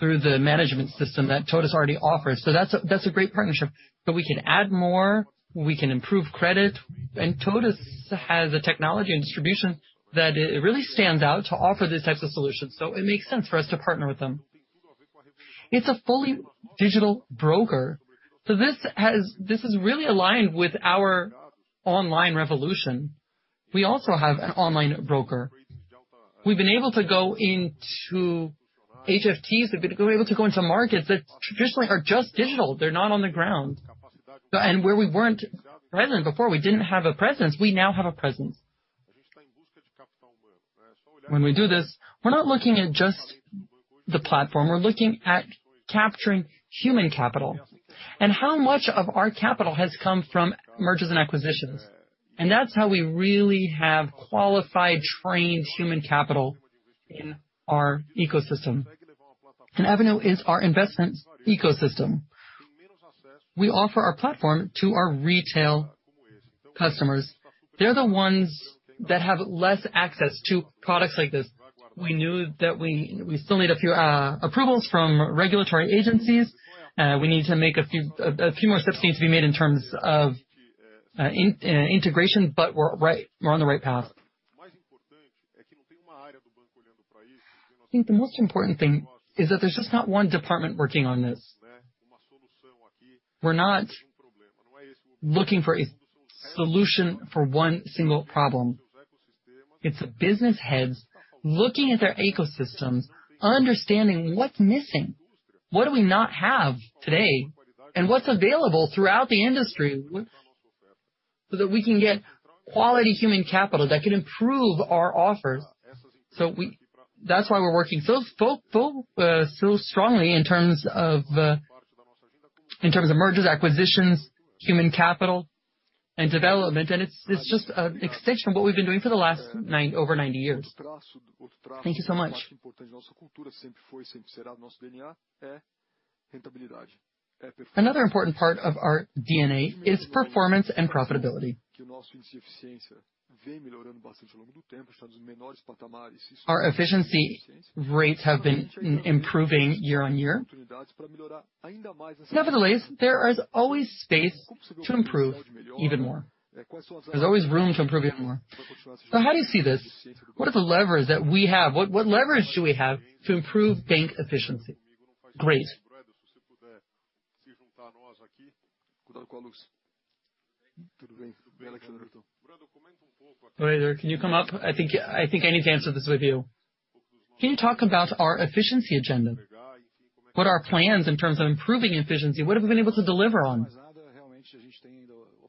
Speaker 6: through the management system that TOTVS already offers. So that's a great partnership. But we can add more. We can improve credit. And TOTVS has a technology and distribution that really stands out to offer these types of solutions. So it makes sense for us to partner with them. It's a fully digital broker. So this is really aligned with our online revolution. We also have an online broker. We've been able to go into HFTs. We've been able to go into markets that traditionally are just digital. They're not on the ground. And where we weren't present before, we didn't have a presence. We now have a presence. When we do this, we're not looking at just the platform. We're looking at capturing human capital and how much of our capital has come from mergers and acquisitions. That's how we really have qualified, trained human capital in our ecosystem. Avenue is our investment ecosystem. We offer our platform to our retail customers. They're the ones that have less access to products like this. We knew that we still need a few approvals from regulatory agencies. We need to make a few more steps that need to be made in terms of integration, but we're on the right path. I think the most important thing is that there's just not one department working on this. We're not looking for a solution for one single problem. It's business heads looking at their ecosystems, understanding what's missing, what do we not have today, and what's available throughout the industry so that we can get quality human capital that can improve our offers. That's why we're working so strongly in terms of mergers, acquisitions, human capital, and development. It's just an extension of what we've been doing for the last over 90 years. Thank you so much. Another important part of our DNA is performance and profitability. Nevertheless, there is always space to improve even more. There's always room to improve even more. So how do you see this? What are the levers that we have? What levers do we have to improve bank efficiency? Great. Can you come up? I think I need to answer this with you. Can you talk about our efficiency agenda? What are our plans in terms of improving efficiency? What have we been able to deliver on?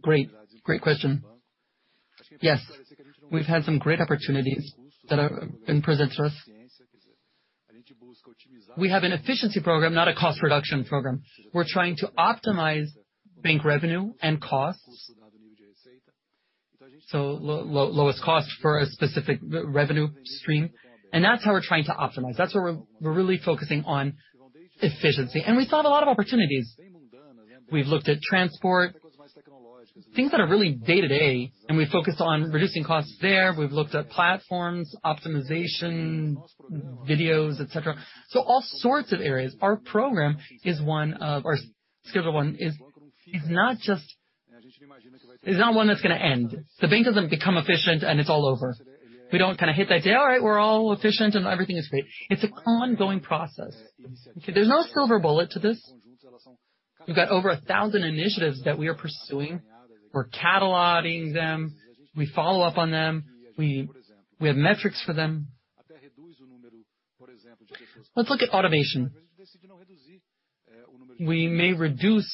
Speaker 6: Great. Great question. Yes, we've had some great opportunities that have been presented to us. We have an efficiency program, not a cost reduction program. We're trying to optimize bank revenue and costs, so lowest cost for a specific revenue stream. And that's how we're trying to optimize. That's where we're really focusing on efficiency. And we saw a lot of opportunities. We've looked at transport, things that are really day-to-day, and we focused on reducing costs there. We've looked at platforms, optimization, videos, etc. So all sorts of areas. Our program is one of our schedules. One is not just one that's going to end. The bank doesn't become efficient and it's all over. We don't kind of hit that day, "All right, we're all efficient and everything is great." It's an ongoing process. There's no silver bullet to this. We've got over 1,000 initiatives that we are pursuing. We're cataloging them. We follow up on them. We have metrics for them. Let's look at automation. We may reduce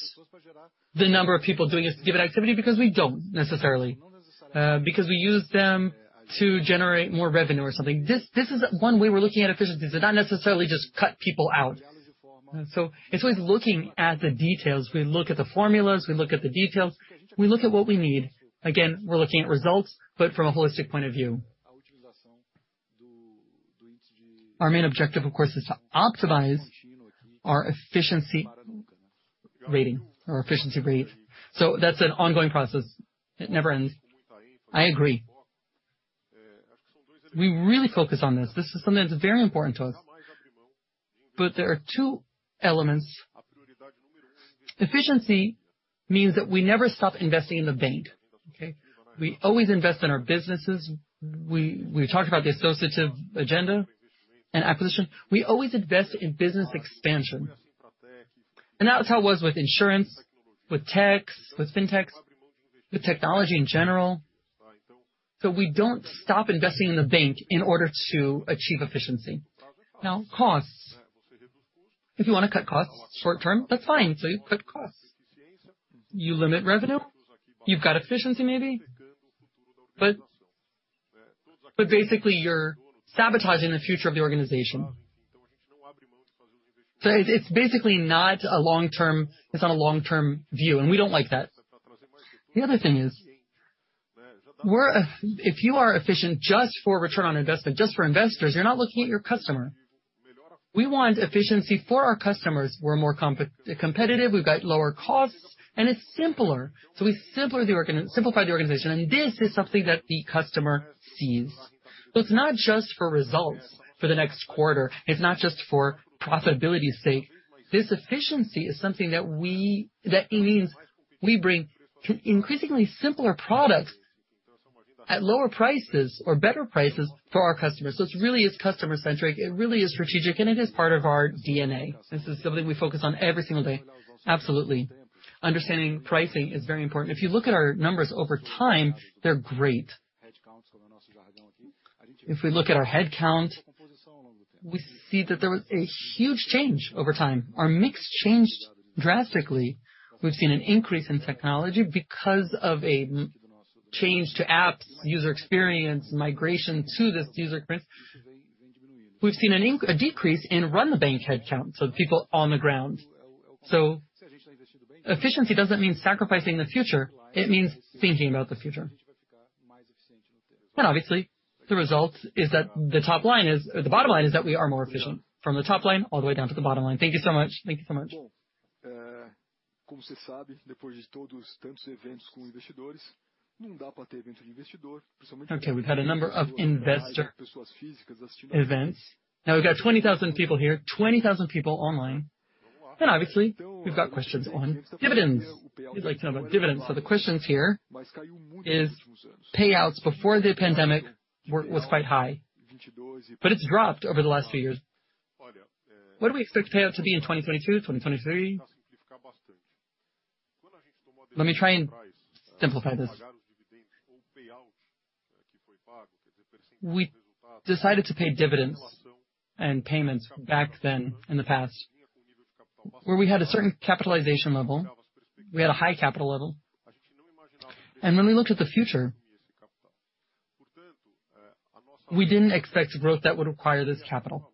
Speaker 6: the number of people doing a specific activity because we don't necessarily, because we use them to generate more revenue or something. This is one way we're looking at efficiencies. It's not necessarily just cut people out. So it's always looking at the details. We look at the formulas. We look at the details. We look at what we need. Again, we're looking at results, but from a holistic point of view. Our main objective, of course, is to optimize our efficiency rating. So that's an ongoing process. It never ends. I agree. We really focus on this. This is something that's very important to us. But there are two elements. Efficiency means that we never stop investing in the bank. We always invest in our businesses. We talked about the associative agenda and acquisition. We always invest in business expansion. That's how it was with insurance, with tech, with fintechs, with technology in general. So we don't stop investing in the bank in order to achieve efficiency. Now, costs. If you want to cut costs short-term, that's fine. So you cut costs. You limit revenue. You've got efficiency, maybe. But basically, you're sabotaging the future of the organization. So it's basically not a long-term view. And we don't like that. The other thing is, if you are efficient just for return on investment, just for investors, you're not looking at your customer. We want efficiency for our customers. We're more competitive. We've got lower costs, and it's simpler. So we simplify the organization. And this is something that the customer sees. So it's not just for results for the next quarter. It's not just for profitability's sake. This efficiency is something that means we bring increasingly simpler products at lower prices or better prices for our customers. So it really is customer-centric. It really is strategic, and it is part of our DNA. This is something we focus on every single day. Absolutely. Understanding pricing is very important. If you look at our numbers over time, they're great. If we look at our headcount, we see that there was a huge change over time. Our mix changed drastically. We've seen an increase in technology because of a change to apps, user experience, migration to this user experience. We've seen a decrease in run-the-bank headcount, so people on the ground. So efficiency doesn't mean sacrificing the future. It means thinking about the future. Obviously, the result is that the top line is the bottom line is that we are more efficient from the top line all the way down to the bottom line. Thank you so much. Thank you so much. Okay. We've had a number of investor events. Now we've got 20,000 people here, 20,000 people online. Obviously, we've got questions on dividends. We'd like to know about dividends. The questions here is payouts before the pandemic were quite high, but it's dropped over the last few years. What do we expect payout to be in 2022, 2023? Let me try and simplify this. We decided to pay dividends and payments back then in the past where we had a certain capitalization level. We had a high capital level. When we looked at the future, we didn't expect growth that would require this capital.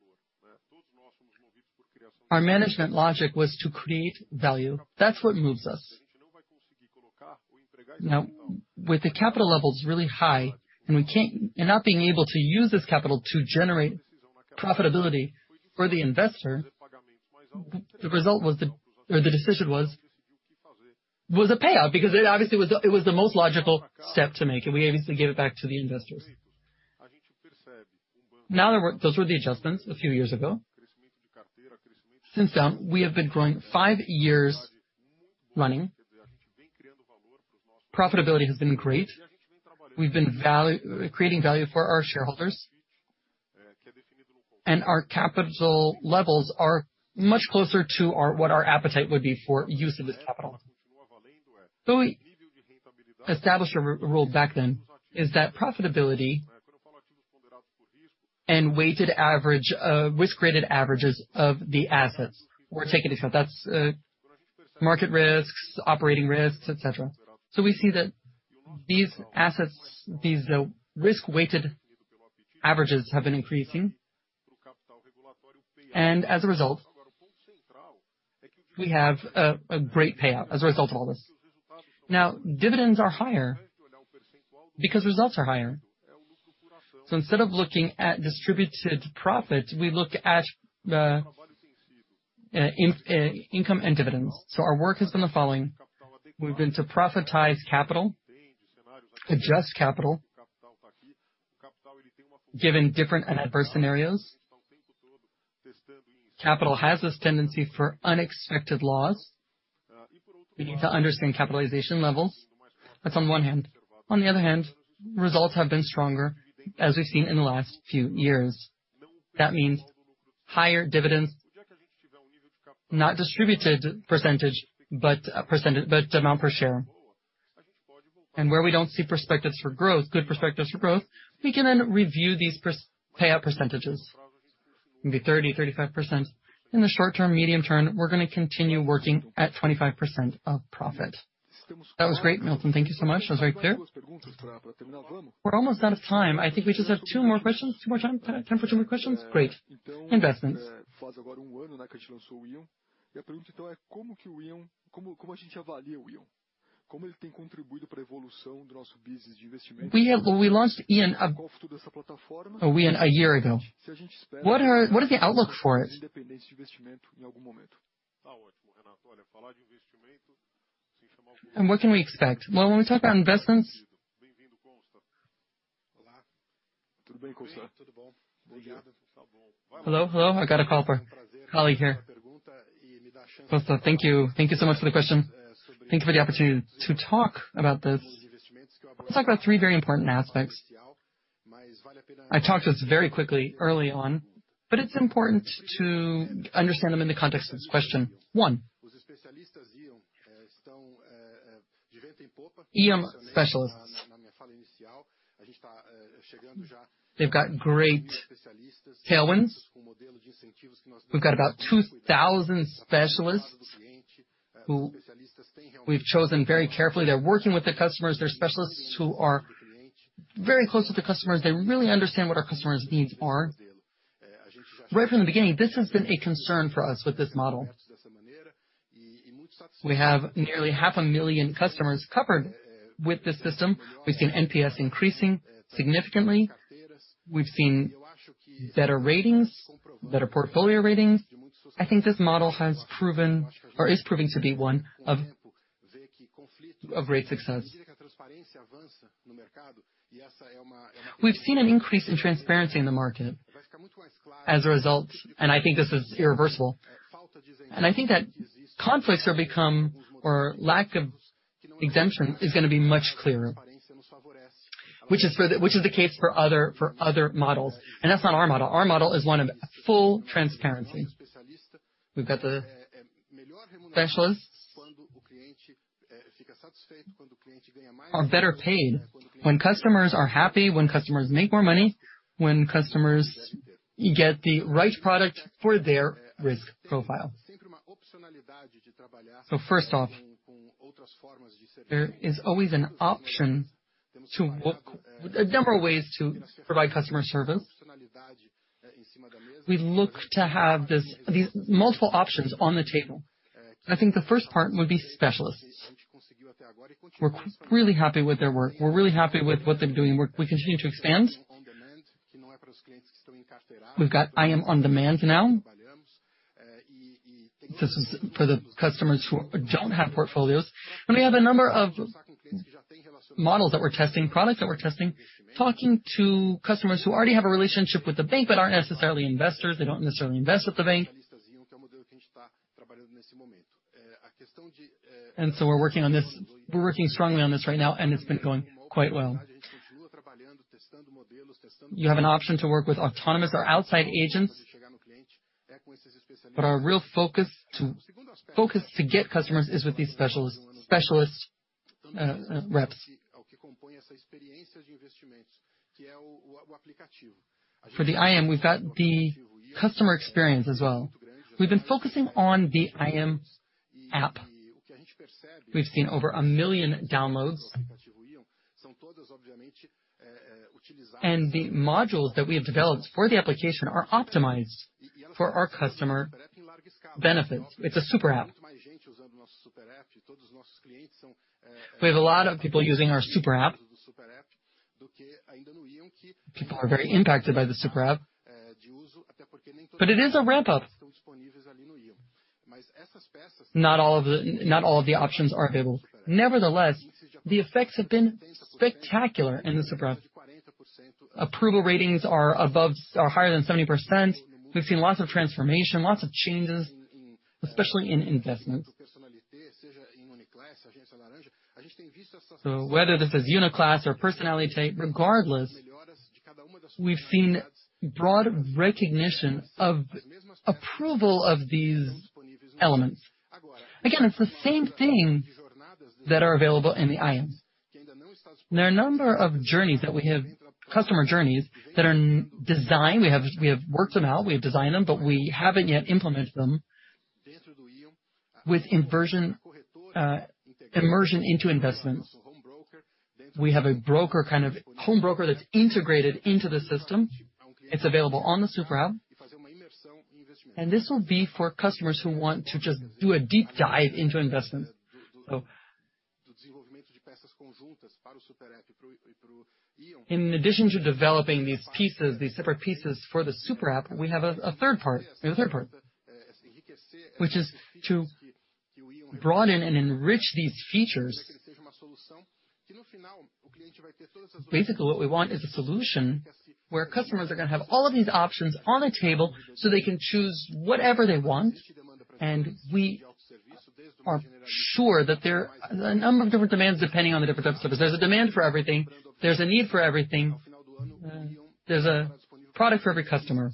Speaker 6: Our management logic was to create value. That's what moves us. Now, with the capital levels really high and not being able to use this capital to generate profitability for the investor, the result was the decision: a payout because it obviously was the most logical step to make, and we obviously gave it back to the investors. Now that those were the adjustments a few years ago, since then, we have been growing five years running. Profitability has been great. We've been creating value for our shareholders, and our capital levels are much closer to what our appetite would be for use of this capital. So we established a rule back then is that profitability and weighted average risk-weighted averages of the assets were taken into account. That's market risks, operating risks, etc. So we see that these assets, these risk-weighted averages have been increasing. As a result, we have a great payout as a result of all this. Now, dividends are higher because results are higher. So instead of looking at distributed profits, we look at income and dividends. So our work has been the following. We've been to profitize capital, adjust capital, given different and adverse scenarios. Capital has this tendency for unexpected loss. We need to understand capitalization levels. That's on one hand. On the other hand, results have been stronger, as we've seen in the last few years. That means higher dividends, not distributed percentage, but amount per share. And where we don't see perspectives for growth, good perspectives for growth, we can then review these payout percentages, maybe 30% to 35%. In the short term, medium term, we're going to continue working at 25% of profit. That was great, Milton. Thank you so much. That was very clear. We're almost out of time. I think we just have two more questions. Great. Investments. We launched ion, a platform. What is the outlook for it? And what can we expect? Well, when we talk about investments. Hello. Hello. I got a call from Ali here. Thank you. Thank you so much for the question. Thank you for the opportunity to talk about this. Let's talk about three very important aspects. I talked to us very quickly early on, but it's important to understand them in the context of this question. One, ion specialists. They've got great tailwinds. We've got about 2,000 specialists. We've chosen very carefully. They're working with the customers. They're specialists who are very close with the customers. They really understand what our customers' needs are. Right from the beginning, this has been a concern for us with this model. We have nearly 500,000 customers covered with this system. We've seen NPS increasing significantly. We've seen better ratings, better portfolio ratings. I think this model has proven or is proving to be one of great success. We've seen an increase in transparency in the market as a result, and I think this is irreversible. And I think that conflicts are becoming or lack of exemption is going to be much clearer, which is the case for other models. And that's not our model. Our model is one of full transparency. We've got the specialists that are better paid, when customers are happy, when customers make more money, when customers get the right product for their risk profile. First off, there is always an option to work with a number of ways to provide customer service. We look to have these multiple options on the table. I think the first part would be specialists. We're really happy with their work. We're really happy with what they're doing. We continue to expand. We've got ion on demand now. This is for the customers who don't have portfolios. We have a number of models that we're testing, products that we're testing, talking to customers who already have a relationship with the bank but aren't necessarily investors. They don't necessarily invest with the bank. We're working on this. We're working strongly on this right now, and it's been going quite well. You have an option to work with autonomous or outside agents. Our real focus to get customers is with these specialist reps. For the ion, we've got the customer experience as well. We've been focusing on the ion app. We've seen over a million downloads, and the modules that we have developed for the application are optimized for our customer benefits. It's a super app. We have a lot of people using our super app. People are very impacted by the super app, but it is a ramp-up. Not all of the options are available. Nevertheless, the effects have been spectacular in the super app. Approval ratings are higher than 70%. We've seen lots of transformation, lots of changes, especially in investments, so whether this is Uniclass or Personnalité, regardless, we've seen broad recognition of approval of these elements. Again, it's the same thing that are available in the ion. There are a number of journeys that we have, customer journeys that are designed. We have worked them out. We have designed them, but we haven't yet implemented them with immersion into investments. We have a broker kind of home broker that's integrated into the system. It's available on the super app, and this will be for customers who want to just do a deep dive into investments. In addition to developing these pieces, these separate pieces for the super app, we have a third part, which is to broaden and enrich these features. Basically, what we want is a solution where customers are going to have all of these options on the table so they can choose whatever they want, and we are sure that there are a number of different demands depending on the different types of services. There's a demand for everything. There's a need for everything. There's a product for every customer,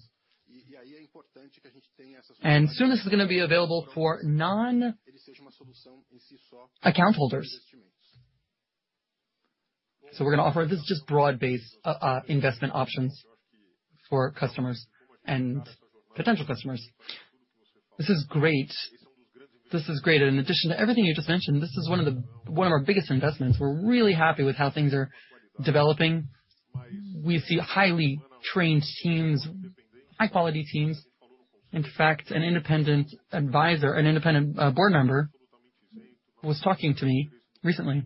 Speaker 6: and soon this is going to be available for non-account holders. So we're going to offer this just broad-based investment options for customers and potential customers. This is great. This is great. In addition to everything you just mentioned, this is one of our biggest investments. We're really happy with how things are developing. We see highly trained teams, high-quality teams. In fact, an independent advisor, an independent board member, was talking to me recently.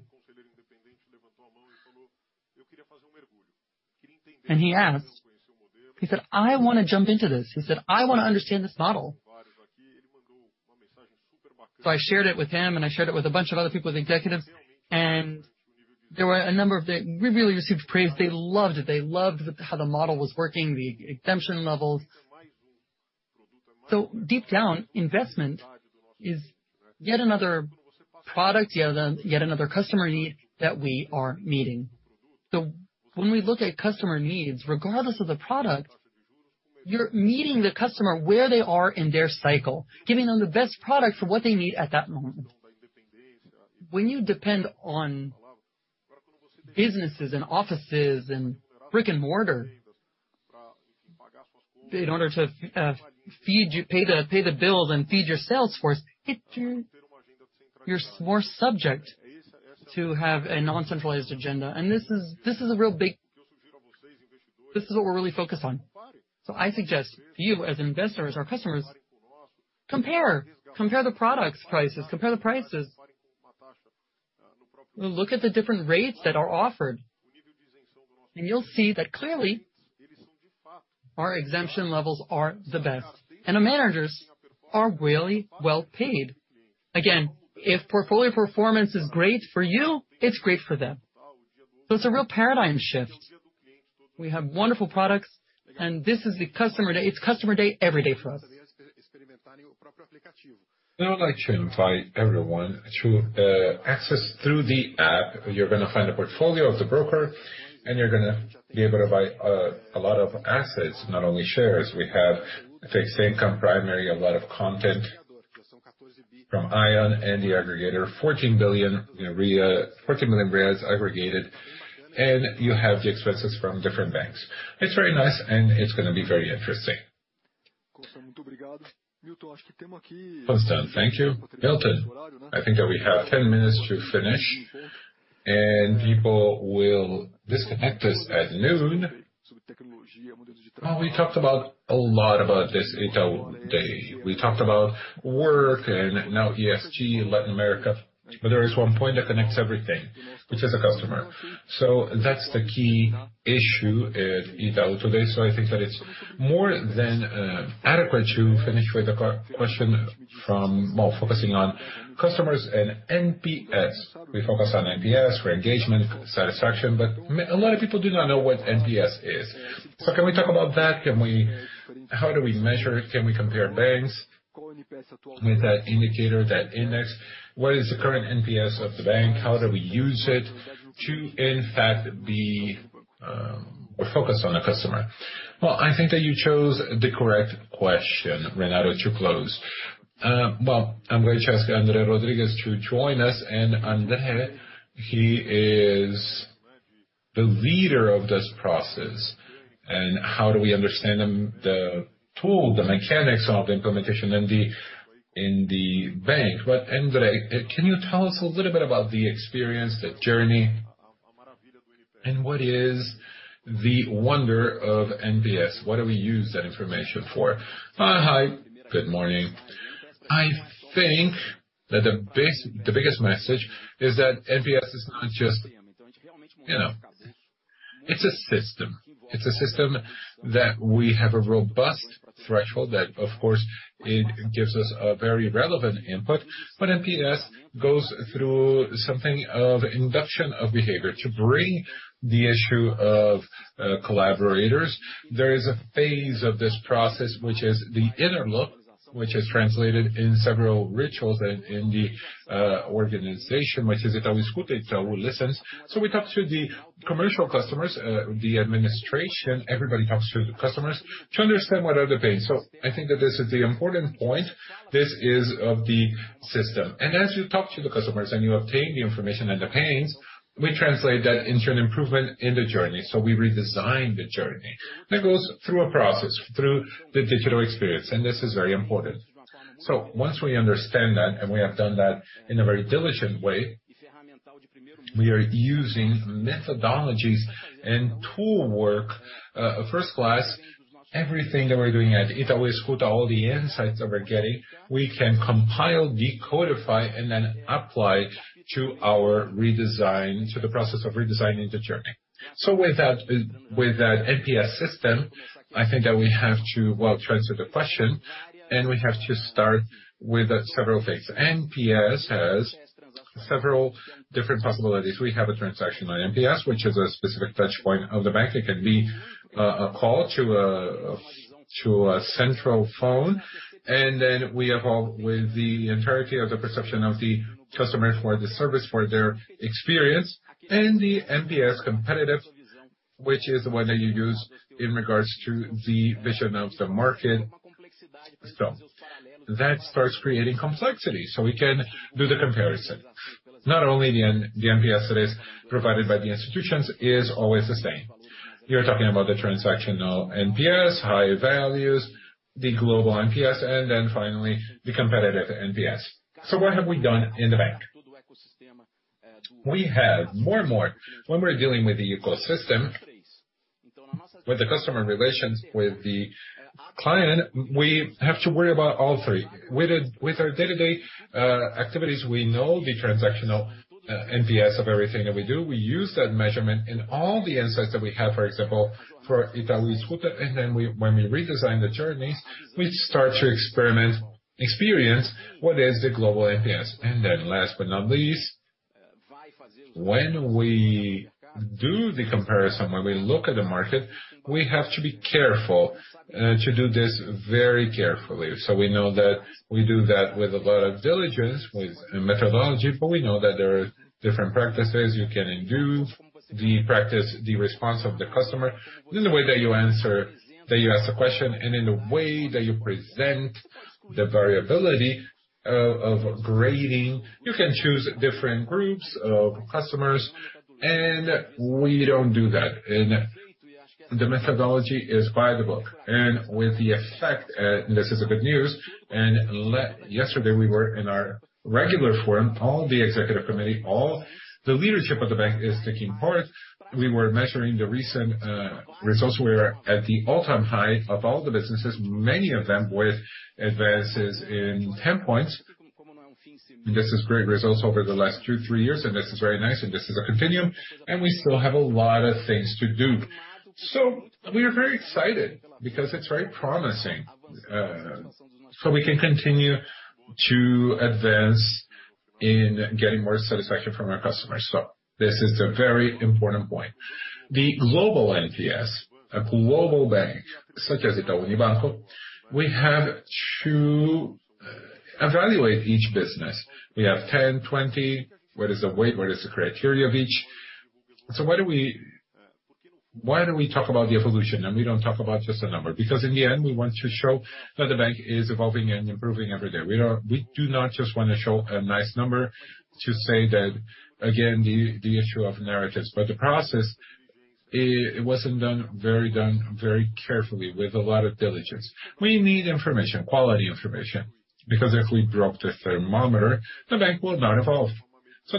Speaker 6: And he asked, he said, "I want to jump into this." He said, "I want to understand this model." So I shared it with him, and I shared it with a bunch of other people, the executives. And there were a number of. We really received praise. They loved it. They loved how the model was working, the exemption levels. So deep down, investment is yet another product, yet another customer need that we are meeting. So when we look at customer needs, regardless of the product, you're meeting the customer where they are in their cycle, giving them the best product for what they need at that moment. When you depend on businesses and offices and brick and mortar in order to pay the bills and feed your salesforce, you're more subject to have a non-centralized agenda. And this is what we're really focused on. So I suggest you, as investors or customers, compare the products' prices, compare the prices, look at the different rates that are offered, and you'll see that clearly our exemption levels are the best. And the managers are really well paid. Again, if portfolio performance is great for you, it's great for them. So it's a real paradigm shift. We have wonderful products, and this is the customer day. It's customer day every day for us. We're going to invite everyone to access through the app. You're going to find a portfolio of the broker, and you're going to be able to buy a lot of assets, not only shares. We have fixed income primary, a lot of content from ION and the aggregator, 14 billion REITs aggregated, and you have the expenses from different banks. It's very nice, and it's going to be very interesting. Milton, I thank you. Milton, I think that we have 10 minutes to finish, and people will disconnect us at noon. We talked a lot about this Itaú Day. We talked about work and now ESG, Latin America. But there is one point that connects everything, which is a customer. So that's the key issue at Itaú today. So I think that it's more than adequate to finish with a question from, well, focusing on customers and NPS. We focus on NPS for engagement, satisfaction, but a lot of people do not know what NPS is. Can we talk about that? How do we measure it? Can we compare banks with that indicator, that index? What is the current NPS of the bank? How do we use it to, in fact, be focused on the customer? I think that you chose the correct question, Renato, to close. I'm going to ask André Rodrigues to join us. André, he is the leader of this process. How do we understand the tool, the mechanics of the implementation in the bank? André, can you tell us a little bit about the experience, the journey, and what is the wonder of NPS? What do we use that information for? Hi, good morning. I think that the biggest message is that NPS is not just, it's a system. It's a system that we have a robust threshold that, of course, it gives us a very relevant input. But NPS goes through something of induction of behavior to bring the issue of collaborators. There is a phase of this process, which is the inner look, which is translated in several rituals in the organization, which is Itaú Escuta, Itaú listens. So we talk to the commercial customers, the administration, everybody talks to the customers to understand what are the pains. So I think that this is the important point. This is of the system. And as you talk to the customers and you obtain the information and the pains, we translate that into an improvement in the journey. So we redesign the journey. That goes through a process, through the digital experience. And this is very important. So once we understand that and we have done that in a very diligent way, we are using methodologies and tool work, first-class, everything that we're doing at Itaú Escuta, all the insights that we're getting. We can compile, decode, and then apply to our redesign, to the process of redesigning the journey. So with that NPS system, I think that we have to, well, transfer the question, and we have to start with several things. NPS has several different possibilities. We have a transactional NPS, which is a specific touchpoint of the bank. It can be a call to a central phone. And then we evolve with the entirety of the perception of the customer for the service, for their experience, and the competitive NPS, which is the one that you use in regards to the vision of the market. So that starts creating complexity. So we can do the comparison. Not only the NPS that is provided by the institutions is always the same. You're talking about the transactional NPS, high values, the global NPS, and then finally the competitive NPS. So what have we done in the bank? We have more and more. When we're dealing with the ecosystem, with the customer relations, with the client, we have to worry about all three. With our day-to-day activities, we know the transactional NPS of everything that we do. We use that measurement in all the insights that we have, for example, for Itaú Escuta. And then when we redesign the journeys, we start to experiment, experience what is the global NPS. And then last but not least, when we do the comparison, when we look at the market, we have to be careful to do this very carefully. We know that we do that with a lot of diligence, with methodology, but we know that there are different practices. You can do the practice, the response of the customer, and the way that you answer, that you ask the question, and in the way that you present the variability of grading. You can choose different groups of customers, and we don't do that. The methodology is by the book. With the effect, this is the good news. Yesterday, we were in our regular forum, all the executive committee, all the leadership of the bank is taking part. We were measuring the recent results. We were at the all-time high of all the businesses, many of them with advances in 10 points. This is great results over the last two, three years. This is very nice. This is a continuum. We still have a lot of things to do. We are very excited because it's very promising. We can continue to advance in getting more satisfaction from our customers. This is a very important point. The global NPS, a global bank such as Itaú Unibanco, we have to evaluate each business. We have 10, 20, what is the weight, what is the criteria of each? Why do we talk about the evolution? We don't talk about just a number because in the end, we want to show that the bank is evolving and improving every day. We do not just want to show a nice number to say that, again, the issue of narratives. The process, it wasn't done very carefully with a lot of diligence. We need information, quality information, because if we broke the thermometer, the bank will not evolve.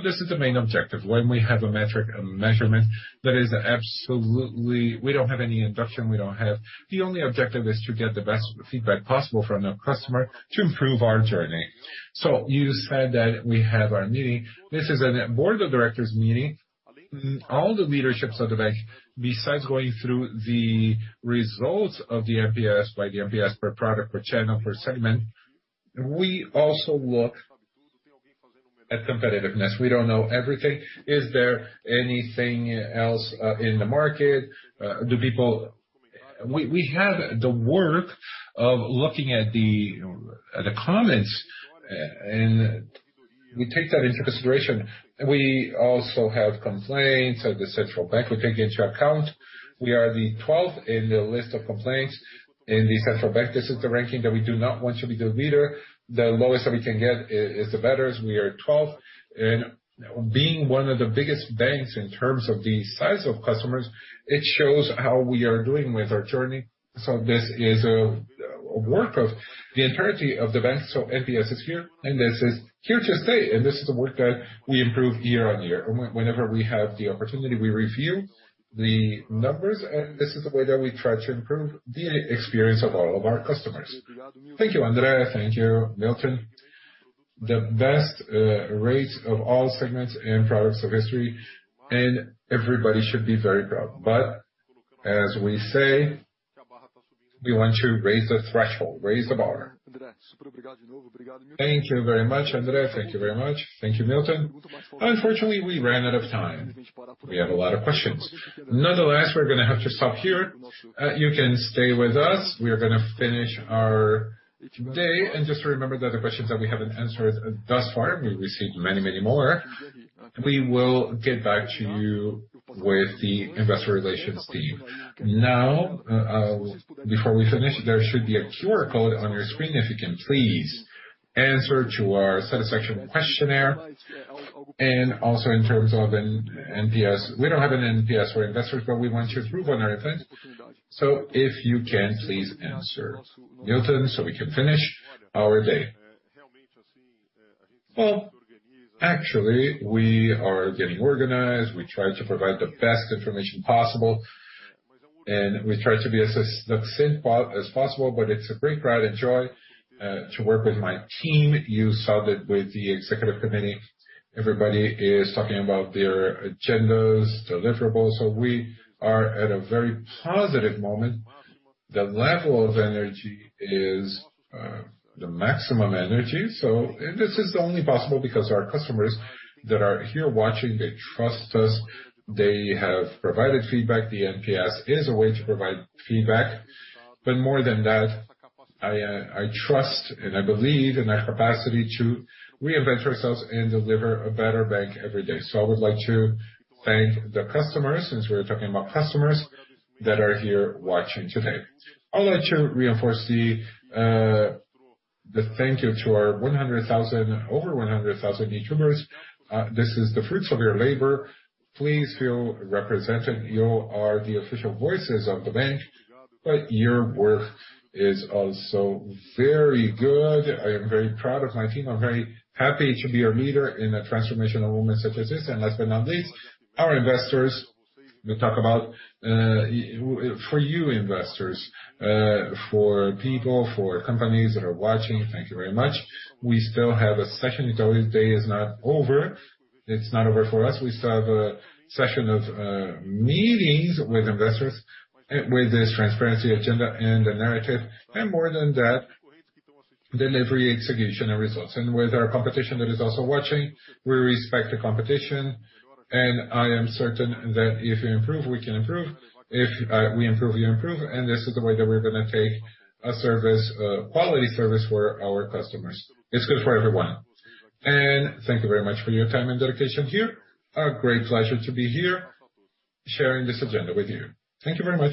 Speaker 6: This is the main objective. When we have a metric, a measurement that is absolutely. We don't have any induction. We don't have. The only objective is to get the best feedback possible from the customer to improve our journey. You said that we have our meeting. This is a board of directors meeting. All the leaderships of the bank, besides going through the results of the NPS by the NPS per product, per channel, per segment, we also look at competitiveness. We don't know everything. Is there anything else in the market? We have the work of looking at the comments, and we take that into consideration. We also have complaints at the central bank. We take into account. We are the 12th in the list of complaints in the central bank. This is the ranking that we do not want to be the leader. The lowest that we can get is the betters. We are 12th. Being one of the biggest banks in terms of the size of customers, it shows how we are doing with our journey. This is a work of the integrity of the bank. NPS is here, and this is here to stay. This is the work that we improve year on year. Whenever we have the opportunity, we review the numbers, and this is the way that we try to improve the experience of all of our customers. Thank you, André. Thank you, Milton. The best rates of all segments and products of history, and everybody should be very proud. As we say, we want to raise the threshold, raise the bar. Thank you very much, André. Thank you very much. Thank you, Milton. Unfortunately, we ran out of time. We have a lot of questions. Nonetheless, we're going to have to stop here. You can stay with us. We are going to finish our day, and just remember that the questions that we haven't answered thus far, we received many, many more. We will get back to you with the investor relations team. Now, before we finish, there should be a QR code on your screen. If you can, please answer to our satisfaction questionnaire, and also in terms of NPS, we don't have an NPS for investors, but we want to improve on our things, so if you can, please answer, Milton, so we can finish our day. Well, actually, we are getting organized. We try to provide the best information possible, and we try to be as succinct as possible, but it's a great pride and joy to work with my team. You saw that with the executive committee. Everybody is talking about their agendas, deliverables. So we are at a very positive moment. The level of energy is the maximum energy. So this is only possible because our customers that are here watching, they trust us. They have provided feedback. The NPS is a way to provide feedback. But more than that, I trust and I believe in our capacity to reinvent ourselves and deliver a better bank every day. So I would like to thank the customers since we're talking about customers that are here watching today. I'd like to reinforce the thank you to our 100,000, over 100,000 Itubers. This is the fruits of your labor. Please feel represented. You are the official voices of the bank, but your work is also very good. I am very proud of my team. I'm very happy to be a leader in a transformational moment such as this. And last but not least, our investors, we talk about for you investors, for people, for companies that are watching. Thank you very much. We still have a session. Today's day is not over. It's not over for us. We still have a session of meetings with investors with this transparency agenda and the narrative. And more than that, delivery, execution, and results. And with our competition that is also watching, we respect the competition. And I am certain that if you improve, we can improve. If we improve, you improve. And this is the way that we're going to take a quality service for our customers. It's good for everyone. And thank you very much for your time and dedication here. A great pleasure to be here sharing this agenda with you. Thank you very much.